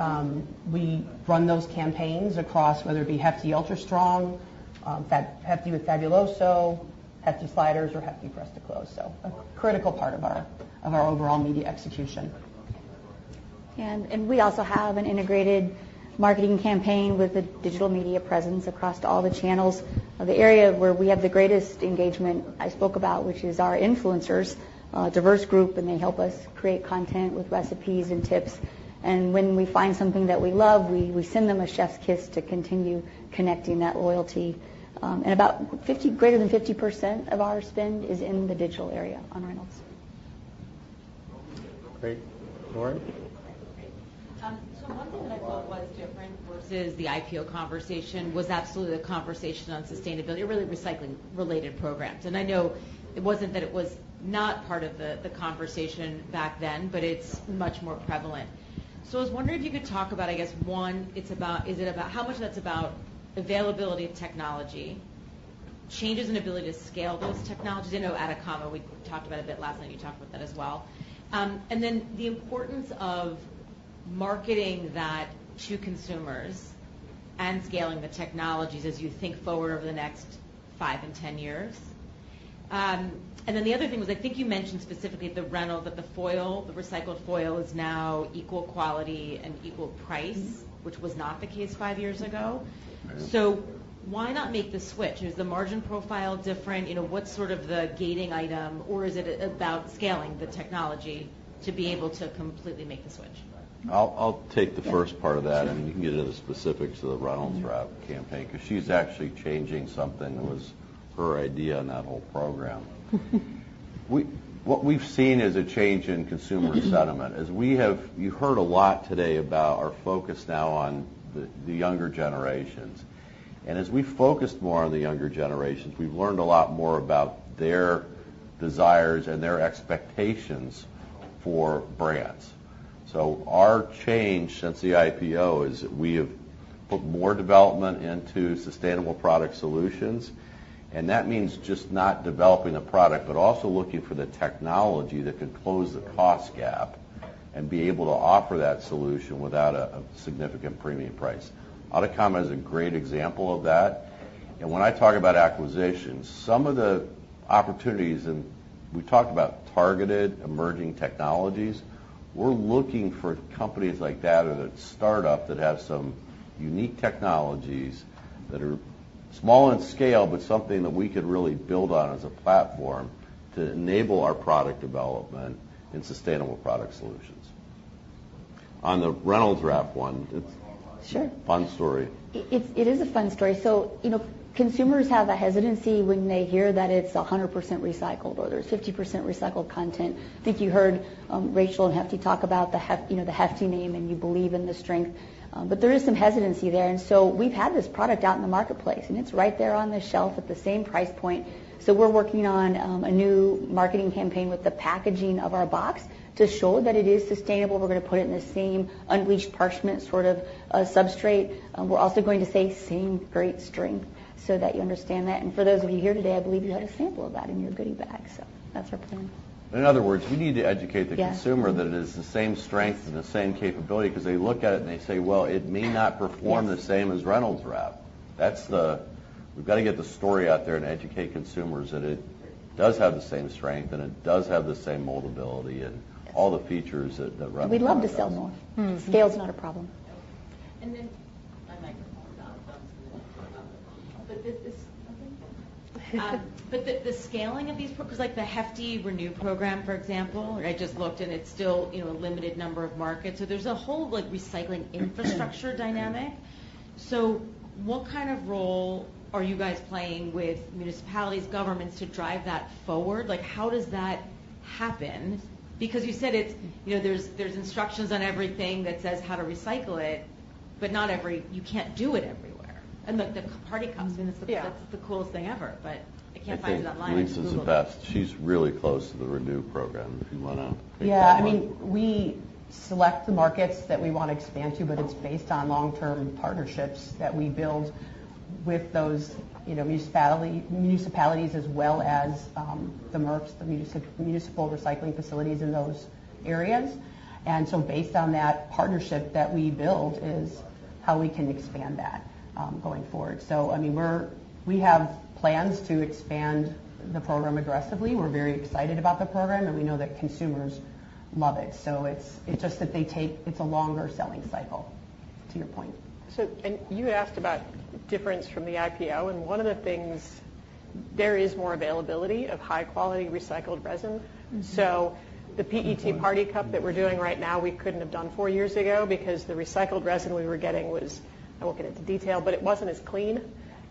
we run those campaigns across whether it be Hefty Ultra Strong, Hefty with Fabuloso, Hefty Sliders, or Hefty Press to Close. So a critical part of our overall media execution. And we also have an integrated marketing campaign with a digital media presence across all the channels of the area where we have the greatest engagement I spoke about, which is our influencers, diverse group, and they help us create content with recipes and tips. And when we find something that we love, we send them a chef's kiss to continue connecting that loyalty. About 50 greater than 50% of our spend is in the digital area on Reynolds. Great. Lauren? So one thing that I thought was different versus the IPO conversation was absolutely the conversation on sustainability, really recycling-related programs. And I know it wasn't that it was not part of the, the conversation back then, but it's much more prevalent. So I was wondering if you could talk about, I guess, one, it's about is it about how much that's about availability of technology, changes in ability to scale those technologies. I know Atacama, we talked about it a bit last night. You talked about that as well. And then the importance of marketing that to consumers and scaling the technologies as you think forward over the next five and 10 years. And then the other thing was, I think you mentioned specifically at the Reynolds that the foil, the recycled foil, is now equal quality and equal price, which was not the case five years ago. So why not make the switch? Is the margin profile different? You know, what's sort of the gating item? Or is it about scaling the technology to be able to completely make the switch? I'll take the first part of that, and you can get into the specifics of the Reynolds Wrap campaign 'cause she's actually changing something that was her idea in that whole program. What we've seen is a change in consumer sentiment. As you've heard a lot today about our focus now on the younger generations. As we've focused more on the younger generations, we've learned a lot more about their desires and their expectations for brands. Our change since the IPO is we have put more development into sustainable product solutions. That means just not developing a product but also looking for the technology that can close the cost gap and be able to offer that solution without a significant premium price. Atacama is a great example of that. When I talk about acquisitions, some of the opportunities in we talked about targeted emerging technologies. We're looking for companies like that or that startup that have some unique technologies that are small in scale but something that we could really build on as a platform to enable our product development in sustainable product solutions. On the Reynolds Wrap one, it's a fun story. Sure. Fun story. It's, it is a fun story. So, you know, consumers have a hesitancy when they hear that it's 100% recycled or there's 50% recycled content. I think you heard Rachel and Hefty talk about you know, the Hefty name, and you believe in the strength. But there is some hesitancy there. So we've had this product out in the marketplace, and it's right there on the shelf at the same price point. So we're working on a new marketing campaign with the packaging of our box to show that it is sustainable. We're gonna put it in the same Reynolds parchment sort of substrate. We're also going to say same great strength so that you understand that. And for those of you here today, I believe you had a sample of that in your goodie bag. So that's our plan. In other words, we need to educate the consumer. Yeah. That it is the same strength and the same capability 'cause they look at it, and they say, "Well, it may not perform the same as Reynolds Wrap." That's it. We've gotta get the story out there and educate consumers that it does have the same strength, and it does have the same moldability and all the features that Reynolds Wrap has. We love to sell more. Scale's not a problem. And then. My microphone's not on. But the scaling of these programs 'cause, like, the Hefty ReNew program, for example, I just looked, and it's still, you know, a limited number of markets. So there's a whole, like, recycling infrastructure dynamic. So what kind of role are you guys playing with municipalities, governments, to drive that forward? Like, how does that happen? Because you said it's, you know, there's instructions on everything that says how to recycle it, but not everywhere you can't do it everywhere. And the party cups. I mean, it's the. Yeah. That's the coolest thing ever, but I can't find it online. Lance is the best. She's really close to the ReNew program if you want to take a look. Yeah. I mean, we select the markets that we wanna expand to, but it's based on long-term partnerships that we build with those, you know, municipalities as well as the MRFs, the municipal recycling facilities in those areas. So based on that partnership that we build is how we can expand that, going forward. So, I mean, we have plans to expand the program aggressively. We're very excited about the program, and we know that consumers love it. So it's, it's just that they take it's a longer selling cycle, to your point. You asked about difference from the IPO. One of the things there is more availability of high-quality recycled resin. So the PET. Mm-hmm. party cup that we're doing right now, we couldn't have done five years ago because the recycled resin we were getting was – I won't get into detail, but it wasn't as clean.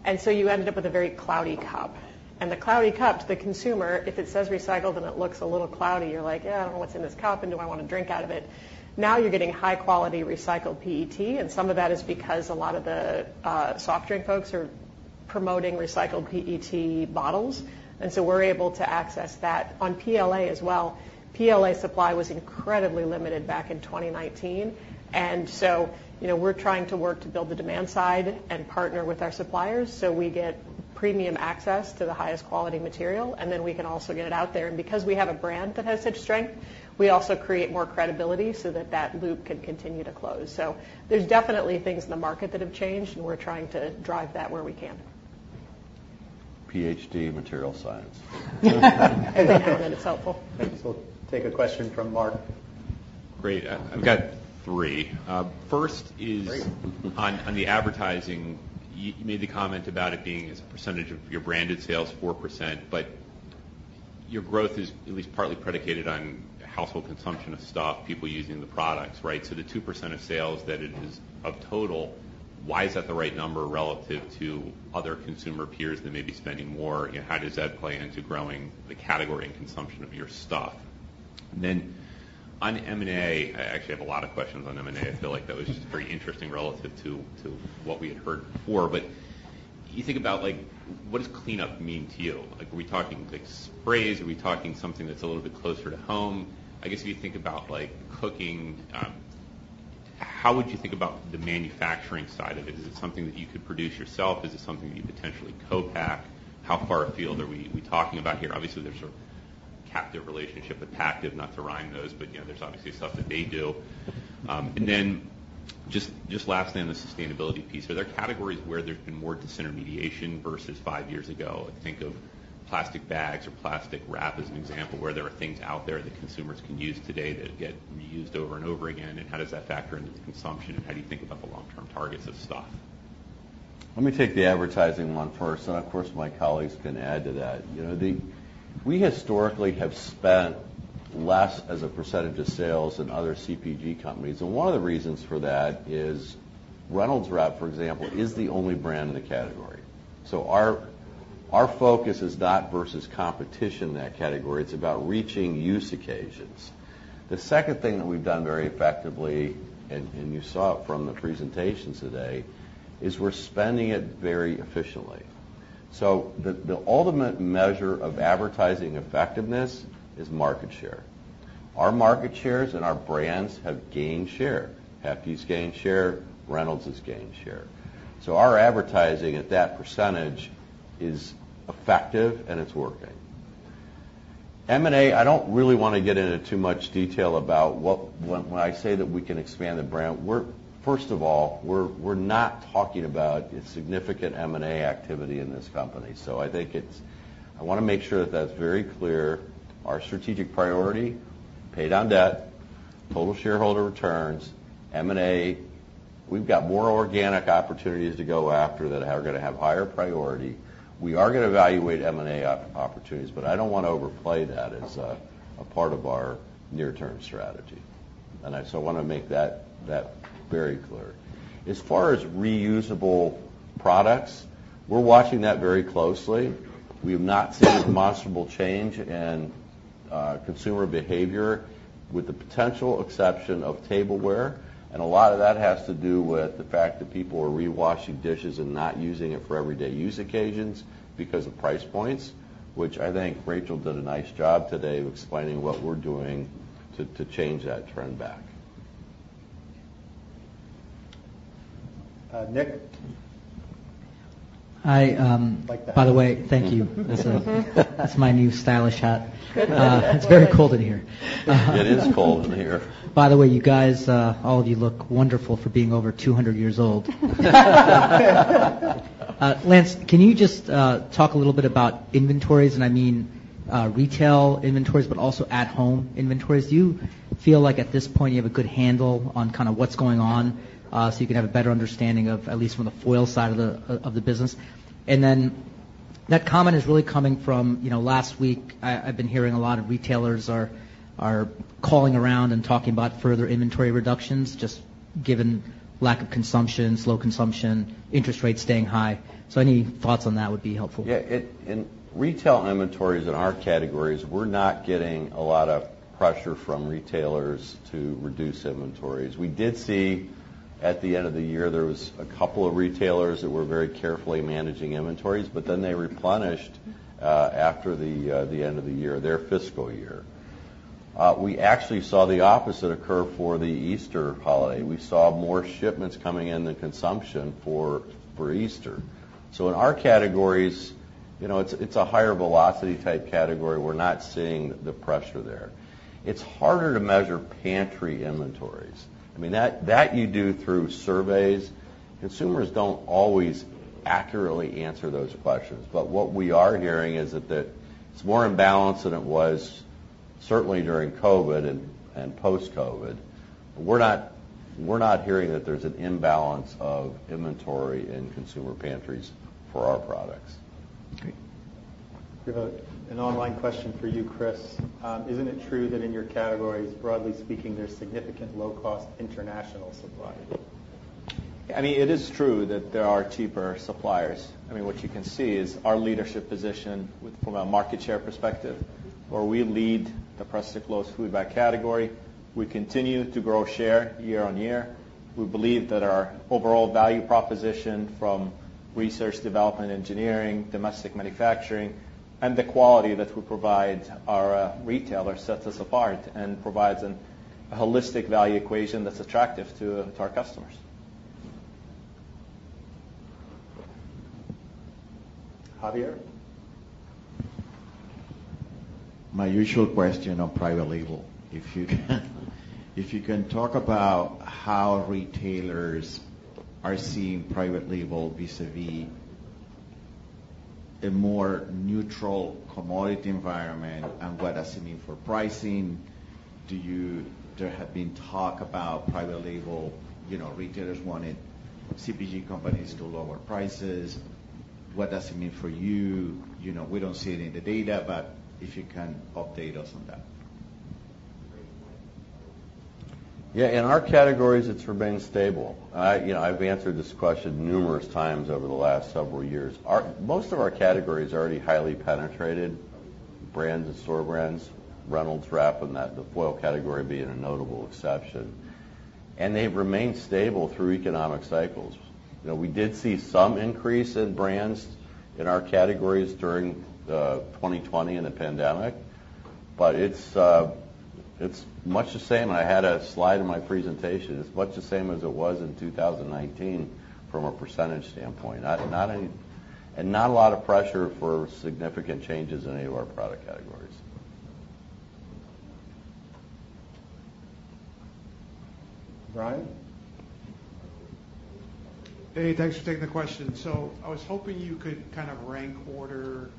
And so you ended up with a very cloudy cup. And the cloudy cup, to the consumer, if it says recycled and it looks a little cloudy, you're like, "Yeah. I don't know what's in this cup, and do I wanna drink out of it?" Now you're getting high-quality recycled PET. And some of that is because a lot of the soft drink folks are promoting recycled PET bottles. And so we're able to access that on PLA as well. PLA supply was incredibly limited back in 2019. And so, you know, we're trying to work to build the demand side and partner with our suppliers so we get premium access to the highest quality material. And then we can also get it out there. And because we have a brand that has such strength, we also create more credibility so that that loop can continue to close. So there's definitely things in the market that have changed, and we're trying to drive that where we can. Ph.D. in material science. It's helpful. Thank you. So take a question from Mark. Great. I've got three. First is. Great. On the advertising, you made the comment about it being as a percentage of your branded sales, 4%. But your growth is at least partly predicated on household consumption of stuff, people using the products, right? So the 2% of sales that it is of total, why is that the right number relative to other consumer peers that may be spending more? You know, how does that play into growing the category and consumption of your stuff? And then on M&A, I actually have a lot of questions on M&A. I feel like that was just very interesting relative to what we had heard before. But you think about, like, what does cleanup mean to you? Like, are we talking, like, sprays? Are we talking something that's a little bit closer to home? I guess if you think about, like, cooking, how would you think about the manufacturing side of it? Is it something that you could produce yourself? Is it something that you potentially co-pack? How far afield are we talking about here? Obviously, there's sort of captive relationship with Pactiv, not to rhyme those, but, you know, there's obviously stuff that they do. Then just lastly, on the sustainability piece, are there categories where there's been more disintermediation versus five years ago? I think of plastic bags or plastic wrap as an example where there are things out there that consumers can use today that get reused over and over again. And how does that factor into the consumption? And how do you think about the long-term targets of stuff? Let me take the advertising one first. And of course, my colleagues can add to that. You know, we historically have spent less as a percentage of sales than other CPG companies. And one of the reasons for that is Reynolds Wrap, for example, is the only brand in the category. So our, our focus is not versus competition in that category. It's about reaching use occasions. The second thing that we've done very effectively - and, and you saw it from the presentation today - is we're spending it very efficiently. So the, the ultimate measure of advertising effectiveness is market share. Our market shares and our brands have gained share. Hefty's gained share. Reynolds has gained share. So our advertising at that percentage is effective, and it's working. M&A, I don't really wanna get into too much detail about what, when I say that we can expand the brand, we're first of all, we're not talking about a significant M&A activity in this company. So I think it's. I wanna make sure that that's very clear. Our strategic priority: pay down debt, total shareholder returns, M&A. We've got more organic opportunities to go after that are gonna have higher priority. We are gonna evaluate M&A opportunities, but I don't wanna overplay that as a part of our near-term strategy. So I wanna make that very clear. As far as reusable products, we're watching that very closely. We have not seen a demonstrable change in consumer behavior with the potential exception of tableware. A lot of that has to do with the fact that people are rewashing dishes and not using it for everyday use occasions because of price points, which I think Rachel did a nice job today of explaining what we're doing to change that trend back. Nick? Hi, Like that. By the way, thank you. This is that's my new stylish hat. It's very cold in here. It is cold in here. By the way, you guys all of you look wonderful for being over 200 years old. Lance, can you just talk a little bit about inventories? And I mean, retail inventories but also at-home inventories. Do you feel like at this point, you have a good handle on kinda what's going on, so you can have a better understanding of at least from the foil side of the business? And then that comment is really coming from, you know, last week. I've been hearing a lot of retailers are calling around and talking about further inventory reductions just given lack of consumption, slow consumption, interest rates staying high. So any thoughts on that would be helpful. Yeah. In retail inventories in our categories, we're not getting a lot of pressure from retailers to reduce inventories. We did see at the end of the year, there was a couple of retailers that were very carefully managing inventories, but then they replenished, after the, the end of the year, their fiscal year. We actually saw the opposite occur for the Easter holiday. We saw more shipments coming in than consumption for, for Easter. So in our categories, you know, it's, it's a higher-velocity type category. We're not seeing the pressure there. It's harder to measure pantry inventories. I mean, that, that you do through surveys. Consumers don't always accurately answer those questions. But what we are hearing is that, that it's more imbalanced than it was certainly during COVID and, and post-COVID. We're not hearing that there's an imbalance of inventory in consumer pantries for our products. Great. We have an online question for you, Chris. Isn't it true that in your categories, broadly speaking, there's significant low-cost international supply? Yeah. I mean, it is true that there are cheaper suppliers. I mean, what you can see is our leadership position with from a market share perspective, where we lead the Press-to-Close food bag category. We continue to grow share year-over-year. We believe that our overall value proposition from research, development, engineering, domestic manufacturing, and the quality that we provide our retailers sets us apart and provides a holistic value equation that's attractive to our customers. Javier? My usual question on private label. If you can talk about how retailers are seeing private label vis-à-vis a more neutral commodity environment and what does it mean for pricing. Do you think there have been talks about private label? You know, retailers wanted CPG companies to lower prices. What does it mean for you? You know, we don't see it in the data, but if you can update us on that. Yeah. In our categories, it's remained stable. You know, I've answered this question numerous times over the last several years. Our most of our categories are already highly penetrated brands and store brands, Reynolds Wrap and the foil category being a notable exception. They've remained stable through economic cycles. You know, we did see some increase in brands in our categories during 2020 and the pandemic. But it's much the same. I had a slide in my presentation. It's much the same as it was in 2019 from a percentage standpoint. Not any and not a lot of pressure for significant changes in any of our product categories. Brian? Hey. Thanks for taking the question. So I was hoping you could kind of rank order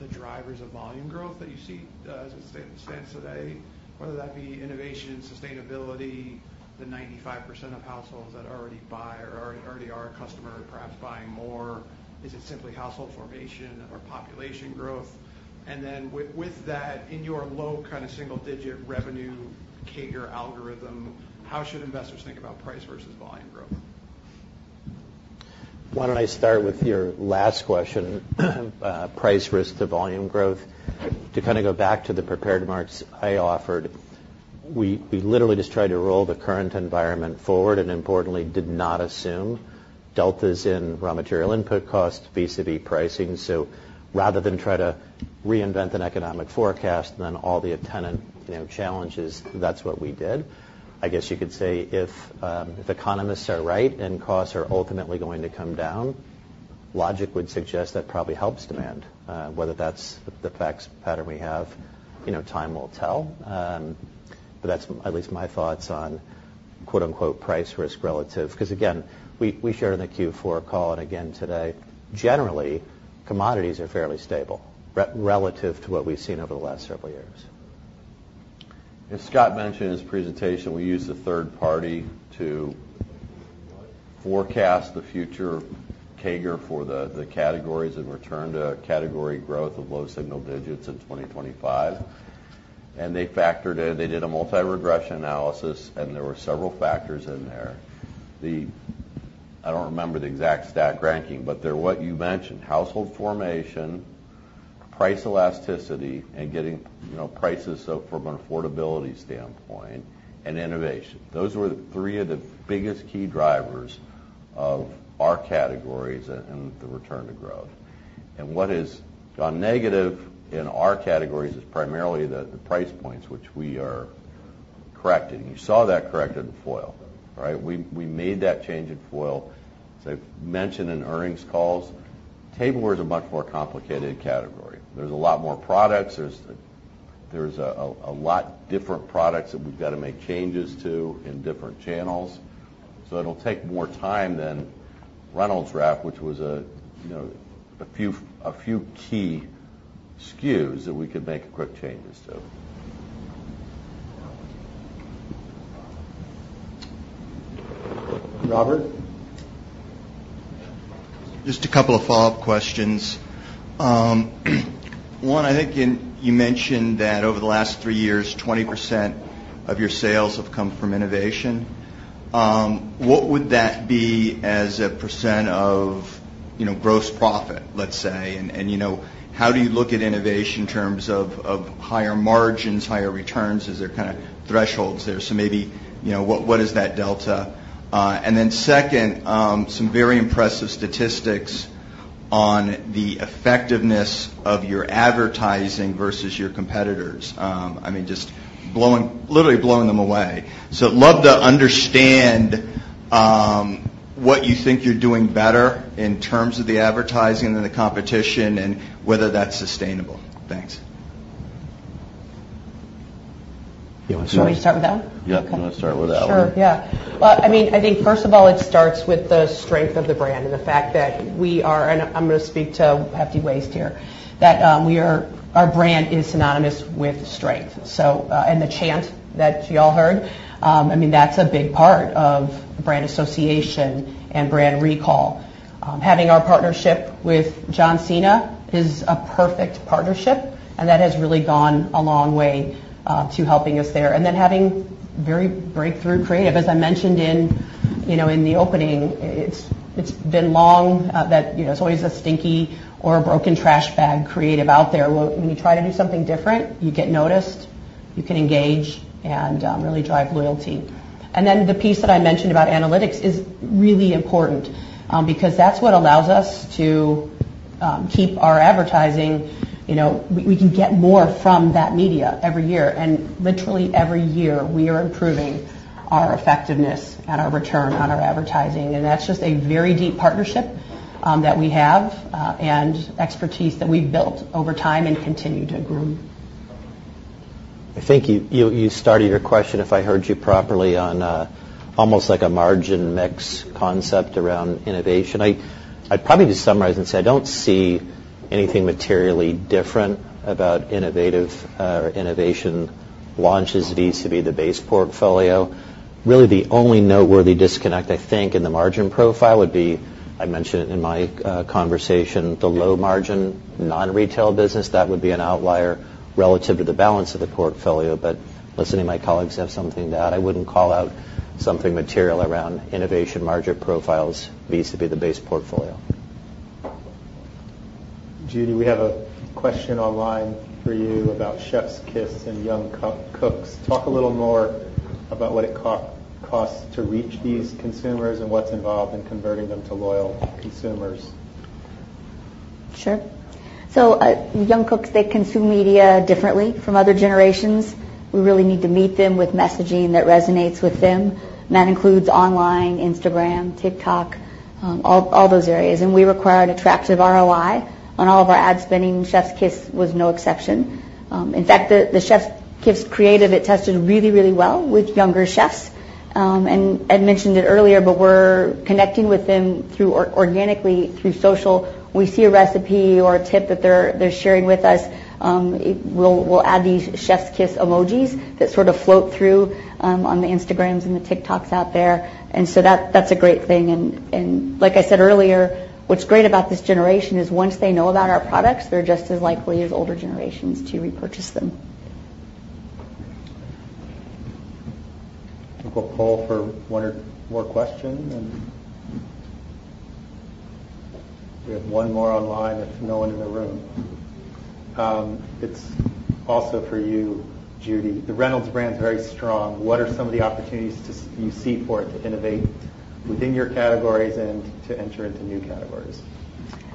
the drivers of volume growth that you see, as it stands today, whether that be innovation, sustainability, the 95% of households that already buy or already are a customer, perhaps buying more. Is it simply household formation or population growth? And then with that, in your low kind of single-digit revenue CAGR algorithm, how should investors think about price versus volume growth? Why don't I start with your last question, price risk to volume growth? To kinda go back to the prepared marks I offered, we, we literally just tried to roll the current environment forward and, importantly, did not assume deltas in raw material input cost vis-à-vis pricing. So rather than try to reinvent an economic forecast and then all the attendant, you know, challenges, that's what we did. I guess you could say if, if economists are right and costs are ultimately going to come down, logic would suggest that probably helps demand, whether that's the facts pattern we have. You know, time will tell. But that's at least my thoughts on "price risk relative" because, again, we, we shared in the Q4 call and again today, generally, commodities are fairly stable relative to what we've seen over the last several years. As Scott mentioned in his presentation, we used a third party to forecast the future CAGR for the categories and return to category growth of low single digits in 2025. They factored in; they did a multiple regression analysis, and there were several factors in there. I don't remember the exact stat ranking, but they're what you mentioned: household formation, price elasticity, and getting, you know, prices so from an affordability standpoint, and innovation. Those were the three of the biggest key drivers of our categories and the return to growth. What has gone negative in our categories is primarily the price points, which we are correcting. You saw that corrected in foil, right? We made that change in foil. As I've mentioned in earnings calls, tableware's a much more complicated category. There's a lot more products. There's a lot different products that we've got to make changes to in different channels. So it'll take more time than Reynolds Wrap, which was, you know, a few key SKUs that we could make quick changes to. Robert? Just a couple of follow-up questions. One, I think you mentioned that over the last three years, 20% of your sales have come from innovation. What would that be as a percent of, you know, gross profit, let's say? And, you know, how do you look at innovation in terms of higher margins, higher returns? Is there kind of thresholds there? So maybe, you know, what is that delta? And then second, some very impressive statistics on the effectiveness of your advertising versus your competitors. I mean, just literally blowing them away. So love to understand, what you think you're doing better in terms of the advertising than the competition and whether that's sustainable. Thanks. Yeah. Let's start. Shall we start with that one? Yeah. Okay. Let's start with that one. Sure. Yeah. Well, I mean, I think first of all, it starts with the strength of the brand and the fact that we are and I'm going to speak to Hefty Waste here, that we are our brand is synonymous with strength. So, and the chant that y'all heard, I mean, that's a big part of brand association and brand recall. Having our partnership with John Cena is a perfect partnership, and that has really gone a long way to helping us there. And then having very breakthrough creative. As I mentioned in, you know, in the opening, it's, it's been long that, you know, it's always a stinky or a broken trash bag creative out there. Well, when you try to do something different, you get noticed. You can engage and really drive loyalty. Then the piece that I mentioned about analytics is really important, because that's what allows us to keep our advertising. You know, we can get more from that media every year. And literally every year, we are improving our effectiveness and our return on our advertising. And that's just a very deep partnership that we have, and expertise that we've built over time and continue to groom. I think you started your question, if I heard you properly, on almost like a margin mix concept around innovation. I'd probably just summarize and say I don't see anything materially different about innovative, or innovation launches vis-à-vis the base portfolio. Really, the only noteworthy disconnect, I think, in the margin profile would be I mentioned it in my conversation, the low-margin non-retail business. That would be an outlier relative to the balance of the portfolio. But listen, any of my colleagues have something to add. I wouldn't call out something material around innovation market profiles vis-à-vis the base portfolio. Judy, we have a question online for you about Chef's Kiss and Young Cooks. Talk a little more about what it costs to reach these consumers and what's involved in converting them to loyal consumers. Sure. So, Young Cooks, they consume media differently from other generations. We really need to meet them with messaging that resonates with them. And that includes online, Instagram, TikTok, all those areas. And we require an attractive ROI on all of our ad spending. Chef's Kiss was no exception. In fact, the Chef's Kiss creative, it tested really, really well with younger chefs. And mentioned it earlier, but we're connecting with them through organically through social. When we see a recipe or a tip that they're sharing with us, we'll add these Chef's Kiss emojis that sort of float through on the Instagrams and the TikToks out there. And so that's a great thing. And like I said earlier, what's great about this generation is once they know about our products, they're just as likely as older generations to repurchase them. I think we'll pull for one or more questions. We have one more online if no one in the room. It's also for you, Judy. The Reynolds brand's very strong. What are some of the opportunities that you see for it to innovate within your categories and to enter into new categories?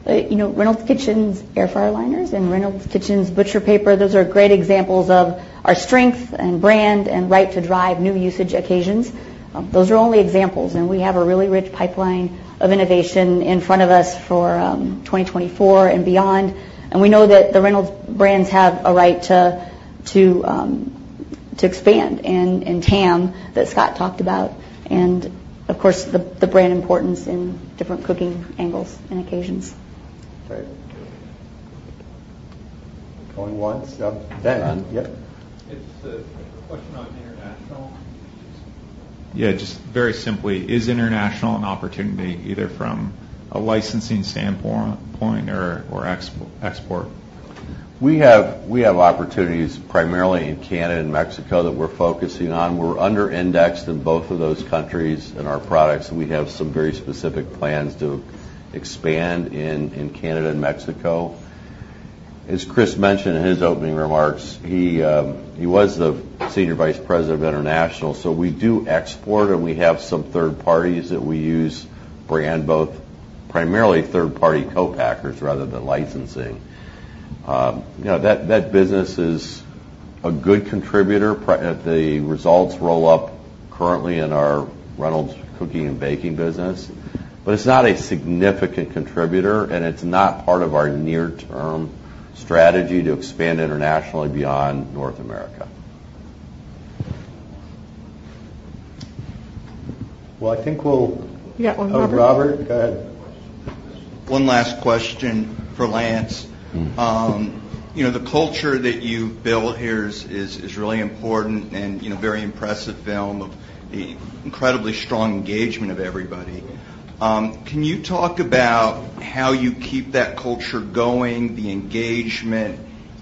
You know, Reynolds Kitchens Air Fryer Liners and Reynolds Kitchens Butcher Paper those are great examples of our strength and brand and right to drive new usage occasions. Those are only examples. And we have a really rich pipeline of innovation in front of us for 2024 and beyond. And we know that the Reynolds brands have a right to, to, to expand and, and TAM that Scott talked about and, of course, the, the brand importance in different cooking angles and occasions. Great. Going once. Ben. Ron. Yep. It's a question on international. Yeah. Just very simply, is international an opportunity either from a licensing standpoint or, or export? We have opportunities primarily in Canada and Mexico that we're focusing on. We're under-indexed in both of those countries in our products. We have some very specific plans to expand in Canada and Mexico. As Chris mentioned in his opening remarks, he was the senior vice president of international. So we do export, and we have some third parties that we use brand both, primarily third-party co-packers rather than licensing. You know, that business is a good contributor. The results roll up currently in our Reynolds cooking and baking business. But it's not a significant contributor, and it's not part of our near-term strategy to expand internationally beyond North America. Well, I think we'll. Yeah. One Robert. Oh, Robert. Go ahead. One last question for Lance. Mm-hmm. You know, the culture that you've built here is really important and, you know, very impressive film of the incredibly strong engagement of everybody. Can you talk about how you keep that culture going, the engagement,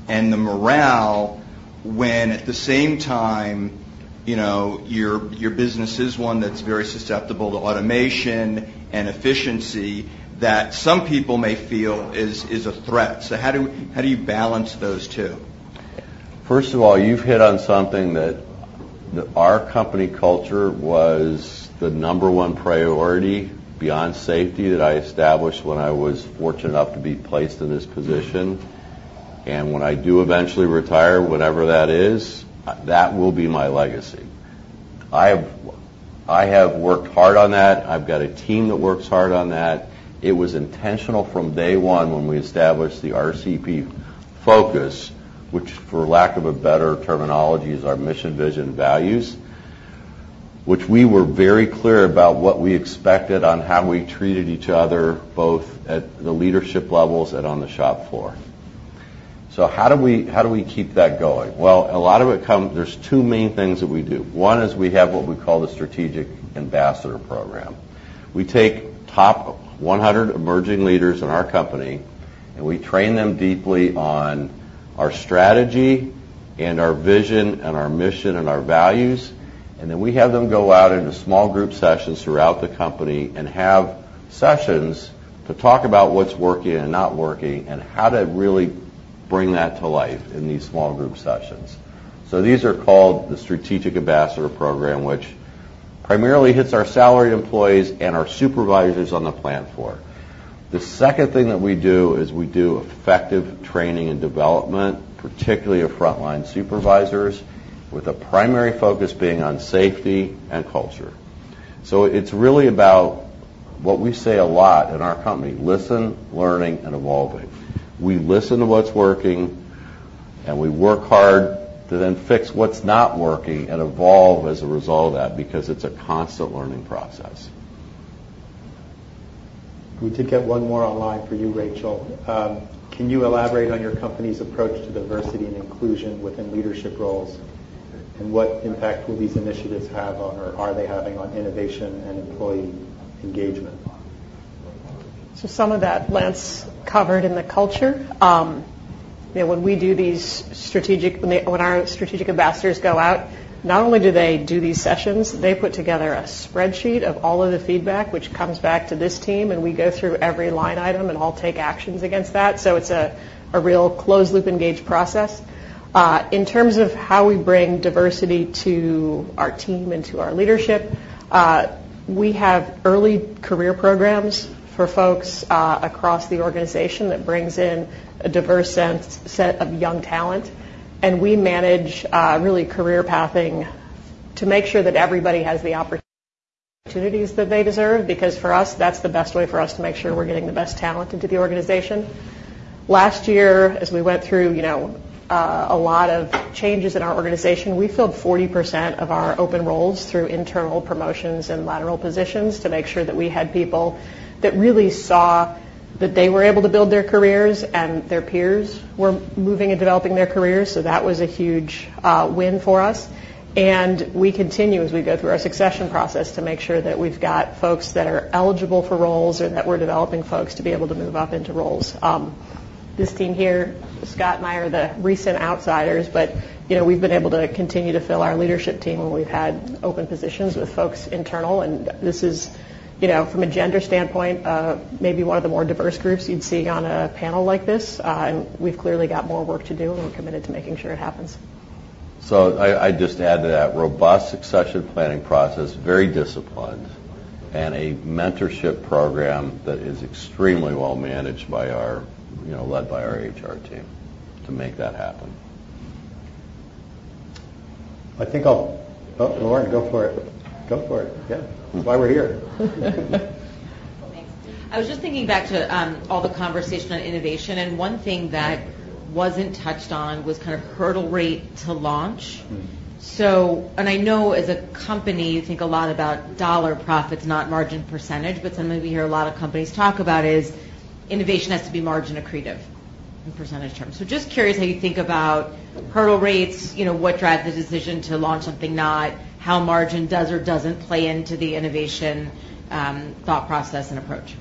and the morale when, at the same time, you know, your business is one that's very susceptible to automation and efficiency that some people may feel is a threat? So how do you balance those two? First of all, you've hit on something that our company culture was the number one priority beyond safety that I established when I was fortunate enough to be placed in this position. And when I do eventually retire, whenever that is, that will be my legacy. I have I have worked hard on that. I've got a team that works hard on that. It was intentional from day one when we established the RCP focus, which, for lack of a better terminology, is our mission, vision, and values, which we were very clear about what we expected on how we treated each other both at the leadership levels and on the shop floor. So how do we how do we keep that going? Well, a lot of it come there's two main things that we do. One is we have what we call the Strategic Ambassador Program. We take top 100 emerging leaders in our company, and we train them deeply on our strategy and our vision and our mission and our values. Then we have them go out into small group sessions throughout the company and have sessions to talk about what's working and not working and how to really bring that to life in these small group sessions. These are called the Strategic Ambassador Program, which primarily hits our salaried employees and our supervisors on the plant floor. The second thing that we do is we do effective training and development, particularly of frontline supervisors, with a primary focus being on safety and culture. It's really about what we say a lot in our company: listen, learning, and evolving. We listen to what's working, and we work hard to then fix what's not working and evolve as a result of that because it's a constant learning process. We did get one more online for you, Rachel. Can you elaborate on your company's approach to diversity and inclusion within leadership roles, and what impact will these initiatives have on or are they having on innovation and employee engagement? So some of that Lance covered in the culture. You know, when our strategic ambassadors go out, not only do they do these sessions, they put together a spreadsheet of all of the feedback, which comes back to this team. We go through every line item, and I'll take actions against that. So it's a real closed-loop engaged process. In terms of how we bring diversity to our team and to our leadership, we have early career programs for folks across the organization that brings in a diverse set of young talent. We manage, really, career pathing to make sure that everybody has the opportunities that they deserve because, for us, that's the best way for us to make sure we're getting the best talent into the organization. Last year, as we went through, you know, a lot of changes in our organization, we filled 40% of our open roles through internal promotions and lateral positions to make sure that we had people that really saw that they were able to build their careers and their peers were moving and developing their careers. So that was a huge win for us. And we continue as we go through our succession process to make sure that we've got folks that are eligible for roles or that we're developing folks to be able to move up into roles. This team here, Scott and I are the recent outsiders, but, you know, we've been able to continue to fill our leadership team when we've had open positions with folks internal. This is, you know, from a gender standpoint, maybe one of the more diverse groups you'd see on a panel like this. And we've clearly got more work to do, and we're committed to making sure it happens. So, I'd just add to that: robust succession planning process, very disciplined, and a mentorship program that is extremely well managed by our, you know, led by our HR team to make that happen. I think I'll, Lauren, go for it. Go for it. Yeah. Why we're here. Thanks. I was just thinking back to all the conversation on innovation. And one thing that wasn't touched on was kind of hurdle rate to launch. Mm-hmm. I know, as a company, you think a lot about dollar profits, not margin percentage. Something we hear a lot of companies talk about is innovation has to be margin accretive in percentage terms. Just curious how you think about hurdle rates, you know, what drives the decision to launch something, not how margin does or doesn't play into the innovation thought process and approach.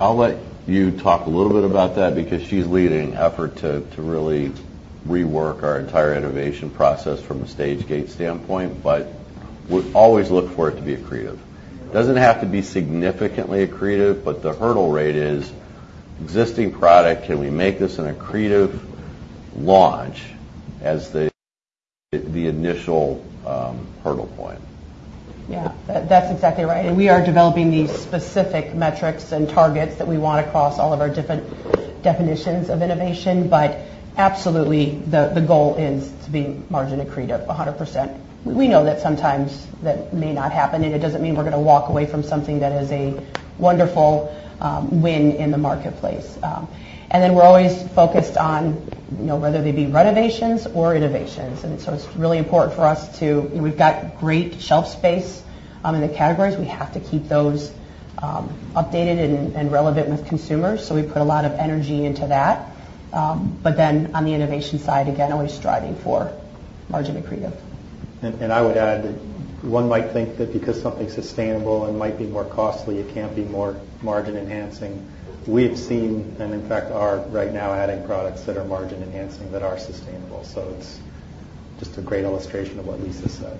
I'll let you talk a little bit about that because she's leading effort to really rework our entire innovation process from a stage-gate standpoint. But we always look for it to be accretive. It doesn't have to be significantly accretive, but the hurdle rate is: existing product, can we make this an accretive launch as the initial hurdle point? Yeah. That's exactly right. And we are developing these specific metrics and targets that we want across all of our different definitions of innovation. But absolutely, the goal is to be margin accretive 100%. We know that sometimes that may not happen. And it doesn't mean we're gonna walk away from something that is a wonderful win in the marketplace. And then we're always focused on, you know, whether they be renovations or innovations. And so it's really important for us to, you know, we've got great shelf space in the categories. We have to keep those updated and relevant with consumers. So we put a lot of energy into that. But then on the innovation side, again, always striving for margin accretive. And I would add that one might think that because something's sustainable and might be more costly, it can't be more margin-enhancing. We have seen and, in fact, are right now adding products that are margin-enhancing that are sustainable. So it's just a great illustration of what Lisa said.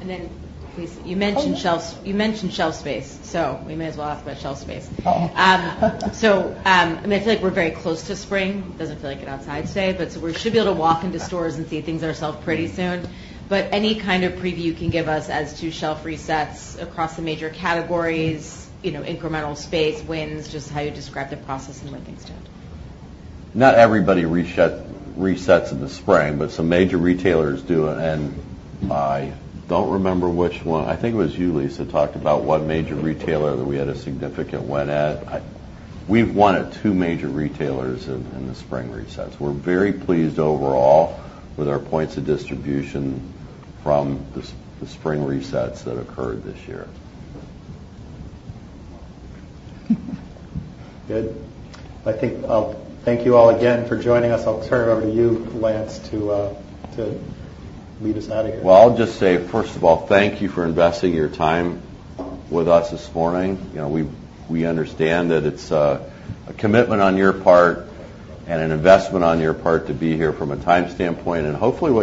And then, Lisa, you mentioned shelf. Oh. You mentioned shelf space. We may as well ask about shelf space. Uh-oh. So, I mean, I feel like we're very close to spring. It doesn't feel like it's outside today. But so we should be able to walk into stores and see things ourselves pretty soon. But any kind of preview you can give us as to shelf resets across the major categories, you know, incremental space, wins, just how you describe the process and where things stand? Not everybody resets in the spring, but some major retailers do. I don't remember which one. I think it was you, Lisa, talked about one major retailer that we had a significant win at. We've won at two major retailers in the spring resets. We're very pleased overall with our points of distribution from the spring resets that occurred this year. Good. I think I'll thank you all again for joining us. I'll turn it over to you, Lance, to lead us out of here. Well, I'll just say, first of all, thank you for investing your time with us this morning. You know, we understand that it's a commitment on your part and an investment on your part to be here from a time standpoint. And hopefully, we'll.